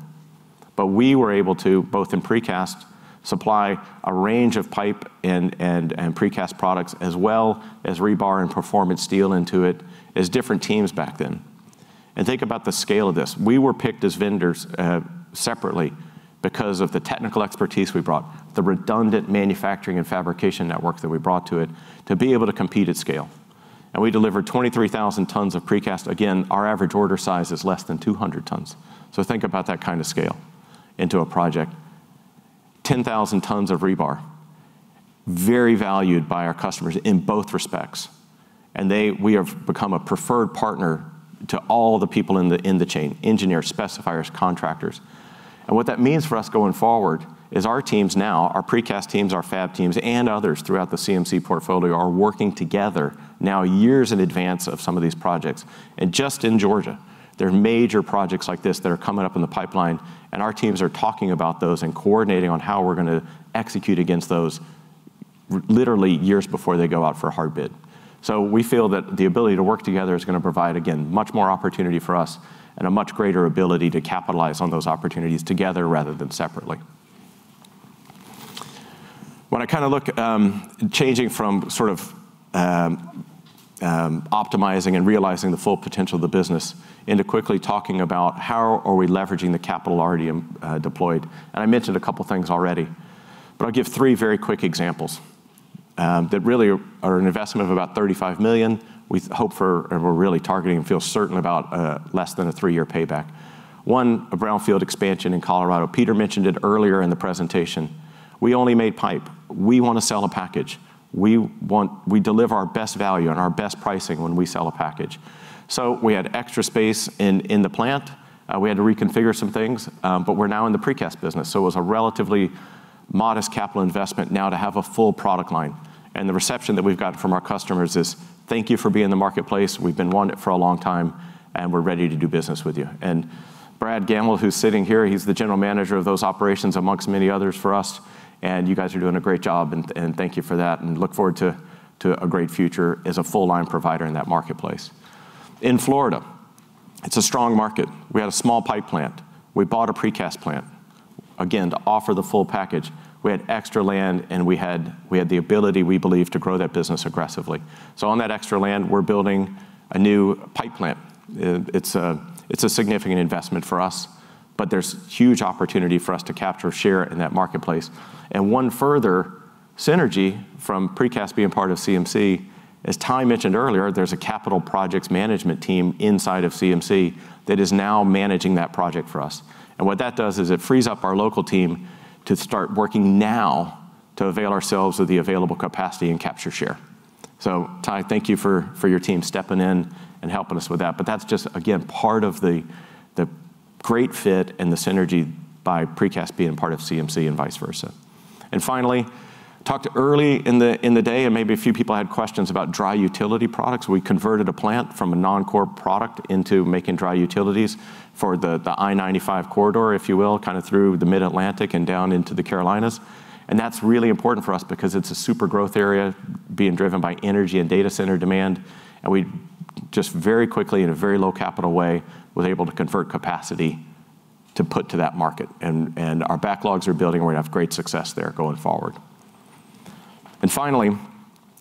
We were able to, both in precast, supply a range of pipe and precast products as well as rebar and performance steel into it as different teams back then. Think about the scale of this. We were picked as vendors separately because of the technical expertise we brought, the redundant manufacturing and fabrication network that we brought to it to be able to compete at scale. We delivered 23,000 tons of precast. Again, our average order size is less than 200 tons. Think about that kind of scale into a project. 10,000 tons of rebar, very valued by our customers in both respects. We have become a preferred partner to all the people in the chain: engineers, specifiers, contractors. What that means for us going forward is our teams now, our precast teams, our fab teams, and others throughout the CMC portfolio, are working together now years in advance of some of these projects. Just in Georgia, there are major projects like this that are coming up in the pipeline, and our teams are talking about those and coordinating on how we are going to execute against those, literally years before they go out for hard bid. We feel that the ability to work together is going to provide, again, much more opportunity for us and a much greater ability to capitalize on those opportunities together rather than separately. When I look at changing from optimizing and realizing the full potential of the business into quickly talking about how are we leveraging the capital already deployed. I mentioned a couple of things already, but I will give three very quick examples that really are an investment of about $35 million. We hope for, or we are really targeting and feel certain about less than a three-year payback. One, a brownfield expansion in Colorado. Peter mentioned it earlier in the presentation. We only made pipe. We want to sell a package. We deliver our best value and our best pricing when we sell a package. We had extra space in the plant. We had to reconfigure some things, but we are now in the precast business. It was a relatively modest capital investment now to have a full product line. The reception that we have got from our customers is, "Thank you for being in the marketplace. We have been wanting it for a long time, and we are ready to do business with you." Brad Gammill, who is sitting here, he is the general manager of those operations amongst many others for us, and you guys are doing a great job, and thank you for that, and look forward to a great future as a full-line provider in that marketplace. In Florida, it is a strong market. We had a small pipe plant. We bought a precast plant, again, to offer the full package. We had extra land, and we had the ability, we believe, to grow that business aggressively. On that extra land, we are building a new pipe plant. It is a significant investment for us, but there is huge opportunity for us to capture share in that marketplace. One further synergy from precast being part of CMC, as Ty mentioned earlier, there is a capital projects management team inside of CMC that is now managing that project for us. What that does is it frees up our local team to start working now to avail ourselves of the available capacity and capture share. Ty, thank you for your team stepping in and helping us with that. That is just, again, part of the great fit and the synergy by precast being part of CMC and vice versa. Finally, talked early in the day, and maybe a few people had questions about dry utility products. We converted a plant from a non-core product into making dry utilities for the I-95 corridor, if you will, kind of through the Mid-Atlantic and down into the Carolinas. That's really important for us because it's a super growth area being driven by energy and data center demand. We just very quickly, in a very low capital way, was able to convert capacity to put to that market. Our backlogs are building, and we're going to have great success there going forward. Finally,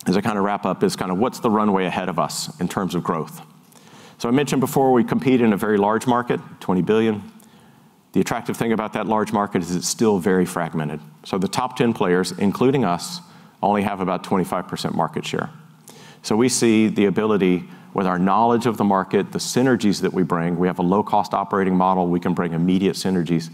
as I kind of wrap up, is what's the runway ahead of us in terms of growth. I mentioned before, we compete in a very large market, $20 billion. The attractive thing about that large market is it's still very fragmented. The top 10 players, including us, only have about 25% market share. We see the ability with our knowledge of the market, the synergies that we bring. We have a low-cost operating model. We can bring immediate synergies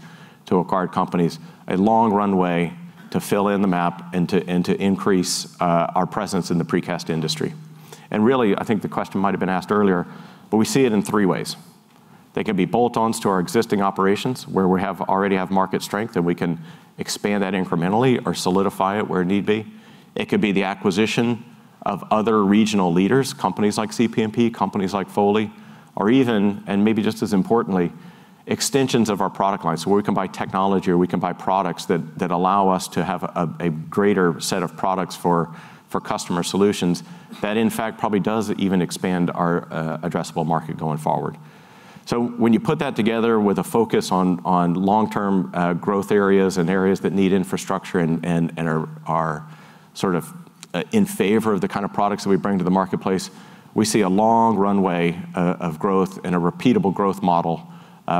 to acquired companies, a long runway to fill in the map, and to increase our presence in the precast industry. Really, I think the question might have been asked earlier, but we see it in three ways. They can be bolt-ons to our existing operations, where we already have market strength, and we can expand that incrementally or solidify it where need be. It could be the acquisition of other regional leaders, companies like CP&P, companies like Foley, or even, and maybe just as importantly, extensions of our product line. We can buy technology, or we can buy products that allow us to have a greater set of products for customer solutions. That, in fact, probably does even expand our addressable market going forward. When you put that together with a focus on long-term growth areas and areas that need infrastructure and are sort of in favor of the kind of products that we bring to the marketplace, we see a long runway of growth and a repeatable growth model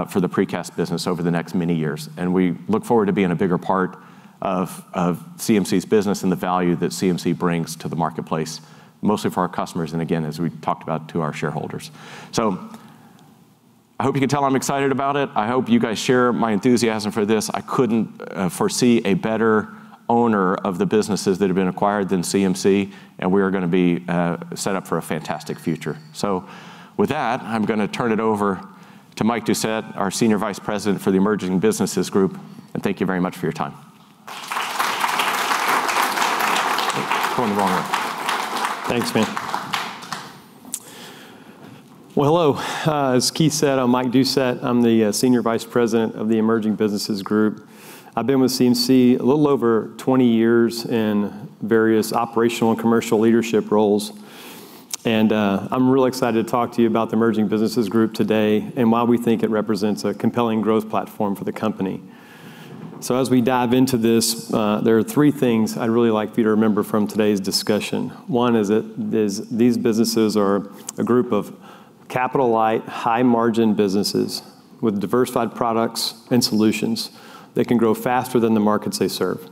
for the precast business over the next many years. We look forward to being a bigger part of CMC's business and the value that CMC brings to the marketplace, mostly for our customers, and again, as we talked about, to our shareholders. I hope you can tell I'm excited about it. I hope you guys share my enthusiasm for this. I couldn't foresee a better owner of the businesses that have been acquired than CMC, and we are going to be set up for a fantastic future. With that, I'm going to turn it over to Mike Doucet, our Senior Vice President for the Emerging Businesses Group. Thank you very much for your time. Thanks, man. Well, hello. As Keith said, I'm Mike Doucet. I'm the Senior Vice President of the Emerging Businesses Group. I've been with CMC a little over 20 years in various operational and commercial leadership roles. I'm real excited to talk to you about the Emerging Businesses Group today and why we think it represents a compelling growth platform for the company. As we dive into this, there are three things I'd really like for you to remember from today's discussion. One is that these businesses are a group of capital-light, high-margin businesses with diversified products and solutions that can grow faster than the markets they serve.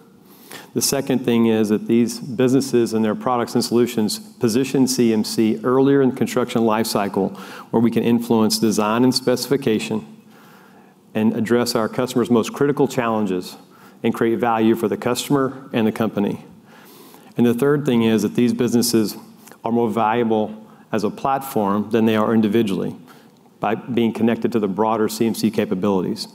The second thing is that these businesses and their products and solutions position CMC earlier in the construction life cycle, where we can influence design and specification and address our customers' most critical challenges and create value for the customer and the company. The third thing is that these businesses are more valuable as a platform than they are individually by being connected to the broader CMC capabilities.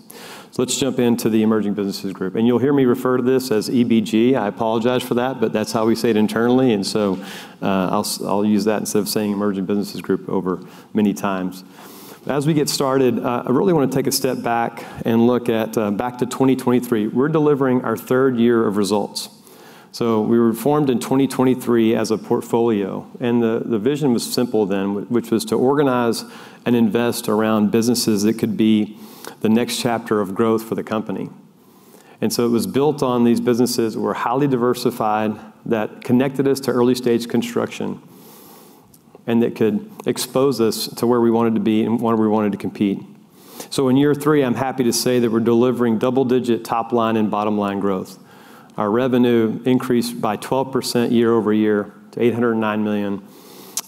Let's jump into the Emerging Businesses Group, and you'll hear me refer to this as EBG. I apologize for that, but that's how we say it internally, and I'll use that instead of saying Emerging Businesses Group over many times. As we get started, I really want to take a step back and look back to 2023. We're delivering our third year of results. We were formed in 2023 as a portfolio, the vision was simple then, which was to organize and invest around businesses that could be the next chapter of growth for the company. It was built on these businesses that were highly diversified, that connected us to early-stage construction, and that could expose us to where we wanted to be and where we wanted to compete. In year three, I'm happy to say that we're delivering double-digit top-line and bottom-line growth. Our revenue increased by 12% year-over-year to $809 million,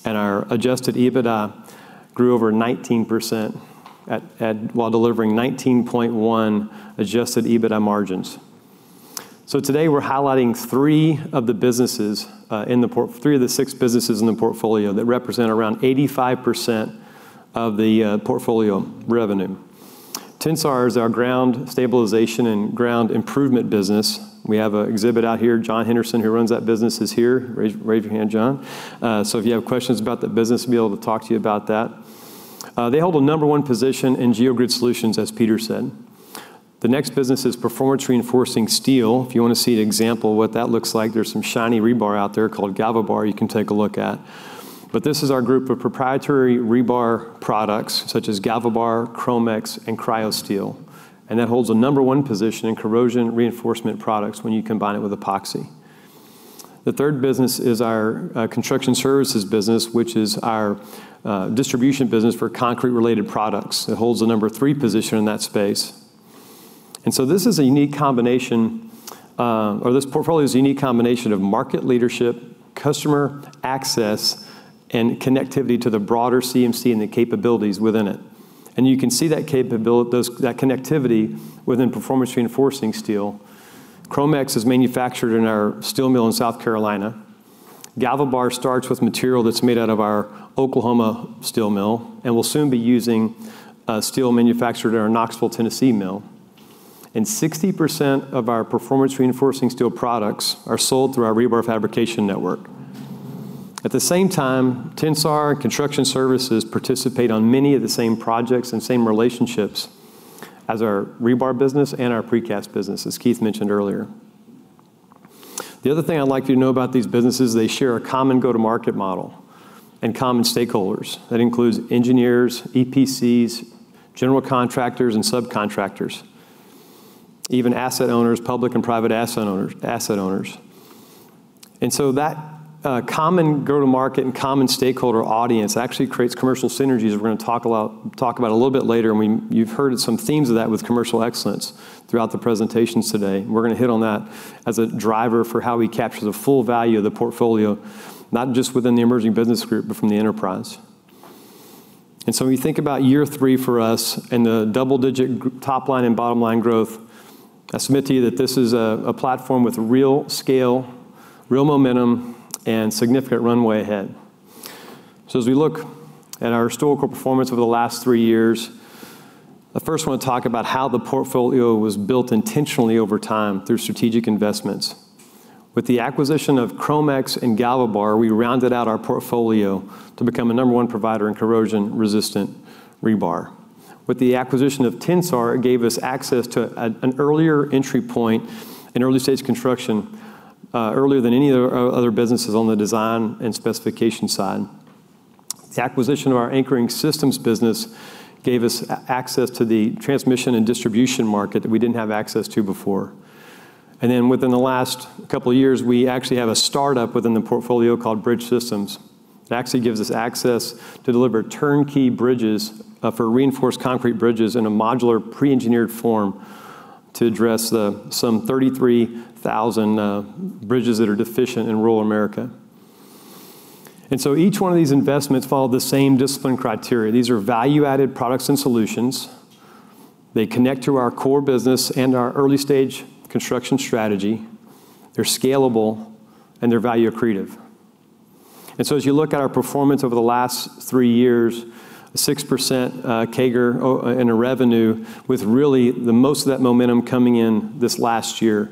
and our adjusted EBITDA grew over 19% while delivering 19.1 adjusted EBITDA margins. Today, we're highlighting three of the six businesses in the portfolio that represent around 85% of the portfolio revenue. Tensar is our ground stabilization and ground improvement business. We have an exhibit out here. John Henderson, who runs that business, is here. Raise your hand, John. If you have questions about that business, he'll be able to talk to you about that. They hold a number one position in Geogrid solutions, as Peter said. The next business is performance-reinforcing steel. If you want to see an example of what that looks like, there's some shiny rebar out there called GalvaBar you can take a look at. This is our group of proprietary rebar products, such as GalvaBar, ChromX, and CryoSteel, and that holds a number one position in corrosion reinforcement products when you combine it with Epoxy. The third business is our construction services business, which is our distribution business for concrete-related products. It holds the number three position in that space. This portfolio is a unique combination of market leadership, customer access, and connectivity to the broader CMC and the capabilities within it. You can see that connectivity within performance-reinforcing steel. ChromX is manufactured in our steel mill in South Carolina. GalvaBar starts with material that is made out of our Oklahoma steel mill, and we will soon be using steel manufactured at our Knoxville, Tennessee mill. 60% of our performance-reinforcing steel products are sold through our rebar fabrication network. At the same time, Tensar construction services participate on many of the same projects and same relationships as our rebar business and our precast business, as Keith mentioned earlier. The other thing I would like you to know about these businesses, they share a common go-to-market model and common stakeholders. That includes engineers, EPCs, general contractors, and subcontractors, even asset owners, public and private asset owners. That common go-to-market and common stakeholder audience actually creates commercial synergies we are going to talk about a little bit later, and you have heard some themes of that with commercial excellence throughout the presentations today. We are going to hit on that as a driver for how we capture the full value of the portfolio, not just within the Emerging Businesses Group, but from the enterprise. When you think about year three for us and the double-digit top-line and bottom-line growth, I submit to you that this is a platform with real scale, real momentum, and significant runway ahead. As we look at our historical performance over the last three years, I first want to talk about how the portfolio was built intentionally over time through strategic investments. With the acquisition of ChromX and GalvaBar, we rounded out our portfolio to become the number one provider in corrosion-resistant rebar. With the acquisition of Tensar, it gave us access to an earlier entry point in early-stage construction, earlier than any of our other businesses on the design and specification side. The acquisition of our anchoring systems business gave us access to the transmission and distribution market that we did not have access to before. Then within the last couple of years, we actually have a startup within the portfolio called Bridge Systems. It actually gives us access to deliver turnkey bridges for reinforced concrete bridges in a modular pre-engineered form to address the some 33,000 bridges that are deficient in rural America. Each one of these investments follow the same discipline criteria. These are value-added products and solutions. They connect to our core business and our early-stage construction strategy. They are scalable, and they are value accretive. As you look at our performance over the last three years, 6% CAGR in revenue, with really the most of that momentum coming in this last year.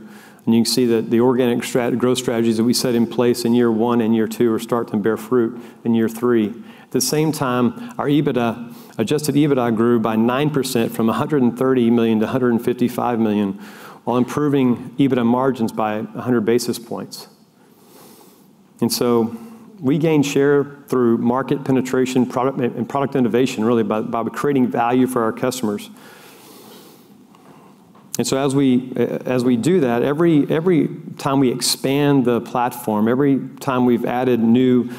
You can see that the organic growth strategies that we set in place in year one and year two are starting to bear fruit in year three. At the same time, our adjusted EBITDA grew by 9%, from $130 million to $155 million, while improving EBITDA margins by 100 basis points. We gained share through market penetration and product innovation, really, by creating value for our customers. As we do that, every time we expand the platform, every time we've added new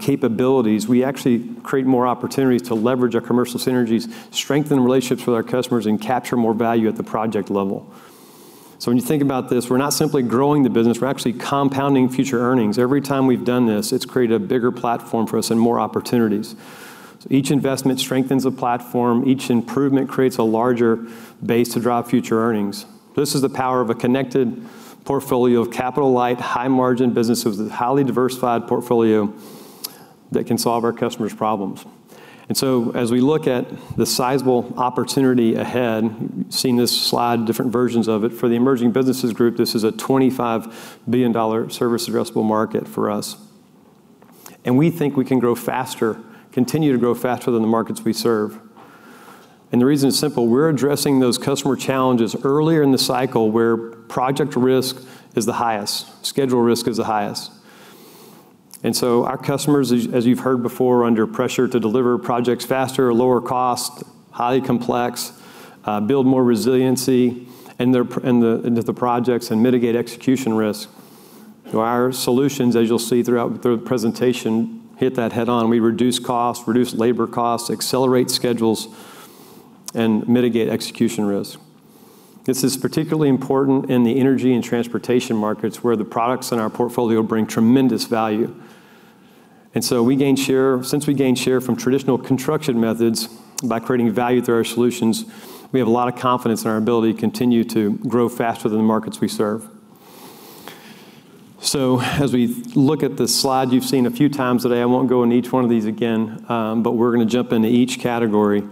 capabilities, we actually create more opportunities to leverage our commercial synergies, strengthen relationships with our customers, and capture more value at the project level. When you think about this, we're not simply growing the business, we're actually compounding future earnings. Every time we've done this, it's created a bigger platform for us and more opportunities. Each investment strengthens the platform. Each improvement creates a larger base to drive future earnings. This is the power of a connected portfolio of capital light, high-margin businesses with a highly diversified portfolio that can solve our customers' problems. As we look at the sizable opportunity ahead, you've seen this slide, different versions of it. For the Emerging Businesses Group, this is a $25 billion service addressable market for us. We think we can grow faster, continue to grow faster than the markets we serve. The reason is simple. We're addressing those customer challenges earlier in the cycle where project risk is the highest, schedule risk is the highest. Our customers, as you've heard before, are under pressure to deliver projects faster or lower cost, highly complex, build more resiliency into the projects and mitigate execution risk. Our solutions, as you'll see through the presentation, hit that head on. We reduce costs, reduce labor costs, accelerate schedules, and mitigate execution risk. This is particularly important in the energy and transportation markets, where the products in our portfolio bring tremendous value. Since we gained share from traditional construction methods by creating value through our solutions, we have a lot of confidence in our ability to continue to grow faster than the markets we serve. As we look at this slide you've seen a few times today, I won't go into each one of these again, but we're going to jump into each category.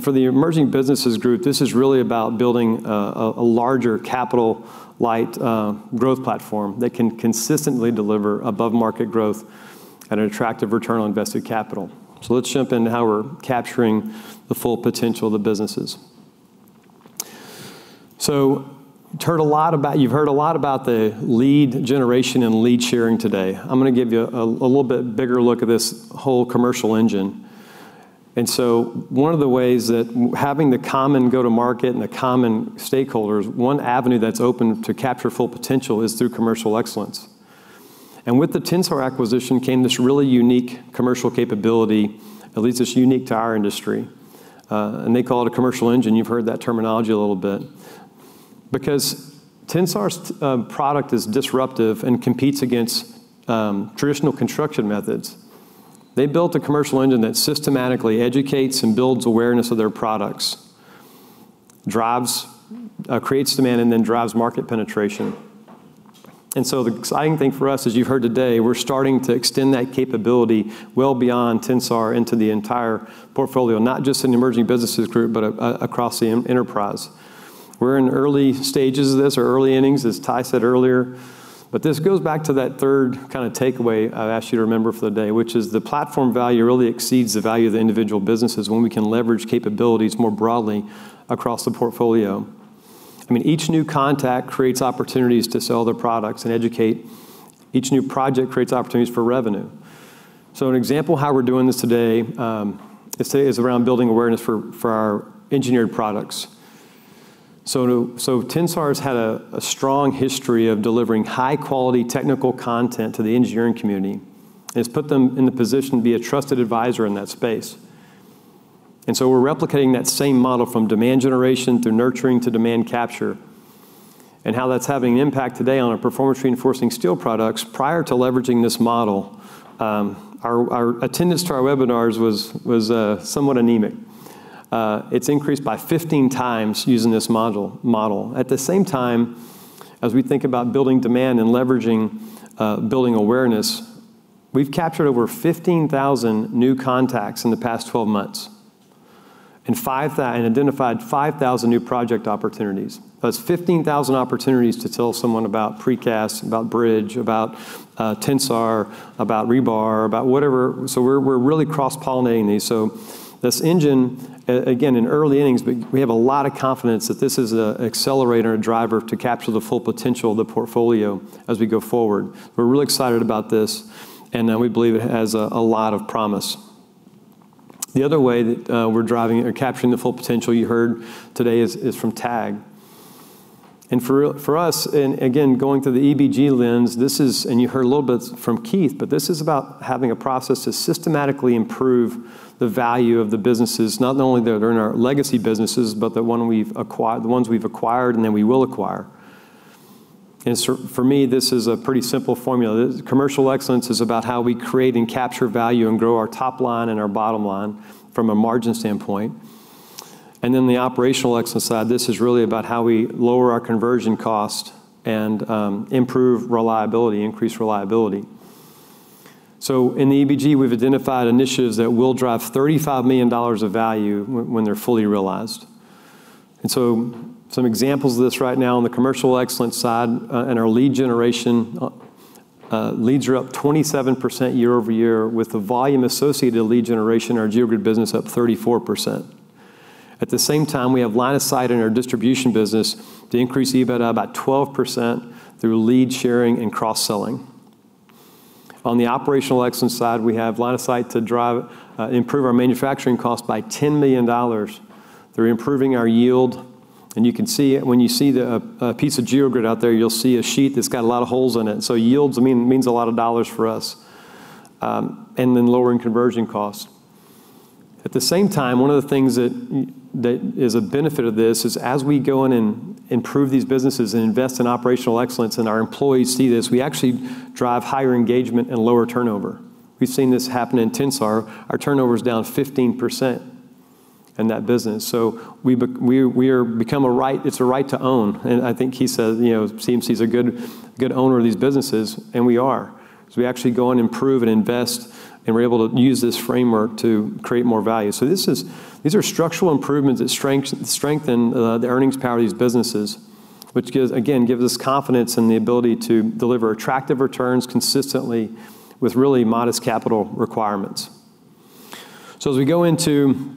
For the Emerging Businesses Group, this is really about building a larger capital light growth platform that can consistently deliver above-market growth at an attractive return on invested capital. Let's jump into how we're capturing the full potential of the businesses. You've heard a lot about the lead generation and lead sharing today. I'm going to give you a little bit bigger look at this whole commercial engine. One of the ways that having the common go-to-market and the common stakeholders, one avenue that's open to capture full potential is through commercial excellence. With the Tensar acquisition came this really unique commercial capability, at least it's unique to our industry. They call it a commercial engine. You've heard that terminology a little bit. Because Tensar's product is disruptive and competes against traditional construction methods. They built a commercial engine that systematically educates and builds awareness of their products, creates demand, and then drives market penetration. The exciting thing for us, as you've heard today, we're starting to extend that capability well beyond Tensar into the entire portfolio, not just in the Emerging Businesses Group, but across the enterprise. We're in early stages of this or early innings, as Ty said earlier, but this goes back to that third takeaway I've asked you to remember for the day, which is the platform value really exceeds the value of the individual businesses when we can leverage capabilities more broadly across the portfolio. Each new contact creates opportunities to sell their products and educate. Each new project creates opportunities for revenue. An example of how we're doing this today, is around building awareness for our engineered products. Tensar's had a strong history of delivering high-quality technical content to the engineering community, and it's put them in the position to be a trusted advisor in that space. We're replicating that same model from demand generation to nurturing to demand capture and how that's having an impact today on our performance-reinforcing steel products. Prior to leveraging this model, our attendance to our webinars was somewhat anemic. It's increased by 15 times using this model. At the same time, as we think about building demand and leveraging building awareness, we've captured over 15,000 new contacts in the past 12 months and identified 5,000 new project opportunities. That's 15,000 opportunities to tell someone about precast, about bridge, about Tensar, about rebar, about whatever. We're really cross-pollinating these. This engine, again, in early innings, but we have a lot of confidence that this is an accelerator and driver to capture the full potential of the portfolio as we go forward. We're really excited about this, and we believe it has a lot of promise. The other way that we're driving or capturing the full potential you heard today is from TAG. For us, and again, going through the EBG lens, this is, and you heard a little bit from Keith, but this is about having a process to systematically improve the value of the businesses, not only that are in our legacy businesses, but the ones we've acquired and then we will acquire. For me, this is a pretty simple formula. Commercial excellence is about how we create and capture value and grow our top line and our bottom line from a margin standpoint. The operational excellence side, this is really about how we lower our conversion cost and improve reliability, increase reliability. In the EBG, we've identified initiatives that will drive $35 million of value when they're fully realized. Some examples of this right now on the commercial excellence side and our lead generation, leads are up 27% year-over-year with the volume associated lead generation, our Geogrid business up 34%. At the same time, we have line of sight in our distribution business to increase EBITA by 12% through lead sharing and cross-selling. On the operational excellence side, we have line of sight to improve our manufacturing cost by $10 million through improving our yield. You can see when you see a piece of Geogrid out there, you'll see a sheath that's got a lot of holes in it. Yields means a lot of dollars for us, and then lowering conversion cost. At the same time, one of the things that is a benefit of this is as we go in and improve these businesses and invest in operational excellence, and our employees see this, we actually drive higher engagement and lower turnover. We've seen this happen in Tensar. Our turnover is down 15% in that business. It's a right to own. I think Keith said CMC is a good owner of these businesses, and we are. We actually go in, improve, and invest, and we're able to use this framework to create more value. These are structural improvements that strengthen the earnings power of these businesses, which, again, gives us confidence in the ability to deliver attractive returns consistently with really modest capital requirements. As we go into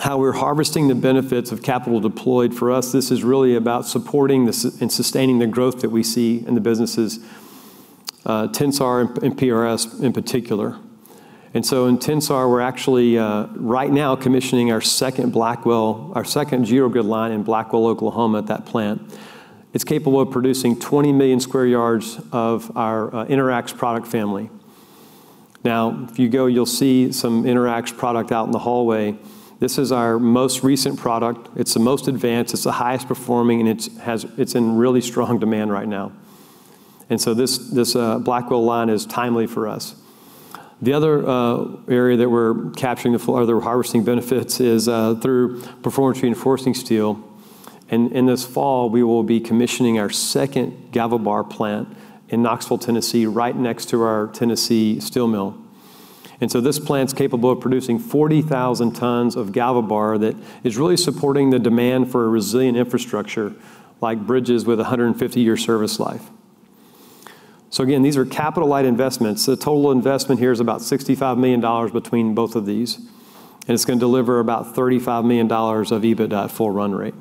how we're harvesting the benefits of capital deployed, for us, this is really about supporting this and sustaining the growth that we see in the businesses, Tensar and PRS in particular. In Tensar, we're actually right now commissioning our second geogrid line in Blackwell, Oklahoma, at that plant. It's capable of producing 20 million square yards of our InterAx product family. If you go, you'll see some InterAx product out in the hallway. This is our most recent product. It's the most advanced, it's the highest performing, and it's in really strong demand right now. This Blackwell line is timely for us. The other area that we're capturing or other harvesting benefits is through performance-reinforcing steel. This fall, we will be commissioning our second GalvaBar plant in Knoxville, Tennessee, right next to our Tennessee steel mill. This plant's capable of producing 40,000 tons of GalvaBar that is really supporting the demand for a resilient infrastructure, like bridges with 150-year service life. Again, these are capital-light investments. The total investment here is about $65 million between both of these, and it's going to deliver about $35 million of EBITDA at full run rate.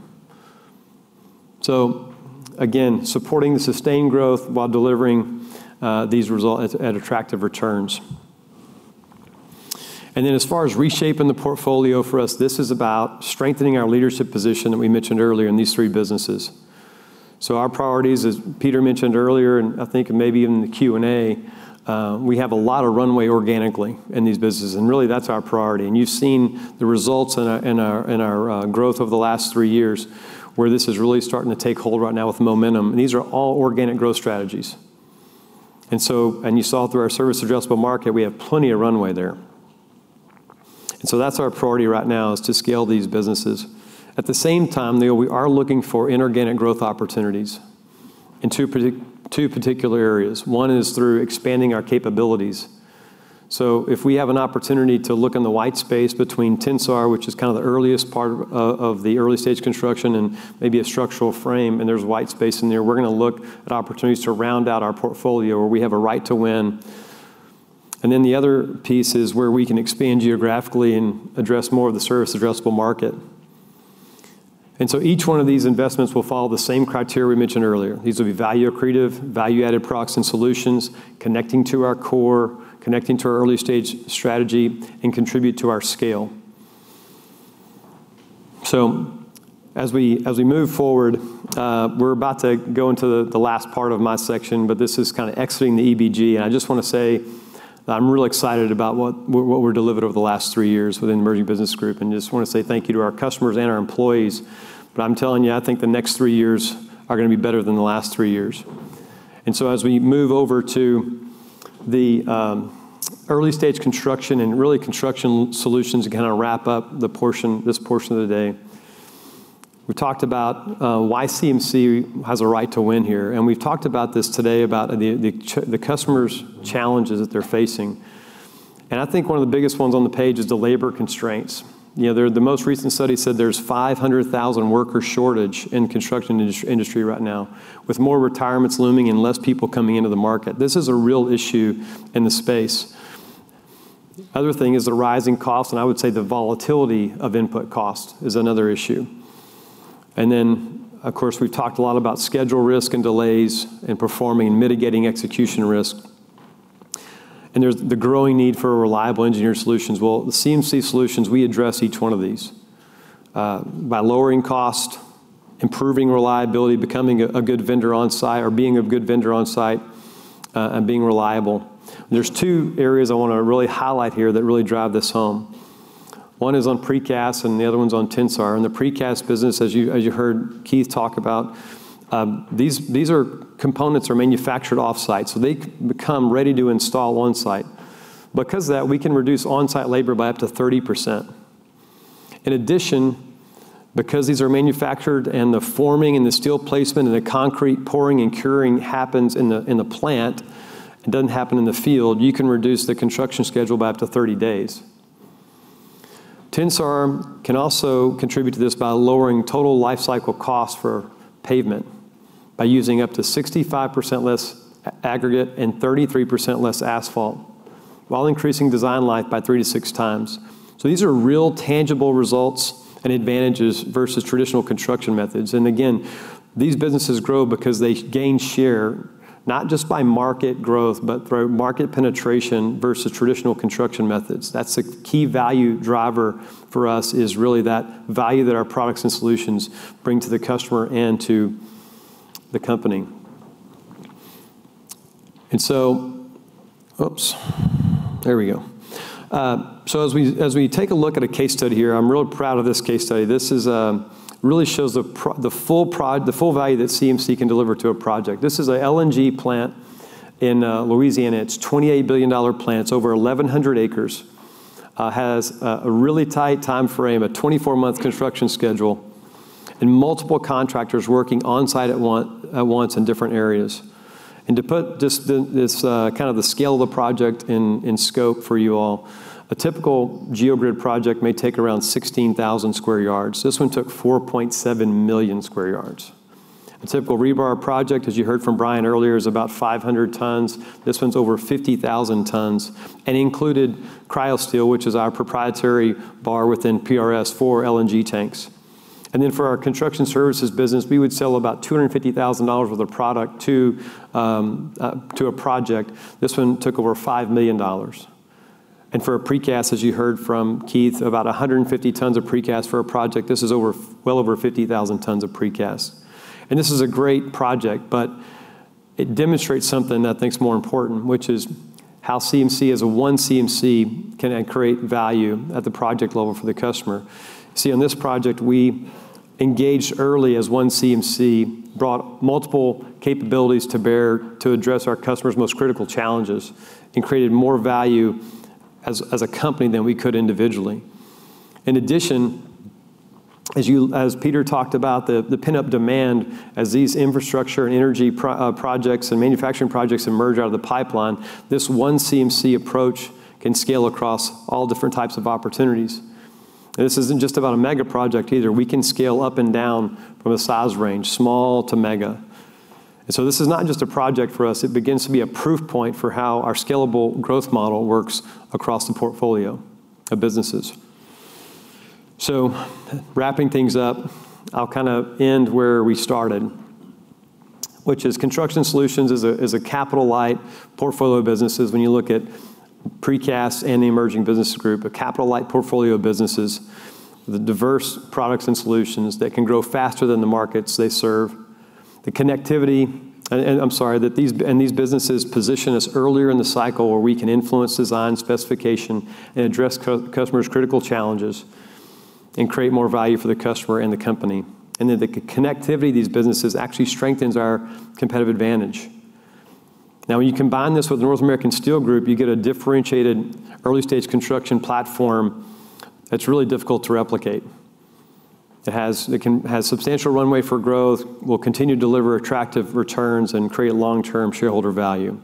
Again, supporting the sustained growth while delivering these results at attractive returns. As far as reshaping the portfolio for us, this is about strengthening our leadership position that we mentioned earlier in these three businesses. Our priorities, as Peter mentioned earlier, and I think maybe in the Q&A, we have a lot of runway organically in these businesses, and really, that's our priority. You've seen the results in our growth over the last three years, where this is really starting to take hold right now with momentum. These are all organic growth strategies. You saw through our service addressable market, we have plenty of runway there. That's our priority right now is to scale these businesses. At the same time, we are looking for inorganic growth opportunities in two particular areas. One is through expanding our capabilities. If we have an opportunity to look in the white space between Tensar, which is the earliest part of the early-stage construction, and maybe a structural frame, and there's white space in there, we're going to look at opportunities to round out our portfolio where we have a right to win. The other piece is where we can expand geographically and address more of the service addressable market. Each one of these investments will follow the same criteria we mentioned earlier. These will be value-accretive, value-added products and solutions, connecting to our core, connecting to our early-stage strategy, and contribute to our scale. As we move forward, we're about to go into the last part of my section, this is kind of exiting the EBG, I just want to say that I'm real excited about what we delivered over the last three years within Emerging Businesses Group, I just want to say thank you to our customers and our employees. I'm telling you, I think the next three years are going to be better than the last three years. As we move over to the early-stage construction and really construction solutions to kind of wrap up this portion of the day, we talked about why CMC has a right to win here, we've talked about this today, about the customers' challenges that they're facing. I think one of the biggest ones on the page is the labor constraints. The most recent study said there's a 500,000 worker shortage in the construction industry right now, with more retirements looming and less people coming into the market. This is a real issue in the space. Other thing is the rising cost, I would say the volatility of input cost is another issue. Of course, we've talked a lot about schedule risk and delays in performing and mitigating execution risk. There's the growing need for reliable engineering solutions. At CMC Solutions, we address each one of these by lowering cost, improving reliability, becoming a good vendor on-site, or being a good vendor on-site, and being reliable. There's two areas I want to really highlight here that really drive this home. One is on precast, and the other one's on Tensar. In the precast business, as you heard Keith talk about, these components are manufactured off-site. They become ready to install on-site. Because of that, we can reduce on-site labor by up to 30%. In addition, because these are manufactured and the forming and the steel placement and the concrete pouring and curing happens in the plant, it doesn't happen in the field, you can reduce the construction schedule by up to 30 days. Tensar can also contribute to this by lowering total lifecycle costs for pavement by using up to 65% less aggregate and 33% less asphalt while increasing design life by three to six times. These are real, tangible results and advantages versus traditional construction methods. Again, these businesses grow because they gain share, not just by market growth, but through market penetration versus traditional construction methods. That's the key value driver for us is really that value that our products and solutions bring to the customer and to the company. Oops, there we go. As we take a look at a case study here, I'm real proud of this case study. This really shows the full value that CMC can deliver to a project. This is a LNG plant in Louisiana. It's a $28 billion plant, it's over 1,100 acres. Has a really tight timeframe, a 24-month construction schedule, and multiple contractors working on-site at once in different areas. To put just kind of the scale of the project in scope for you all, a typical Geogrid project may take around 16,000 square yards. This one took 4.7 million square yards. A typical rebar project, as you heard from Brian earlier, is about 500 tons. This one's over 50,000 tons and included CryoSteel, which is our proprietary bar within PRS, four LNG tanks. For our Construction Services business, we would sell about $250,000 worth of product to a project. This one took over $5 million. For precast, as you heard from Keith, about 150 tons of precast for a project, this is well over 50,000 tons of precast. This is a great project, but it demonstrates something that I think is more important, which is how CMC as a One CMC can create value at the project level for the customer. See, on this project, we engaged early as One CMC, brought multiple capabilities to bear to address our customer's most critical challenges, and created more value as a company than we could individually. In addition, as Peter talked about, the pent-up demand as these infrastructure and energy projects and manufacturing projects emerge out of the pipeline, this One CMC approach can scale across all different types of opportunities. This isn't just about a mega project either. We can scale up and down from a size range, small to mega. This is not just a project for us, it begins to be a proof point for how our scalable growth model works across the portfolio of businesses. Wrapping things up, I'll end where we started, which is Construction Solutions is a capital-light portfolio of businesses when you look at precast and the Emerging Businesses Group, a capital-light portfolio of businesses, the diverse products and solutions that can grow faster than the markets they serve. These businesses position us earlier in the cycle where we can influence design specification and address customers' critical challenges and create more value for the customer and the company. The connectivity of these businesses actually strengthens our competitive advantage. When you combine this with the North America Steel Group, you get a differentiated early-stage construction platform that's really difficult to replicate. It has substantial runway for growth, will continue to deliver attractive returns, and create long-term shareholder value.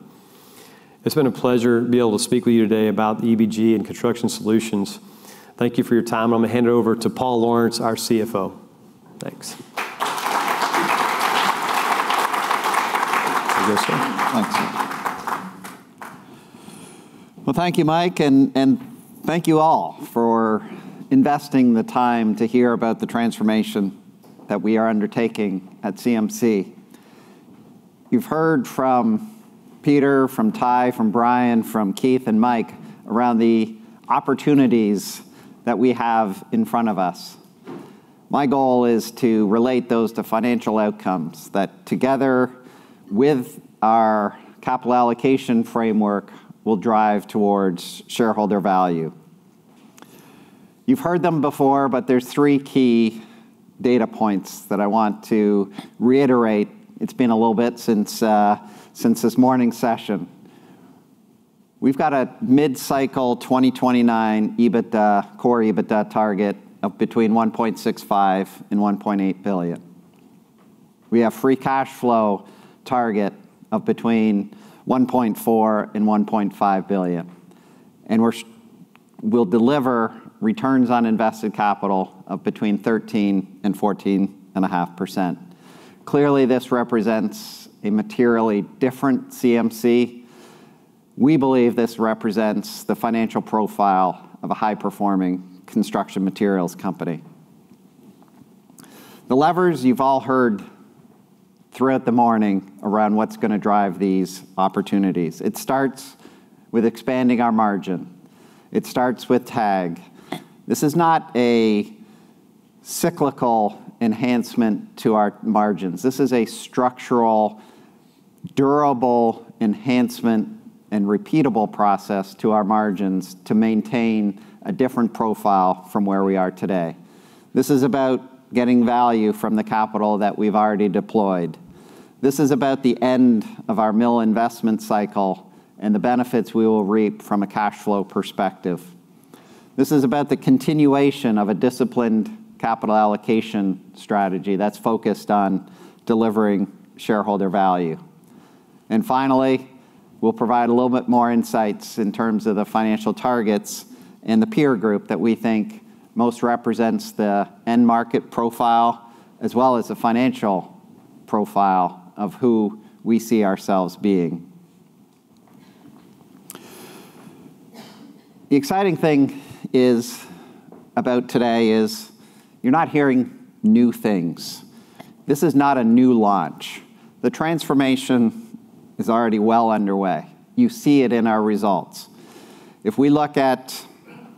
It's been a pleasure to be able to speak with you today about EBG and Construction Solutions. Thank you for your time. I'm going to hand it over to Paul Lawrence, our CFO. Thanks. There you go, sir. Thanks. Thank you, Mike, and thank you all for investing the time to hear about the transformation that we are undertaking at CMC. You've heard from Peter, from Ty, from Brian, from Keith, and Mike around the opportunities that we have in front of us. My goal is to relate those to financial outcomes that, together with our capital allocation framework, will drive towards shareholder value. You've heard them before, but there's three key data points that I want to reiterate. It's been a little bit since this morning's session. We've got a mid-cycle 2029 core EBITDA target of between $1.65 billion and $1.8 billion. We have free cash flow target of between $1.4 billion and $1.5 billion, and we'll deliver returns on invested capital of between 13% and 14.5%. Clearly, this represents a materially different CMC. We believe this represents the financial profile of a high-performing construction materials company. The levers you've all heard throughout the morning around what's going to drive these opportunities. It starts with expanding our margin. It starts with TAG. This is not a cyclical enhancement to our margins. This is a structural, durable enhancement and repeatable process to our margins to maintain a different profile from where we are today. This is about getting value from the capital that we've already deployed. This is about the end of our mill investment cycle and the benefits we will reap from a cash flow perspective. This is about the continuation of a disciplined capital allocation strategy that's focused on delivering shareholder value. Finally, we'll provide a little bit more insights in terms of the financial targets and the peer group that we think most represents the end market profile, as well as the financial profile of who we see ourselves being. The exciting thing about today is you're not hearing new things. This is not a new launch. The transformation is already well underway. You see it in our results. If we look at,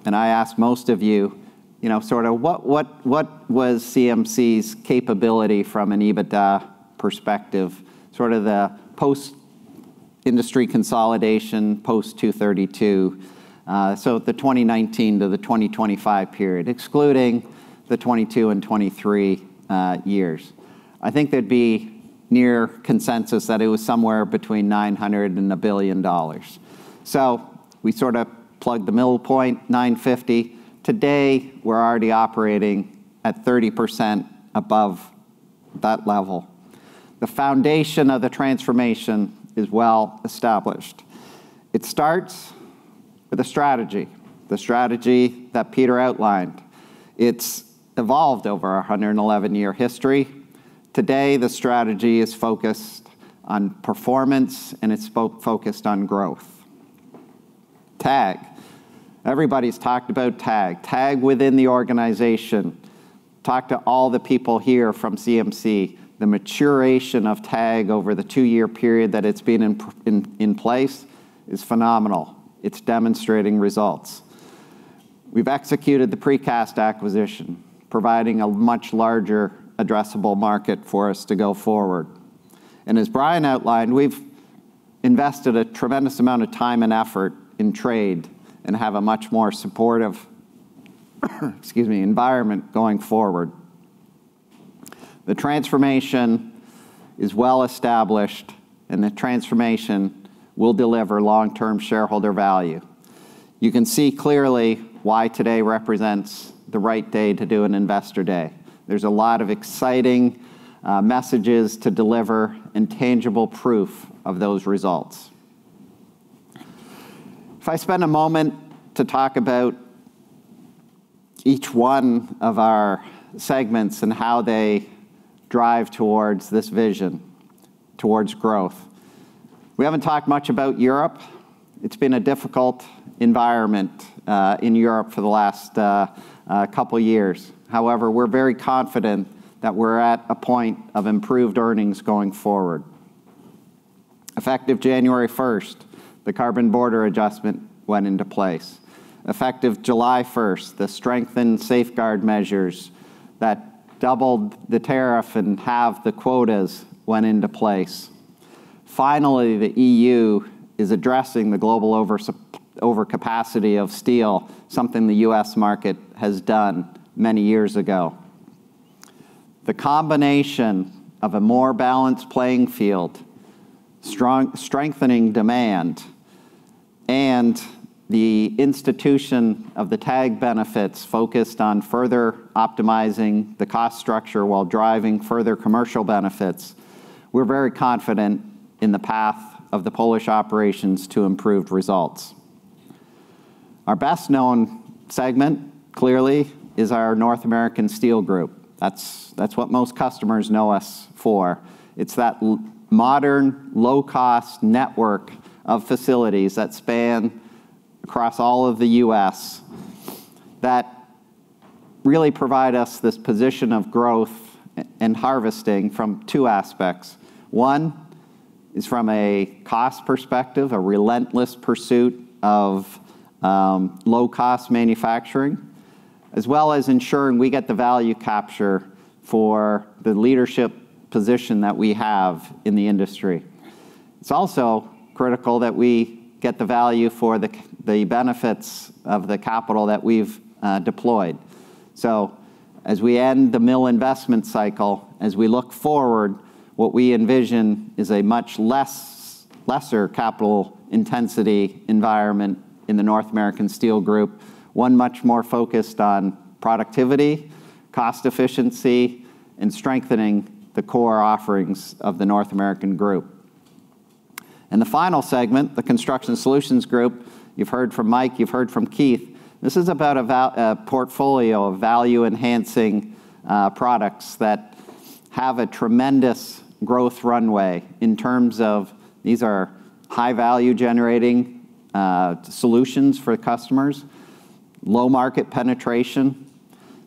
and I ask most of you, what was CMC's capability from an EBITDA perspective, sort of the post-industry consolidation, post-232, so the 2019 to the 2025 period, excluding the 2022 and 2023 years. I think there'd be near consensus that it was somewhere between $900 million and $1 billion. We sort of plugged the middle point, $950 million. Today, we're already operating at 30% above that level. The foundation of the transformation is well established. It starts with a strategy, the strategy that Peter outlined. It's evolved over our 111-year history. Today, the strategy is focused on performance, it's focused on growth. TAG. Everybody's talked about TAG. TAG within the organization. Talk to all the people here from CMC. The maturation of TAG over the two-year period that it's been in place is phenomenal. It's demonstrating results. We've executed the precast acquisition, providing a much larger addressable market for us to go forward. As Brian outlined, we've invested a tremendous amount of time and effort in trade and have a much more supportive, excuse me, environment going forward. The transformation is well established, the transformation will deliver long-term shareholder value. You can see clearly why today represents the right day to do an Investor Day. There's a lot of exciting messages to deliver and tangible proof of those results. If I spend a moment to talk about each one of our segments and how they drive towards this vision, towards growth. We haven't talked much about Europe. It's been a difficult environment in Europe for the last couple of years. However, we're very confident that we're at a point of improved earnings going forward. Effective January 1st, the Carbon Border Adjustment went into place. Effective July 1st, the strengthened safeguard measures that doubled the tariff and halved the quotas went into place. Finally, the EU is addressing the global overcapacity of steel, something the U.S. market has done many years ago. The combination of a more balanced playing field, strengthening demand, the institution of the TAG benefits focused on further optimizing the cost structure while driving further commercial benefits, we're very confident in the path of the Polish operations to improved results. Our best-known segment, clearly, is our North America Steel Group. That's what most customers know us for. It's that modern, low-cost network of facilities that span across all of the U.S. that really provide us this position of growth and harvesting from two aspects. One is from a cost perspective, a relentless pursuit of low-cost manufacturing, as well as ensuring we get the value capture for the leadership position that we have in the industry. It's also critical that we get the value for the benefits of the capital that we've deployed. As we end the mill investment cycle, as we look forward, what we envision is a much lesser capital intensity environment in the North America Steel Group. One much more focused on productivity, cost efficiency, and strengthening the core offerings of the North American group. In the final segment, the Construction Solutions Group, you've heard from Mike, you've heard from Keith, this is about a portfolio of value-enhancing products that have a tremendous growth runway in terms of these are high value-generating solutions for customers, low market penetration.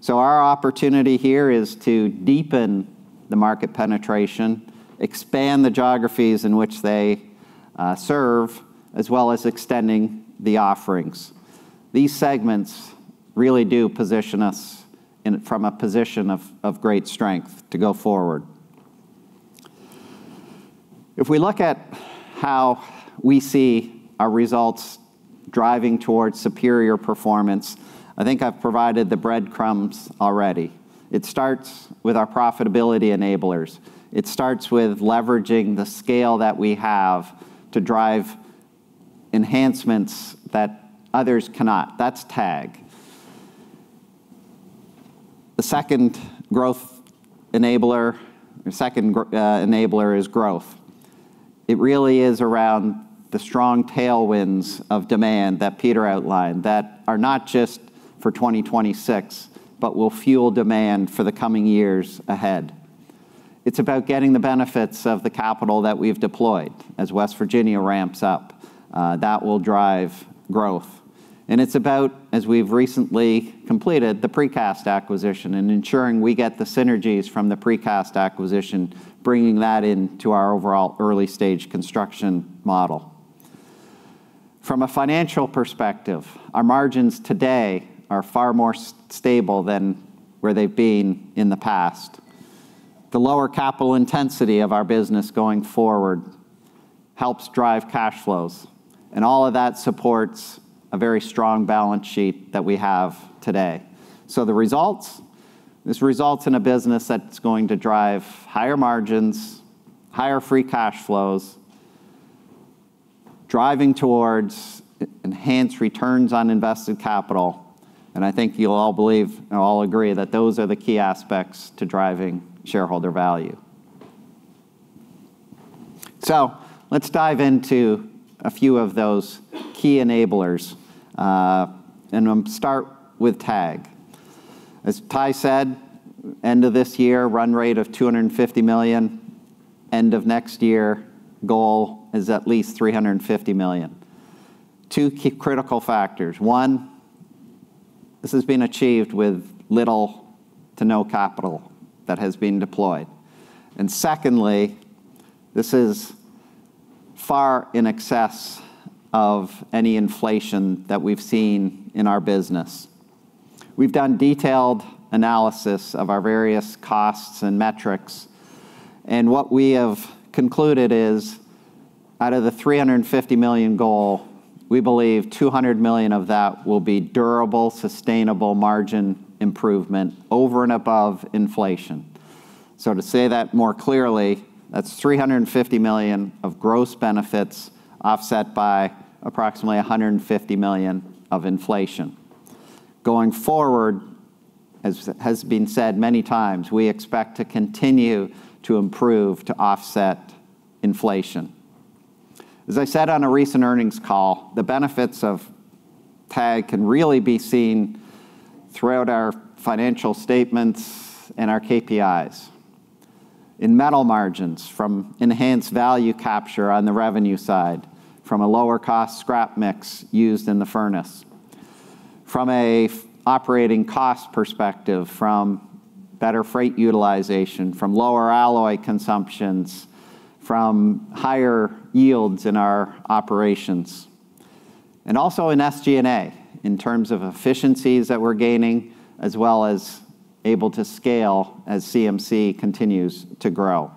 Our opportunity here is to deepen the market penetration, expand the geographies in which they serve, as well as extending the offerings. These segments really do position us from a position of great strength to go forward. If we look at how we see our results driving towards superior performance, I think I've provided the breadcrumbs already. It starts with our profitability enablers. It starts with leveraging the scale that we have to drive enhancements that others cannot. That's TAG. The second enabler is growth. It really is around the strong tailwinds of demand that Peter outlined that are not just for 2026, but will fuel demand for the coming years ahead. It's about getting the benefits of the capital that we've deployed as West Virginia ramps up. That will drive growth. It's about, as we've recently completed, the precast acquisition and ensuring we get the synergies from the precast acquisition, bringing that into our overall early-stage construction model. From a financial perspective, our margins today are far more stable than where they've been in the past. The lower capital intensity of our business going forward helps drive cash flows, and all of that supports a very strong balance sheet that we have today. The results, this results in a business that's going to drive higher margins, higher free cash flows, driving towards enhanced returns on invested capital, and I think you'll all believe and all agree that those are the key aspects to driving shareholder value. Let's dive into a few of those key enablers, and I'll start with TAG. As Ty said, end of this year, run rate of $250 million. End of next year, goal is at least $350 million. Two critical factors. One, this has been achieved with little to no capital that has been deployed. Secondly, this is far in excess of any inflation that we've seen in our business. We've done detailed analysis of our various costs and metrics, what we have concluded is, out of the $350 million goal, we believe $200 million of that will be durable, sustainable margin improvement over and above inflation. To say that more clearly, that's $350 million of gross benefits offset by approximately $150 million of inflation. Going forward, as has been said many times, we expect to continue to improve to offset inflation. As I said on a recent earnings call, the benefits of TAG can really be seen throughout our financial statements and our KPIs. In metal margins, from enhanced value capture on the revenue side, from a lower-cost scrap mix used in the furnace, from an operating cost perspective, from better freight utilization, from lower alloy consumptions, from higher yields in our operations. Also in SG&A, in terms of efficiencies that we're gaining, as well as able to scale as CMC continues to grow.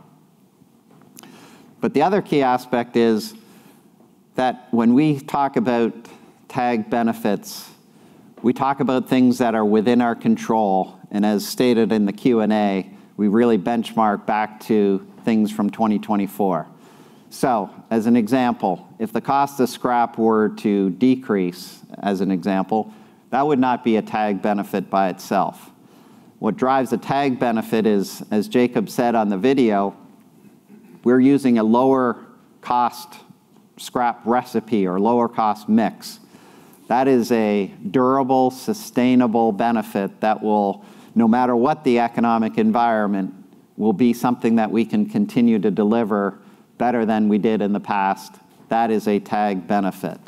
The other key aspect is that when we talk about TAG benefits, we talk about things that are within our control, and as stated in the Q&A, we really benchmark back to things from 2024. As an example, if the cost of scrap were to decrease, as an example, that would not be a TAG benefit by itself. What drives a TAG benefit is, as Jacob said on the video, we're using a lower cost scrap recipe or lower cost mix. That is a durable, sustainable benefit that will, no matter what the economic environment, will be something that we can continue to deliver better than we did in the past. That is a TAG benefit.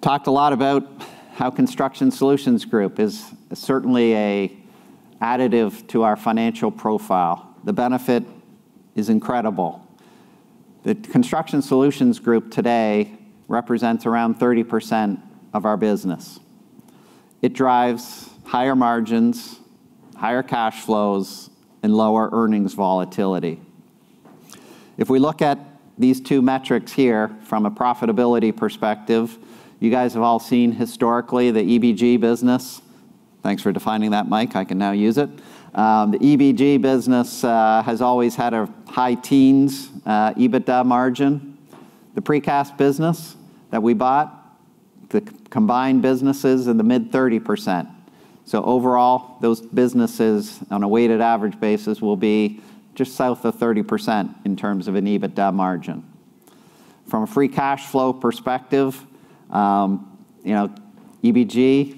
Talked a lot about how Construction Solutions Group is certainly an additive to our financial profile. The benefit is incredible. The Construction Solutions Group today represents around 30% of our business. It drives higher margins, higher cash flows, and lower earnings volatility. If we look at these two metrics here from a profitability perspective, you guys have all seen historically the EBG business. Thanks for defining that, Mike. I can now use it. The EBG business has always had a high teens EBITDA margin. The precast business that we bought, the combined business is in the mid-30%. Overall, those businesses on a weighted average basis will be just south of 30% in terms of an EBITDA margin. From a free cash flow perspective, EBG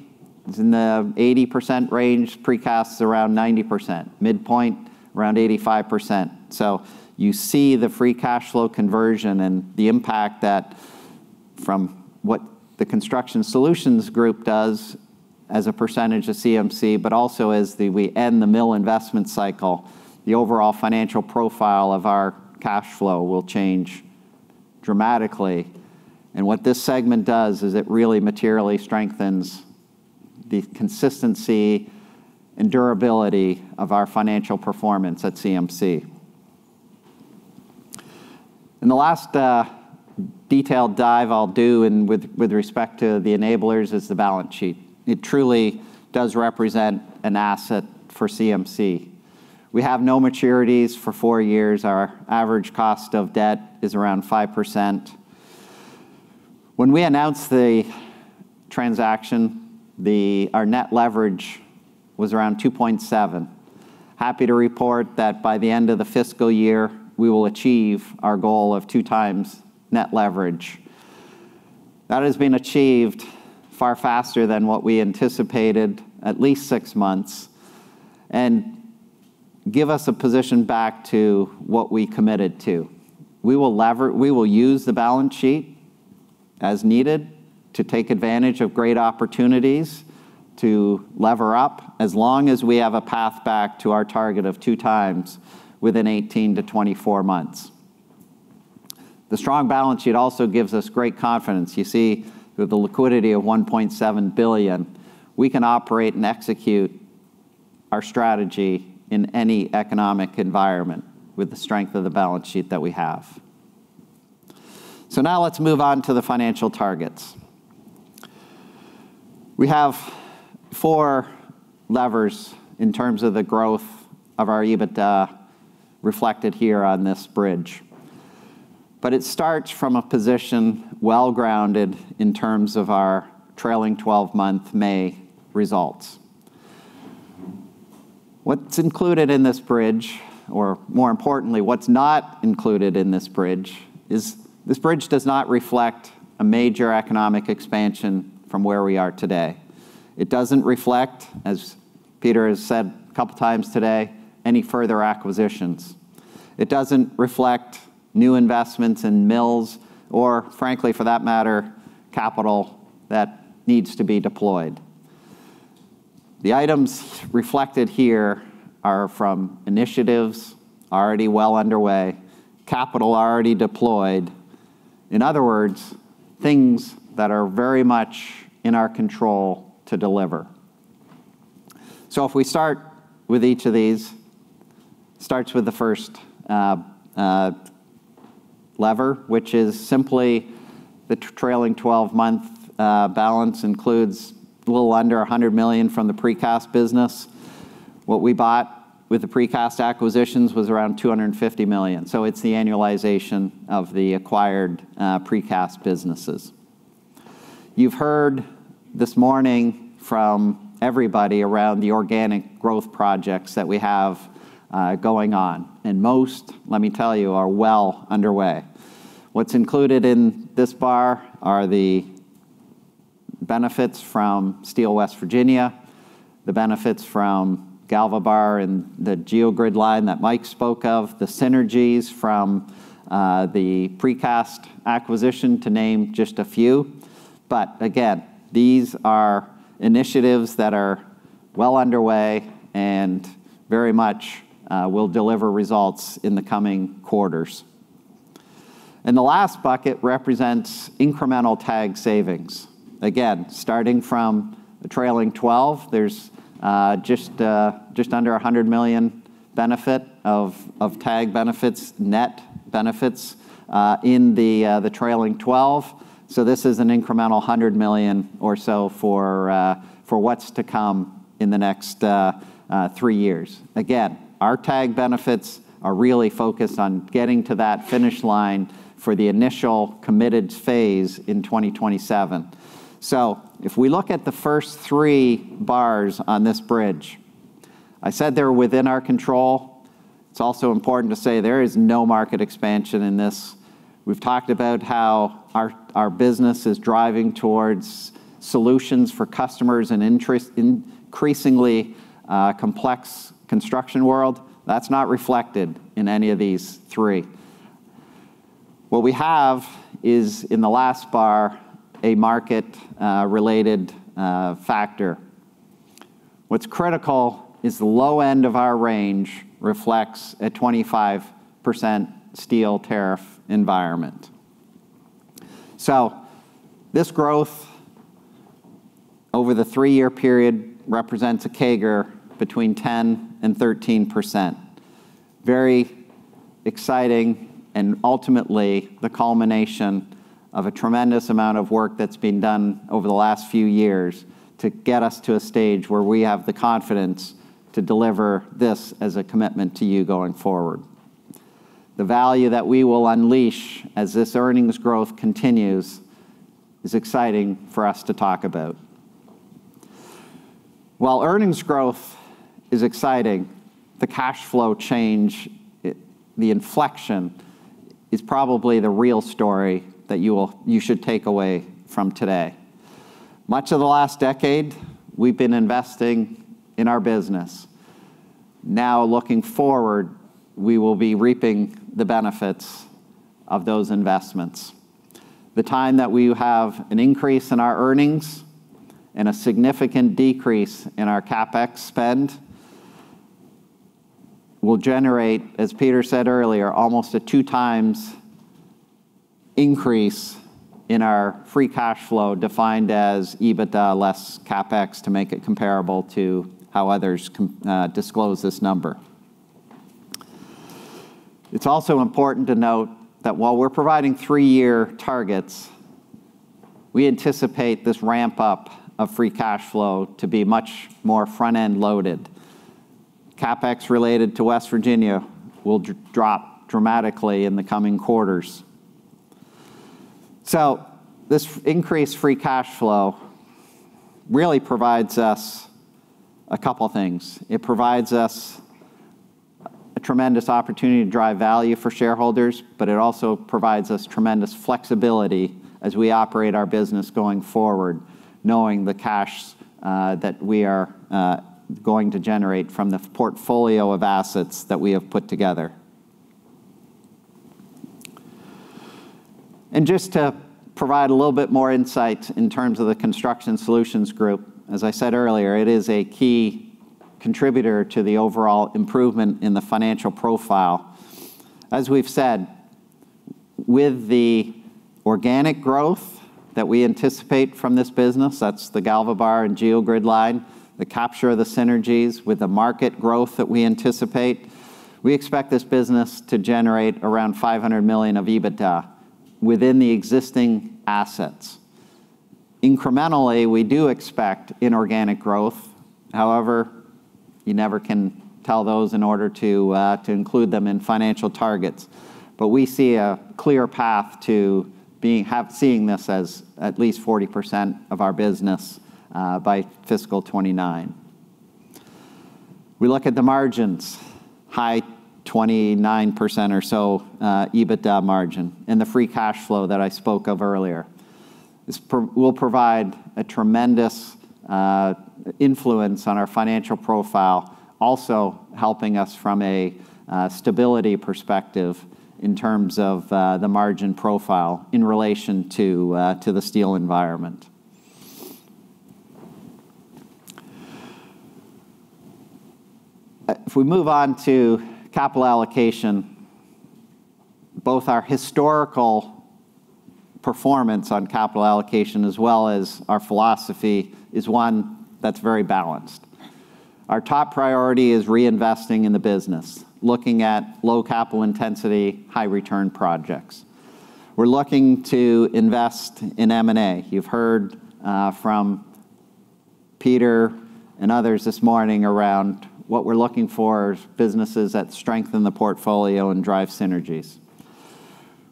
is in the 80% range, precast's around 90%, midpoint around 85%. You see the free cash flow conversion and the impact that from what the Construction Solutions Group does as a percentage of CMC, but also as we end the mill investment cycle, the overall financial profile of our cash flow will change dramatically. What this segment does is it really materially strengthens the consistency and durability of our financial performance at CMC. The last detailed dive I'll do and with respect to the enablers is the balance sheet. It truly does represent an asset for CMC. We have no maturities for four years. Our average cost of debt is around 5%. When we announced the transaction, our net leverage was around 2.7. Happy to report that by the end of the fiscal year, we will achieve our goal of two times net leverage. That has been achieved far faster than what we anticipated, at least six months, and Give us a position back to what we committed to. We will lever, we will use the balance sheet as needed to take advantage of great opportunities to lever up as long as we have a path back to our target of two times within 18-24 months. The strong balance sheet also gives us great confidence. You see with the liquidity of $1.7 billion, we can operate and execute our strategy in any economic environment with the strength of the balance sheet that we have. Now let's move on to the financial targets. We have four levers in terms of the growth of our EBITDA reflected here on this bridge. It starts from a position well-grounded in terms of our trailing 12-month May results. What's included in this bridge, or more importantly, what's not included in this bridge, is this bridge does not reflect a major economic expansion from where we are today. It doesn't reflect, as Peter has said a couple of times today, any further acquisitions. It doesn't reflect new investments in mills, or frankly, for that matter, capital that needs to be deployed. The items reflected here are from initiatives already well underway, capital already deployed. In other words, things that are very much in our control to deliver. If we start with each of these, starts with the first lever, which is simply the trailing 12-month balance includes a little under $100 million from the precast business. What we bought with the precast acquisitions was around $250 million. It's the annualization of the acquired precast businesses. You've heard this morning from everybody around the organic growth projects that we have going on, most, let me tell you, are well underway. What's included in this bar are the benefits from Steel West Virginia, the benefits from GalvaBar and the Geogrid line that Mike spoke of, the synergies from the precast acquisition, to name just a few. Again, these are initiatives that are well underway and very much will deliver results in the coming quarters. The last bucket represents incremental TAG savings. Again, starting from the trailing 12, there's just under $100 million benefit of TAG benefits, net benefits, in the trailing 12. This is an incremental $100 million or so for what's to come in the next three years. Again, our TAG benefits are really focused on getting to that finish line for the initial committed phase in 2027. If we look at the first three bars on this bridge, I said they're within our control. It's also important to say there is no market expansion in this. We've talked about how our business is driving towards solutions for customers in increasingly complex construction world. That's not reflected in any of these three. What we have is in the last bar, a market-related factor. What's critical is the low end of our range reflects a 25% steel tariff environment. This growth over the three-year period represents a CAGR between 10%-13%. Very exciting and ultimately the culmination of a tremendous amount of work that's been done over the last few years to get us to a stage where we have the confidence to deliver this as a commitment to you going forward. The value that we will unleash as this earnings growth continues is exciting for us to talk about. While earnings growth is exciting, the cash flow change, the inflection, is probably the real story that you should take away from today. Much of the last decade, we have been investing in our business. Looking forward, we will be reaping the benefits of those investments. The time that we have an increase in our earnings and a significant decrease in our CapEx spend will generate, as Peter said earlier, almost a two times increase in our free cash flow, defined as EBITDA less CapEx to make it comparable to how others disclose this number. It is also important to note that while we are providing three-year targets, we anticipate this ramp-up of free cash flow to be much more front-end loaded. CapEx related to West Virginia will drop dramatically in the coming quarters. This increased free cash flow really provides us a couple of things. It provides us a tremendous opportunity to drive value for shareholders, but it also provides us tremendous flexibility as we operate our business going forward, knowing the cash that we are going to generate from the portfolio of assets that we have put together. Just to provide a little bit more insight in terms of the Construction Solutions Group, as I said earlier, it is a key contributor to the overall improvement in the financial profile. As we have said, with the organic growth that we anticipate from this business, that is the GalvaBar and Geogrid line, the capture of the synergies with the market growth that we anticipate, we expect this business to generate around $500 million of EBITDA within the existing assets. Incrementally, we do expect inorganic growth. However, you never can tell those in order to include them in financial targets. We see a clear path to seeing this as at least 40% of our business by fiscal 2029. We look at the margins, high 29% or so EBITDA margin, and the free cash flow that I spoke of earlier. This will provide a tremendous influence on our financial profile, also helping us from a stability perspective in terms of the margin profile in relation to the steel environment. If we move on to capital allocation, both our historical performance on capital allocation as well as our philosophy is one that is very balanced. Our top priority is reinvesting in the business, looking at low capital intensity, high return projects. We are looking to invest in M&A. You have heard from Peter and others this morning around what we are looking for is businesses that strengthen the portfolio and drive synergies.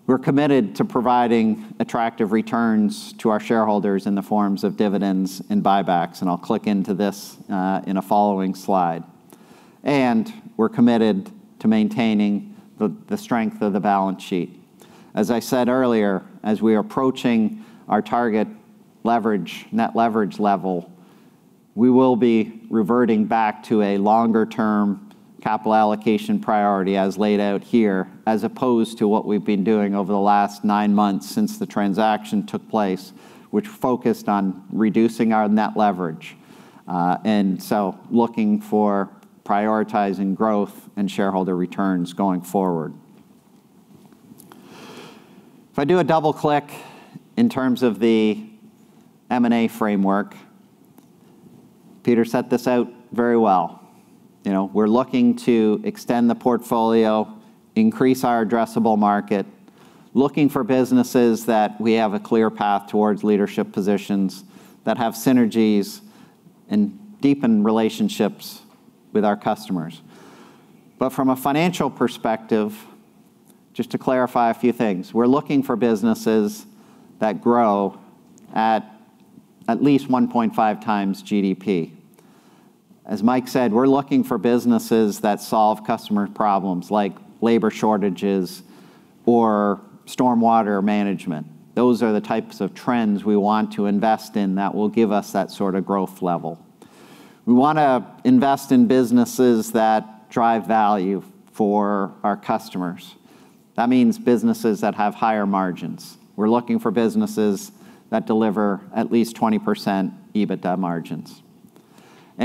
We are committed to providing attractive returns to our shareholders in the forms of dividends and buybacks, and I will click into this in a following slide. We are committed to maintaining the strength of the balance sheet. As I said earlier, as we are approaching our target net leverage level, we will be reverting back to a longer-term capital allocation priority as laid out here, as opposed to what we have been doing over the last nine months since the transaction took place, which focused on reducing our net leverage. Looking for prioritizing growth and shareholder returns going forward. If I do a double click in terms of the M&A framework, Peter set this out very well. We're looking to extend the portfolio, increase our addressable market, looking for businesses that we have a clear path towards leadership positions, that have synergies, and deepen relationships with our customers. From a financial perspective, just to clarify a few things, we're looking for businesses that grow at at least 1.5 times GDP. As Mike said, we're looking for businesses that solve customer problems, like labor shortages or stormwater management. Those are the types of trends we want to invest in that will give us that sort of growth level. We want to invest in businesses that drive value for our customers. That means businesses that have higher margins. We're looking for businesses that deliver at least 20% EBITDA margins.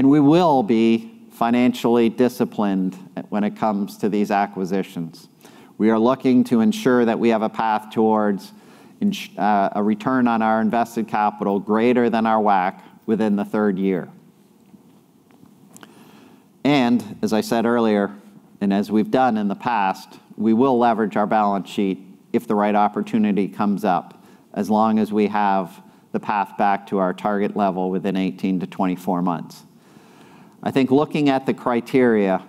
We will be financially disciplined when it comes to these acquisitions. We are looking to ensure that we have a path towards a return on our invested capital greater than our WACC within the third year. As I said earlier, and as we've done in the past, we will leverage our balance sheet if the right opportunity comes up, as long as we have the path back to our target level within 18-24 months. I think looking at the criteria,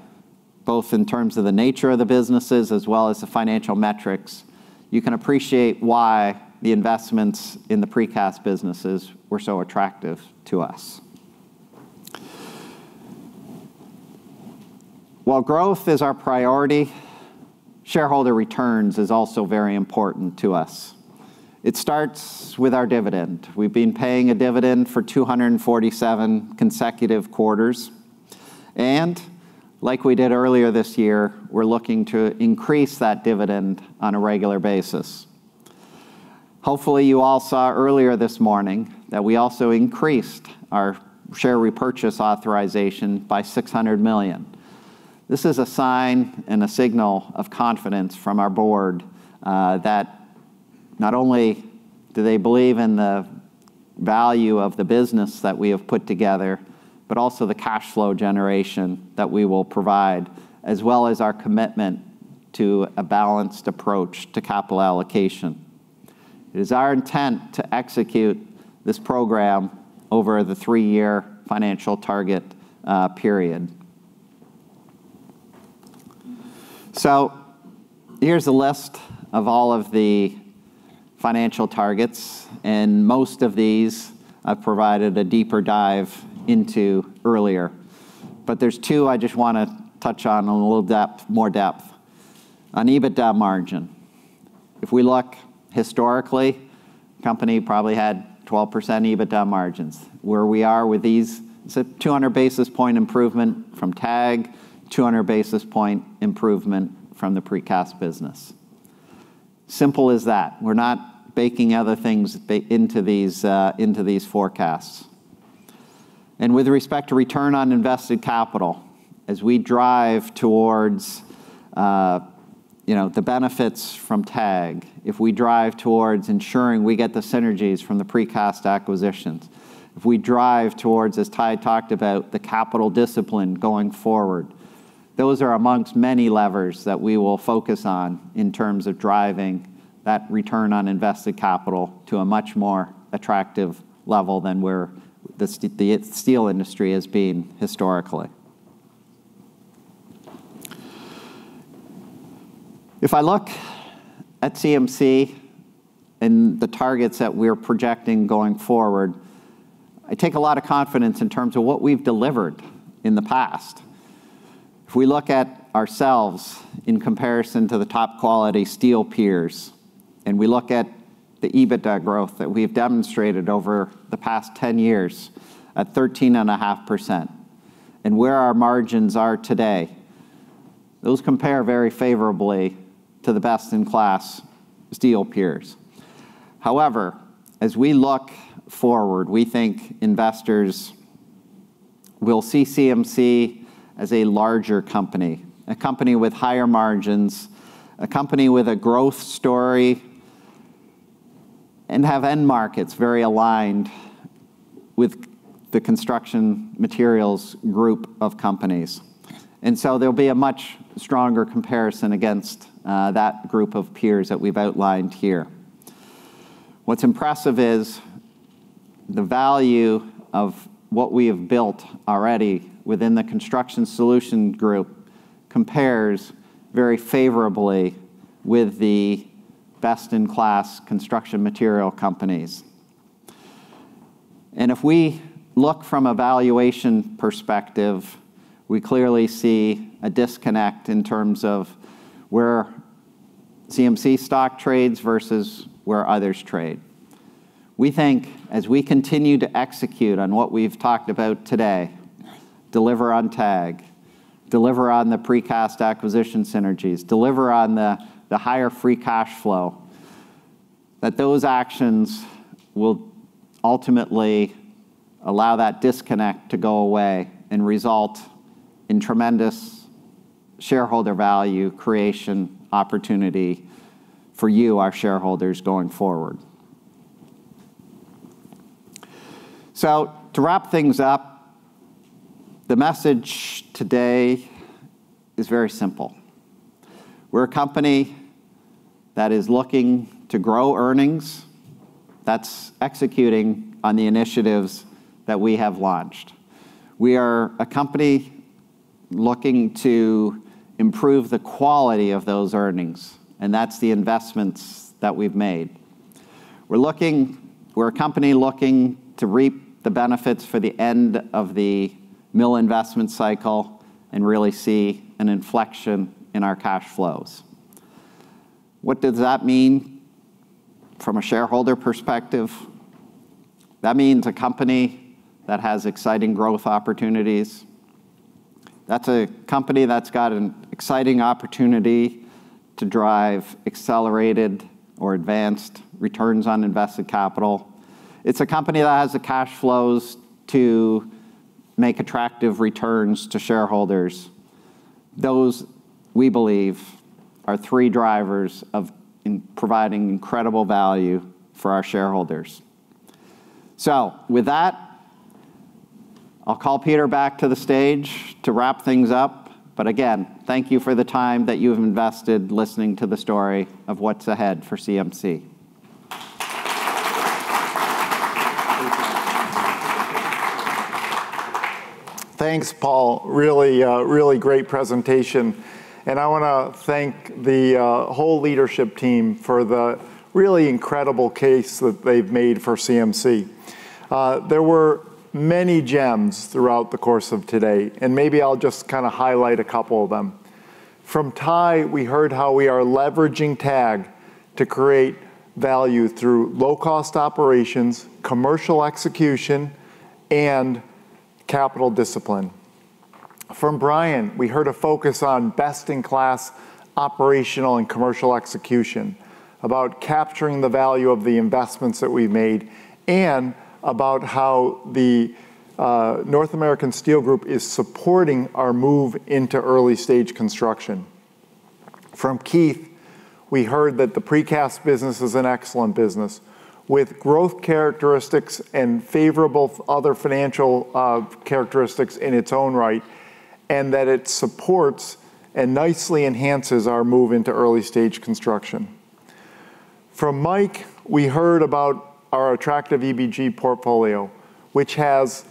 both in terms of the nature of the businesses as well as the financial metrics, you can appreciate why the investments in the precast businesses were so attractive to us. While growth is our priority, shareholder returns is also very important to us. It starts with our dividend. We've been paying a dividend for 247 consecutive quarters, like we did earlier this year, we're looking to increase that dividend on a regular basis. Hopefully, you all saw earlier this morning that we also increased our share repurchase authorization by $600 million. This is a sign and a signal of confidence from our board, that not only do they believe in the value of the business that we have put together, but also the cash flow generation that we will provide, as well as our commitment to a balanced approach to capital allocation. It is our intent to execute this program over the three-year financial target period. Here's a list of all of the financial targets, and most of these I've provided a deeper dive into earlier. There's two I just want to touch on in a little more depth. On EBITDA margin, if we look historically, the company probably had 12% EBITDA margins. Where we are with these, it's a 200 basis point improvement from TAG, 200 basis point improvement from the precast business. Simple as that. We're not baking other things into these forecasts. With respect to return on invested capital, as we drive towards the benefits from TAG, if we drive towards ensuring we get the synergies from the precast acquisitions, if we drive towards, as Ty talked about, the capital discipline going forward, those are amongst many levers that we will focus on in terms of driving that return on invested capital to a much more attractive level than where the steel industry has been historically. If I look at CMC and the targets that we're projecting going forward, I take a lot of confidence in terms of what we've delivered in the past. If we look at ourselves in comparison to the top-quality steel peers, we look at the EBITDA growth that we've demonstrated over the past 10 years at 13.5%, and where our margins are today, those compare very favorably to the best-in-class steel peers. However, as we look forward, we think investors will see CMC as a larger company, a company with higher margins, a company with a growth story, and have end markets very aligned with the construction materials group of companies. There'll be a much stronger comparison against that group of peers that we've outlined here. What's impressive is the value of what we have built already within the Construction Solutions Group compares very favorably with the best-in-class construction material companies. If we look from a valuation perspective, we clearly see a disconnect in terms of where CMC stock trades versus where others trade. We think, as we continue to execute on what we've talked about today, deliver on TAG, deliver on the precast acquisition synergies, deliver on the higher free cash flow, that those actions will ultimately allow that disconnect to go away and result in tremendous shareholder value creation opportunity for you, our shareholders, going forward. To wrap things up, the message today is very simple. We're a company that is looking to grow earnings, that's executing on the initiatives that we have launched. We are a company looking to improve the quality of those earnings, and that's the investments that we've made. We're a company looking to reap the benefits for the end of the mill investment cycle and really see an inflection in our cash flows. What does that mean from a shareholder perspective? That means a company that has exciting growth opportunities. That's a company that's got an exciting opportunity to drive accelerated or advanced returns on invested capital. It's a company that has the cash flows to make attractive returns to shareholders. Those, we believe, are three drivers of providing incredible value for our shareholders. With that, I'll call Peter back to the stage to wrap things up. Again, thank you for the time that you've invested listening to the story of what's ahead for CMC. Thanks, Paul. Really, really great presentation. I want to thank the whole leadership team for the really incredible case that they've made for CMC. There were many gems throughout the course of today, and maybe I'll just highlight a couple of them. From Ty, we heard how we are leveraging TAG to create value through low-cost operations, commercial execution, and capital discipline. From Brian, we heard a focus on best-in-class operational and commercial execution, about capturing the value of the investments that we've made, and about how the North America Steel Group is supporting our move into early-stage construction. From Keith, we heard that the precast business is an excellent business with growth characteristics and favorable other financial characteristics in its own right, and that it supports and nicely enhances our move into early-stage construction. From Mike, we heard about our attractive EBG portfolio, which has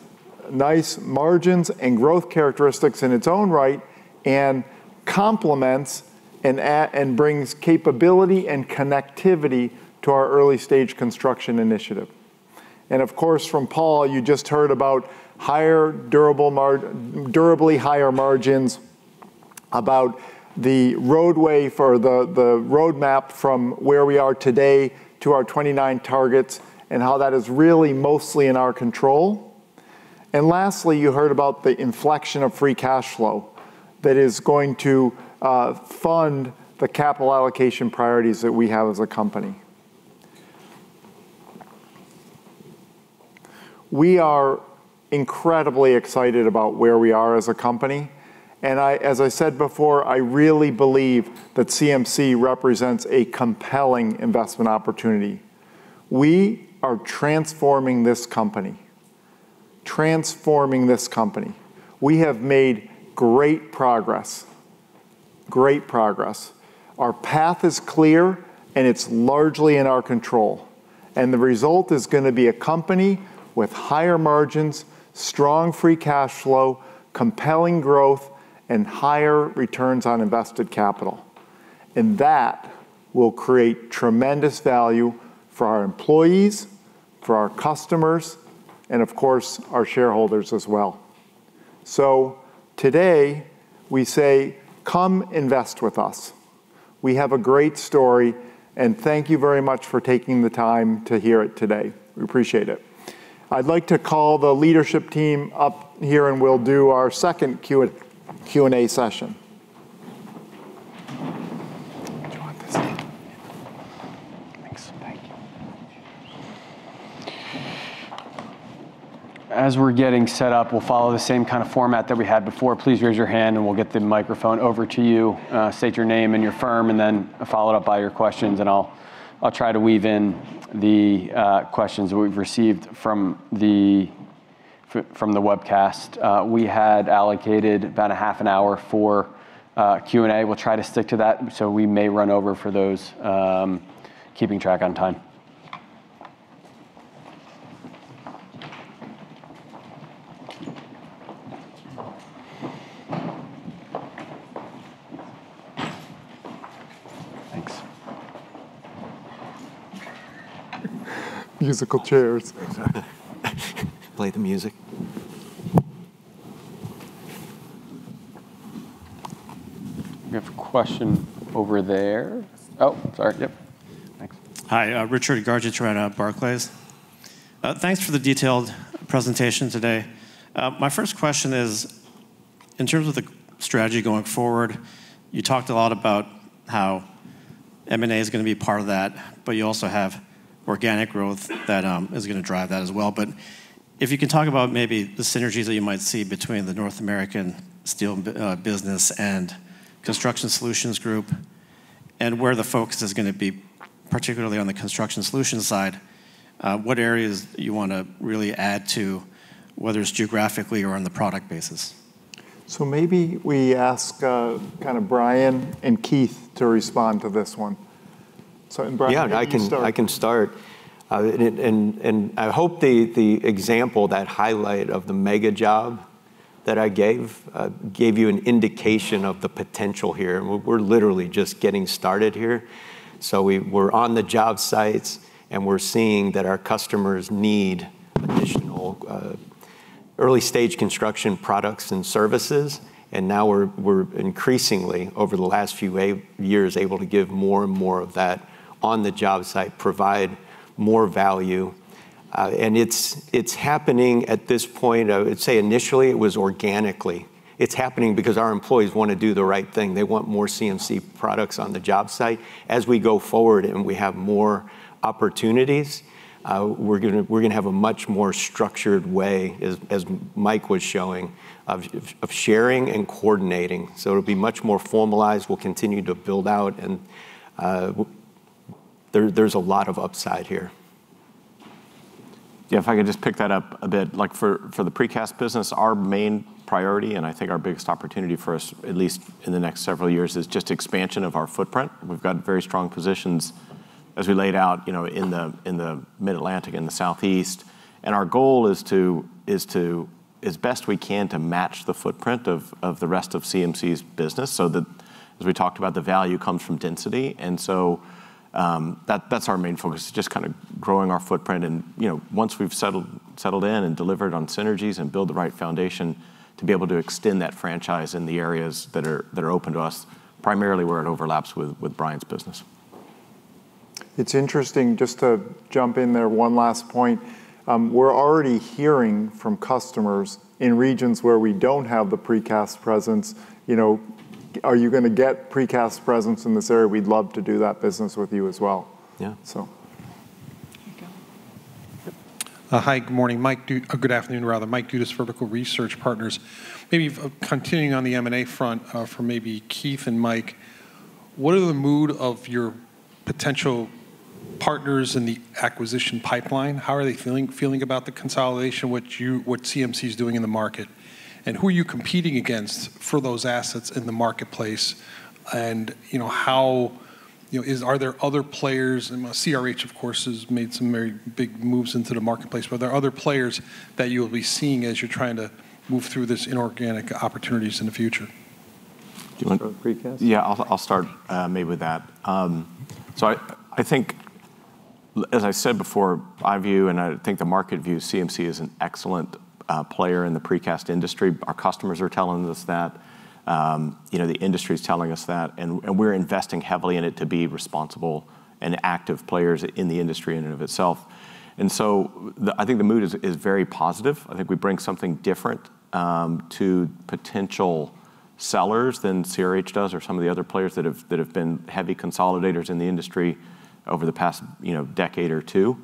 nice margins and growth characteristics in its own right, and complements and brings capability and connectivity to our early-stage construction initiative. Of course, from Paul, you just heard about durably higher margins, about the roadmap from where we are today to our 2029 targets, and how that is really mostly in our control. Lastly, you heard about the inflection of free cash flow that is going to fund the capital allocation priorities that we have as a company. We are incredibly excited about where we are as a company, and as I said before, I really believe that CMC represents a compelling investment opportunity. We are transforming this company. We have made great progress. Our path is clear, it's largely in our control, the result is going to be a company with higher margins, strong free cash flow, compelling growth, and higher returns on invested capital. That will create tremendous value for our employees, for our customers, and of course, our shareholders as well. Today, we say, "Come invest with us." We have a great story, thank you very much for taking the time to hear it today. We appreciate it. I'd like to call the leadership team up here, and we'll do our second Q&A session. Do you want this? Yeah. Thanks. Thank you. As we're getting set up, we'll follow the same kind of format that we had before. Please raise your hand and we'll get the microphone over to you. State your name and your firm, and then follow it up by your questions, and I'll try to weave in the questions we've received from the webcast. We had allocated about a half an hour for Q&A. We'll try to stick to that. We may run over for those keeping track on time. Thanks. Musical chairs. Play the music. We have a question over there. Oh, sorry. Yep. Thanks. Hi, Richard Garchitorena from Barclays. Thanks for the detailed presentation today. My first question is, in terms of the strategy going forward, you talked a lot about how M&A is going to be part of that, you also have organic growth that is going to drive that as well. If you can talk about maybe the synergies that you might see between the North American Steel Business and Construction Solutions Group and where the focus is going to be, particularly on the construction solutions side, what areas you want to really add to, whether it's geographically or on the product basis. Maybe we ask Brian and Keith to respond to this one. Brian, you can start. I can start. I hope the example, that highlight of the mega job that I gave you an indication of the potential here. We're literally just getting started here. We're on the job sites, and we're seeing that our customers need additional early-stage construction products and services. Now we're increasingly, over the last few years, able to give more and more of that on the job site, provide more value. It's happening at this point, I would say initially, it was organically. It's happening because our employees want to do the right thing. They want more CMC products on the job site. As we go forward and we have more opportunities, we're going to have a much more structured way, as Mike was showing, of sharing and coordinating. It'll be much more formalized. We'll continue to build out, and there's a lot of upside here. If I could just pick that up a bit. For the precast business, our main priority, and I think our biggest opportunity for us, at least in the next several years, is just expansion of our footprint. We've got very strong positions as we laid out, in the Mid-Atlantic and the Southeast. Our goal is to, as best we can, to match the footprint of the rest of CMC's business, so that, as we talked about, the value comes from density. That's our main focus, just kind of growing our footprint and once we've settled in and delivered on synergies and build the right foundation to be able to extend that franchise in the areas that are open to us, primarily where it overlaps with Brian's business. It's interesting, just to jump in there, one last point. We're already hearing from customers in regions where we don't have the precast presence, "Are you going to get precast presence in this area? We'd love to do that business with you as well. Yeah. So Here you go. Hi, good morning. Or good afternoon, rather. Mike Dudas for Vertical Research Partners. Maybe continuing on the M&A front, for maybe Keith and Mike, what are the mood of your potential partners in the acquisition pipeline? How are they feeling about the consolidation, what CMC is doing in the market? Who are you competing against for those assets in the marketplace? Are there other players, and CRH, of course, has made some very big moves into the marketplace, but are there other players that you'll be seeing as you're trying to move through this inorganic opportunities in the future? Do you want Precast? Yeah, I'll start maybe with that. I think, as I said before, I view, and I think the market views CMC as an excellent player in the Precast industry. Our customers are telling us that. The industry's telling us that. We're investing heavily in it to be responsible and active players in the industry in and of itself. I think the mood is very positive. I think we bring something different to potential sellers than CRH does or some of the other players that have been heavy consolidators in the industry over the past decade or two.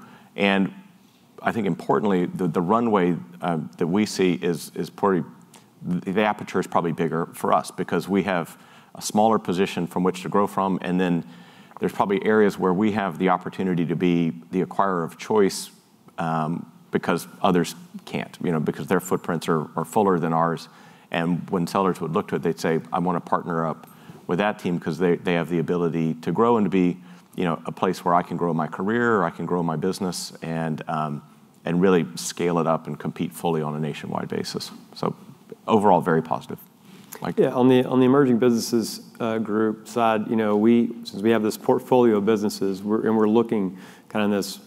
I think importantly, the runway that we see, the aperture is probably bigger for us because we have a smaller position from which to grow from. There's probably areas where we have the opportunity to be the acquirer of choice because others can't, because their footprints are fuller than ours. When sellers would look to it, they'd say, "I want to partner up with that team because they have the ability to grow and to be a place where I can grow my career or I can grow my business and really scale it up and compete fully on a nationwide basis." Overall, very positive. Mike. Yeah, on the Emerging Businesses Group side, since we have this portfolio of businesses. We're looking kind of in this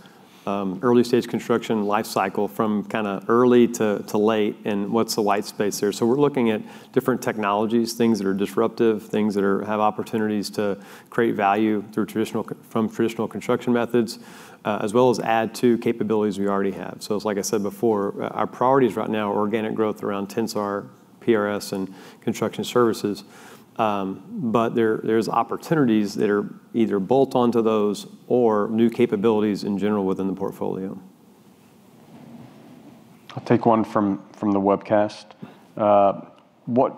early-stage construction life cycle from early to late and what's the light space there. We're looking at different technologies, things that are disruptive, things that have opportunities to create value from traditional construction methods, as well as add to capabilities we already have. It's like I said before, our priorities right now are organic growth around Tensar, PRS, and Construction Services. There's opportunities that are either bolt-onto those or new capabilities in general within the portfolio. I'll take one from the webcast.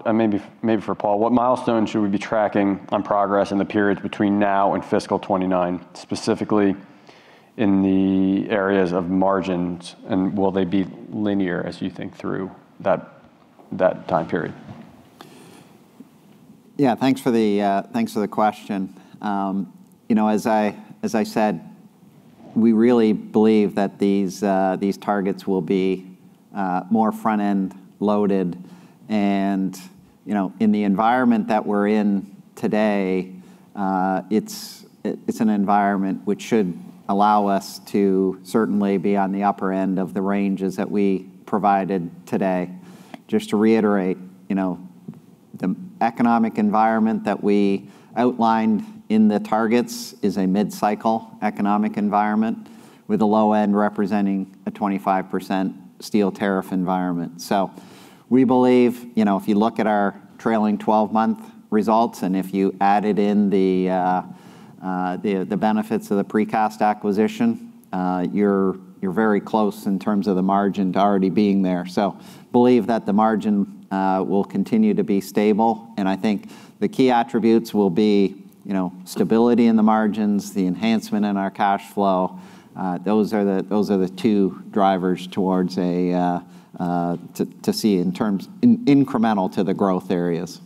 Maybe for Paul, what milestones should we be tracking on progress in the periods between now and fiscal 2029, specifically in the areas of margins, and will they be linear as you think through that time period? Yeah, thanks for the question. As I said, we really believe that these targets will be more front-end loaded and, in the environment that we're in today, it's an environment which should allow us to certainly be on the upper end of the ranges that we provided today. Just to reiterate, the economic environment that we outlined in the targets is a mid-cycle economic environment with a low end representing a 25% steel tariff environment. Believe that the margin will continue to be stable, and I think the key attributes will be stability in the margins, the enhancement in our cash flow. Those are the two drivers to see incremental to the growth areas.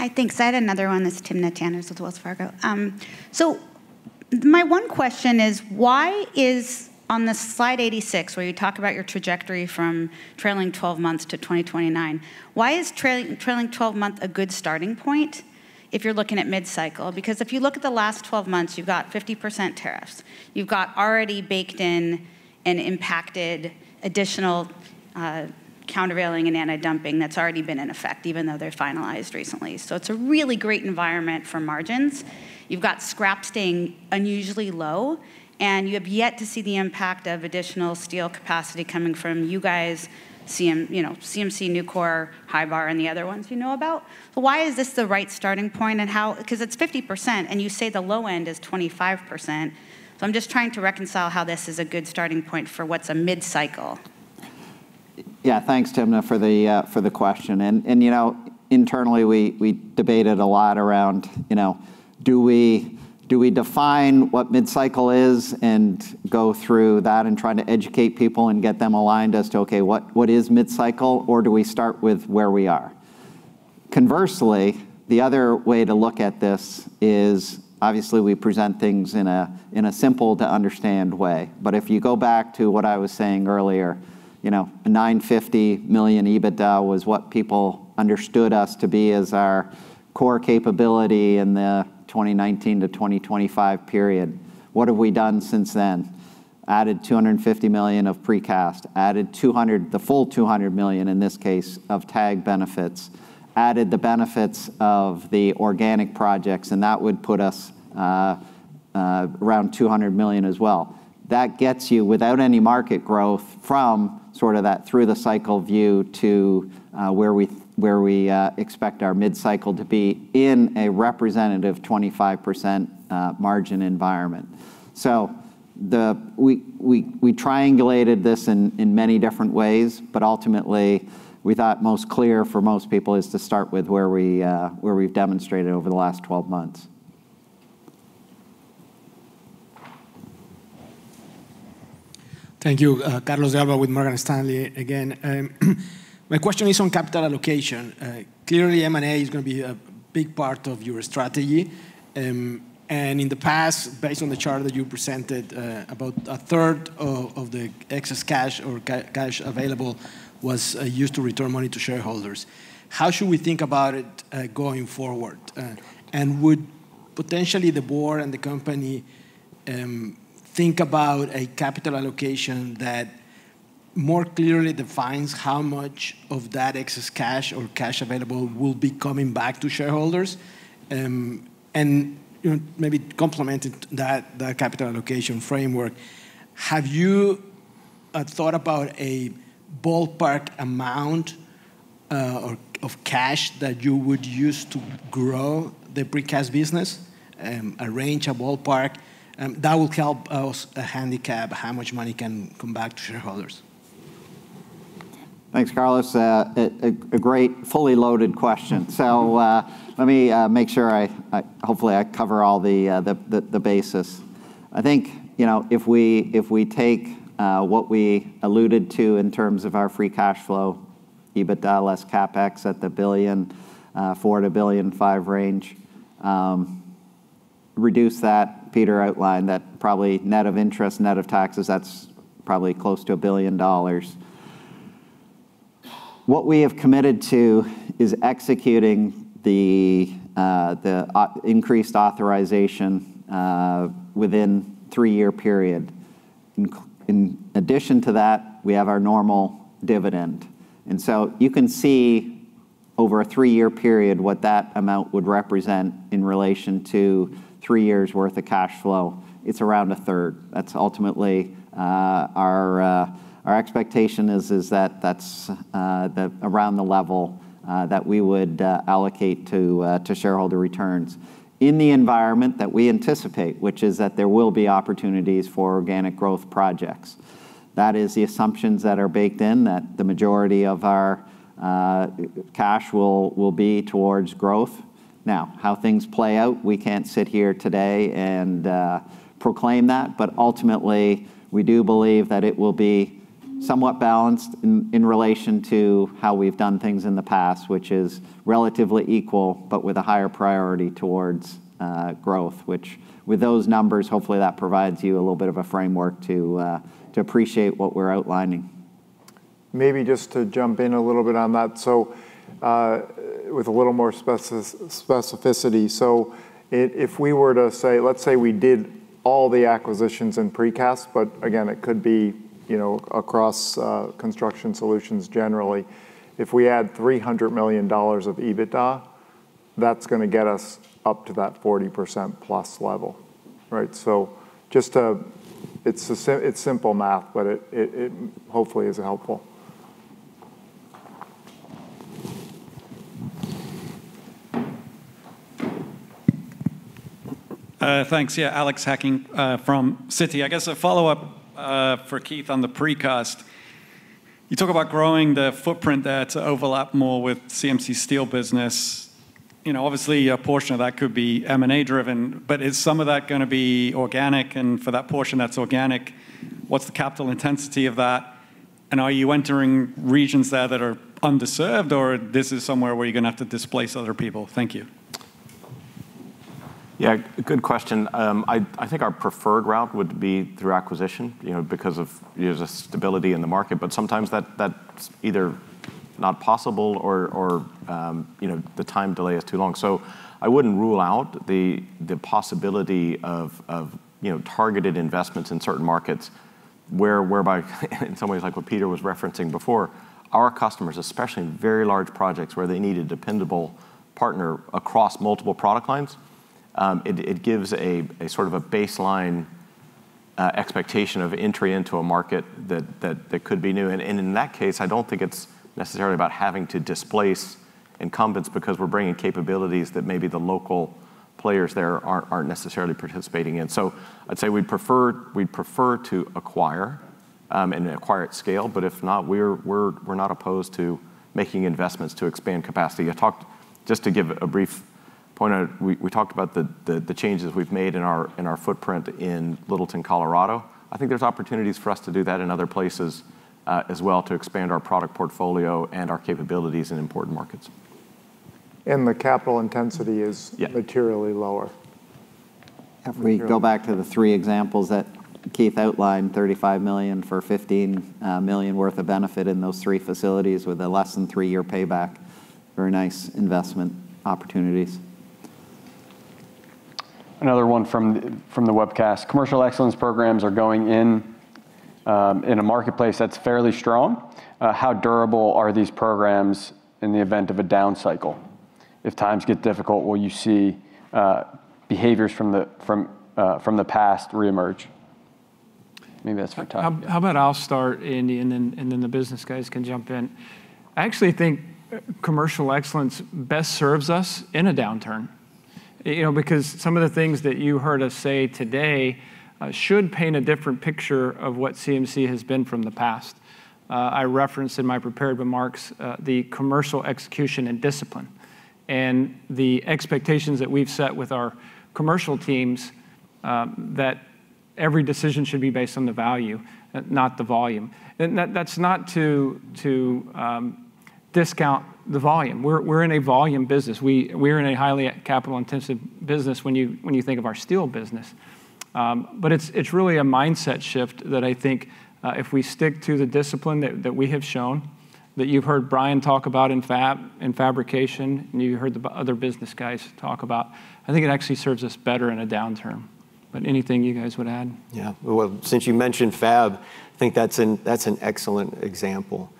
Hi, thanks. I had another one. This is Timna Tanners with Wells Fargo. My one question is why is on the slide 86, where you talk about your trajectory from trailing 12 months to 2029, why is trailing 12 months a good starting point if you're looking at mid-cycle? Because if you look at the last 12 months, you've got 50% tariffs. You've got already baked in and impacted additional countervailing and anti-dumping that's already been in effect, even though they're finalized recently. It's a really great environment for margins. You've got scrap staying unusually low, and you have yet to see the impact of additional steel capacity coming from you guys, CMC, Nucor, Hybar, and the other ones you know about. Why is this the right starting point and how, because it's 50% and you say the low end is 25%. I'm just trying to reconcile how this is a good starting point for what's a mid-cycle. Yeah, thanks, Timna, for the question, and internally, we debated a lot around, do we define what mid-cycle is and go through that and try to educate people and get them aligned as to, okay, what is mid-cycle or do we start with where we are? Conversely, the other way to look at this is obviously we present things in a simple to understand way. If you go back to what I was saying earlier, a $950 million EBITDA was what people understood us to be as our core capability in the 2019 to 2025 period. What have we done since then? Added $250 million of precast, added the full $200 million in this case of TAG benefits, added the benefits of the organic projects, and that would put us around $200 million as well. That gets you without any market growth from sort of that through the cycle view to where we expect our mid-cycle to be in a representative 25% margin environment. We triangulated this in many different ways, but ultimately we thought most clear for most people is to start with where we've demonstrated over the last 12 months. Thank you. Carlos Alba with Morgan Stanley again. My question is on capital allocation. Clearly, M&A is going to be a big part of your strategy. In the past, based on the chart that you presented, about a third of the excess cash or cash available was used to return money to shareholders. How should we think about it going forward? Would potentially the board and the company think about a capital allocation that more clearly defines how much of that excess cash or cash available will be coming back to shareholders? Maybe complementing that capital allocation framework, have you thought about a ballpark amount of cash that you would use to grow the precast business? A range, a ballpark, that will help us handicap how much money can come back to shareholders. Thanks, Carlos. A great fully loaded question. Let me make sure, hopefully, I cover all the basis. I think, if we take what we alluded to in terms of our free cash flow, EBITDA less CapEx at $400 million to a $1.5 billion range. Reduce that, Peter outlined that probably net of interest, net of taxes, that's probably close to $1 billion. What we have committed to is executing the increased authorization within a 3-year period. In addition to that, we have our normal dividend. You can see over a 3-year period what that amount would represent in relation to 3 years' worth of cash flow. It's around a third. That's ultimately our expectation is that that's around the level that we would allocate to shareholder returns in the environment that we anticipate, which is that there will be opportunities for organic growth projects. That is the assumptions that are baked in, that the majority of our cash will be towards growth. How things play out, we can't sit here today and proclaim that, ultimately, we do believe that it will be somewhat balanced in relation to how we've done things in the past, which is relatively equal, with a higher priority towards growth, which with those numbers, hopefully, that provides you a little bit of a framework to appreciate what we're outlining. Maybe just to jump in a little bit on that. With a little more specificity. If we were to say, let's say we did all the acquisitions in precast, but again, it could be across construction solutions generally. If we add $300 million of EBITDA, that's going to get us up to that 40% plus level, right? It's simple math, but it hopefully is helpful. Thanks. Yeah, Alex Hacking from Citi. I guess a follow-up for Keith on the precast. You talk about growing the footprint there to overlap more with CMC Steel business. Obviously, a portion of that could be M&A driven, but is some of that going to be organic? And for that portion that's organic, what's the capital intensity of that? And are you entering regions there that are underserved or this is somewhere where you're going to have to displace other people? Thank you. Yeah, good question. I think our preferred route would be through acquisition, because of the stability in the market. Sometimes that's either not possible or the time delay is too long. I wouldn't rule out the possibility of targeted investments in certain markets whereby in some ways like what Peter was referencing before, our customers, especially in very large projects, where they need a dependable partner across multiple product lines, it gives a baseline expectation of entry into a market that could be new. In that case, I don't think it's necessarily about having to displace incumbents because we're bringing capabilities that maybe the local players there aren't necessarily participating in. I'd say we'd prefer to acquire, and acquire at scale, but if not, we're not opposed to making investments to expand capacity. Just to give a brief point, we talked about the changes we've made in our footprint in Littleton, Colorado. I think there's opportunities for us to do that in other places as well to expand our product portfolio and our capabilities in important markets. The capital intensity is- Yeah materially lower. We go back to the three examples that Keith outlined, $35 million for $15 million worth of benefit in those three facilities with a less than three-year payback, very nice investment opportunities. Another one from the webcast. Commercial excellence programs are going in a marketplace that's fairly strong. How durable are these programs in the event of a down cycle? Times get difficult, will you see behaviors from the past reemerge? Maybe that's for Todd. How about I'll start, Andy, then the business guys can jump in. I actually think commercial excellence best serves us in a downturn. Some of the things that you heard us say today should paint a different picture of what CMC has been from the past. I referenced in my prepared remarks, the commercial execution and discipline and the expectations that we've set with our commercial teams, that every decision should be based on the value, not the volume. That's not to discount the volume. We're in a volume business. We are in a highly capital-intensive business when you think of our steel business. It's really a mindset shift that I think if we stick to the discipline that we have shown, that you've heard Brian talk about in fabrication, and you heard the other business guys talk about, I think it actually serves us better in a downturn. Anything you guys would add? Well, since you mentioned fab, I think that's an excellent example.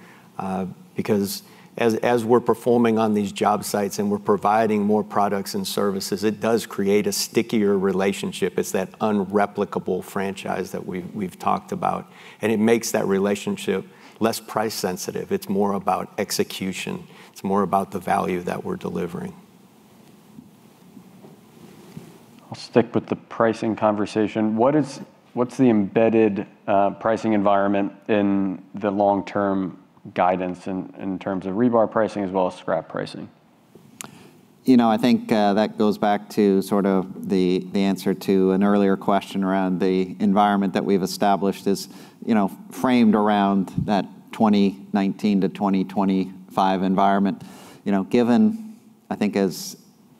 As we're performing on these job sites and we're providing more products and services, it does create a stickier relationship. It's that unreplicable franchise that we've talked about, and it makes that relationship less price sensitive. It's more about execution. It's more about the value that we're delivering. I'll stick with the pricing conversation. What's the embedded pricing environment in the long-term guidance in terms of rebar pricing as well as scrap pricing? I think that goes back to sort of the answer to an earlier question around the environment that we've established is framed around that 2019 to 2025 environment. Given, I think as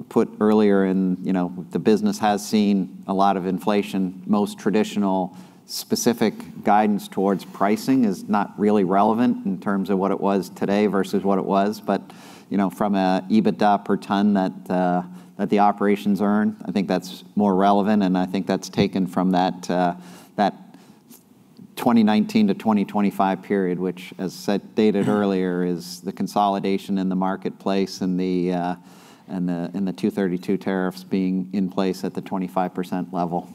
put earlier, the business has seen a lot of inflation, most traditional specific guidance towards pricing is not really relevant in terms of what it was today versus what it was. From a EBITDA per ton that the operations earn, I think that's more relevant, and I think that's taken from that 2019 to 2025 period, which as stated earlier, is the consolidation in the marketplace and the 232 tariffs being in place at the 25% level.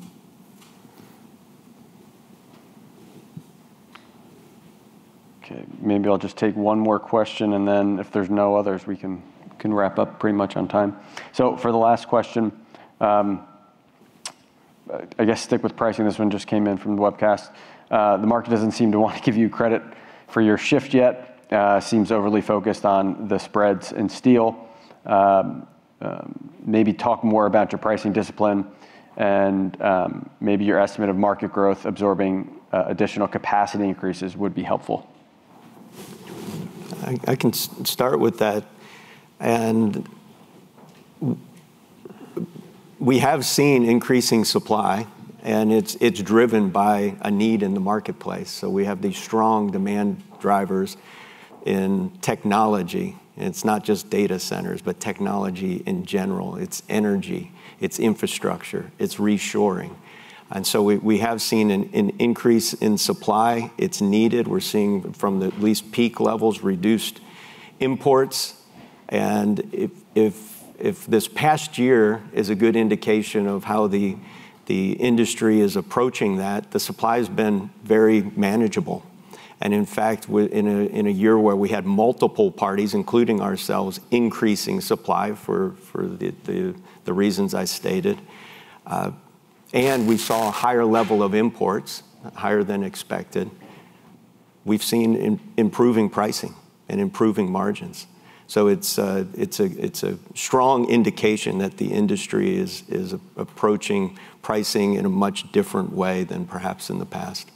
Okay. Maybe I'll just take one more question, and then if there's no others, we can wrap up pretty much on time. For the last question, I guess stick with pricing. This one just came in from the webcast. The market doesn't seem to want to give you credit for your shift yet. Seems overly focused on the spreads in steel. Maybe talk more about your pricing discipline and maybe your estimate of market growth absorbing additional capacity increases would be helpful. I can start with that. We have seen increasing supply, and it's driven by a need in the marketplace. We have these strong demand drivers in technology, and it's not just data centers, but technology in general. It's energy, it's infrastructure, it's reshoring. We have seen an increase in supply. It's needed. We're seeing from the at least peak levels, reduced imports. If this past year is a good indication of how the industry is approaching that, the supply's been very manageable. In fact, in a year where we had multiple parties, including ourselves, increasing supply for the reasons I stated, and we saw a higher level of imports, higher than expected, we've seen improving pricing and improving margins. It's a strong indication that the industry is approaching pricing in a much different way than perhaps in the past.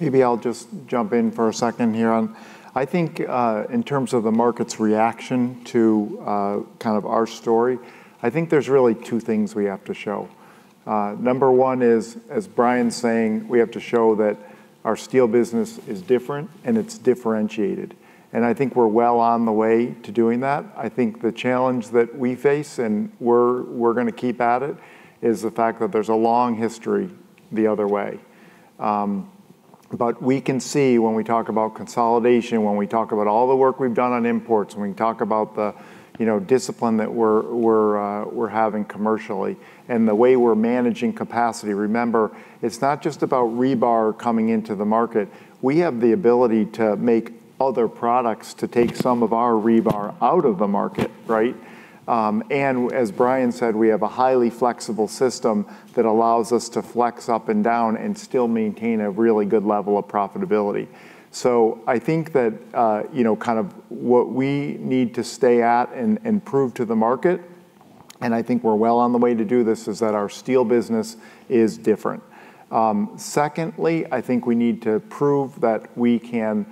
Maybe I'll just jump in for a second here on, I think, in terms of the market's reaction to kind of our story, I think there's really two things we have to show. Number one is, as Brian's saying, we have to show that our steel business is different and it's differentiated. I think we're well on the way to doing that. I think the challenge that we face, and we're going to keep at it, is the fact that there's a long history the other way. We can see when we talk about consolidation, when we talk about all the work we've done on imports, when we talk about the discipline that we're having commercially and the way we're managing capacity, remember, it's not just about rebar coming into the market. We have the ability to make other products to take some of our rebar out of the market, right? As Brian said, we have a highly flexible system that allows us to flex up and down and still maintain a really good level of profitability. I think that, kind of what we need to stay at and prove to the market, and I think we're well on the way to do this, is that our steel business is different. Secondly, I think we need to prove that we can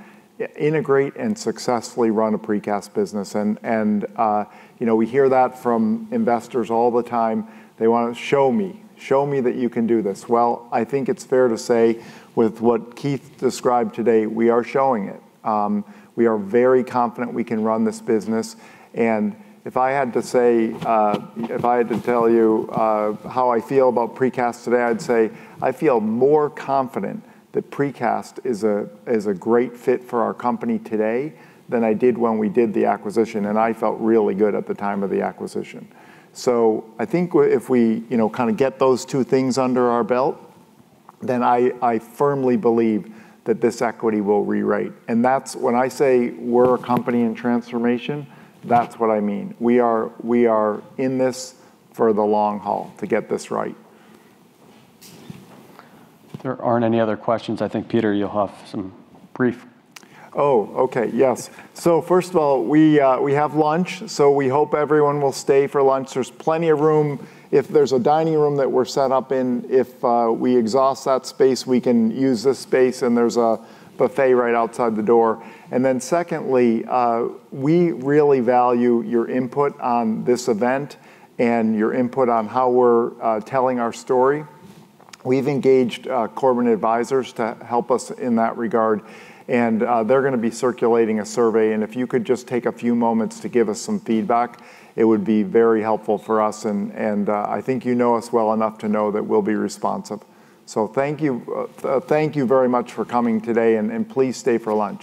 integrate and successfully run a precast business. We hear that from investors all the time. They want to, "Show me. Show me that you can do this." Well, I think it's fair to say with what Keith described today, we are showing it. We are very confident we can run this business. If I had to tell you how I feel about precast today, I'd say I feel more confident that precast is a great fit for our company today than I did when we did the acquisition, and I felt really good at the time of the acquisition. I think if we get those two things under our belt, I firmly believe that this equity will rewrite. When I say we're a company in transformation, that's what I mean. We are in this for the long haul to get this right. If there aren't any other questions, I think, Peter, you'll have some brief Oh, okay. Yes. First of all, we have lunch, so we hope everyone will stay for lunch. There's plenty of room. There's a dining room that we're set up in. If we exhaust that space, we can use this space, and there's a buffet right outside the door. Secondly, we really value your input on this event and your input on how we're telling our story. We've engaged Corbin Advisors to help us in that regard, and they're going to be circulating a survey, if you could just take a few moments to give us some feedback, it would be very helpful for us. I think you know us well enough to know that we'll be responsive. Thank you. Thank you very much for coming today, and please stay for lunch.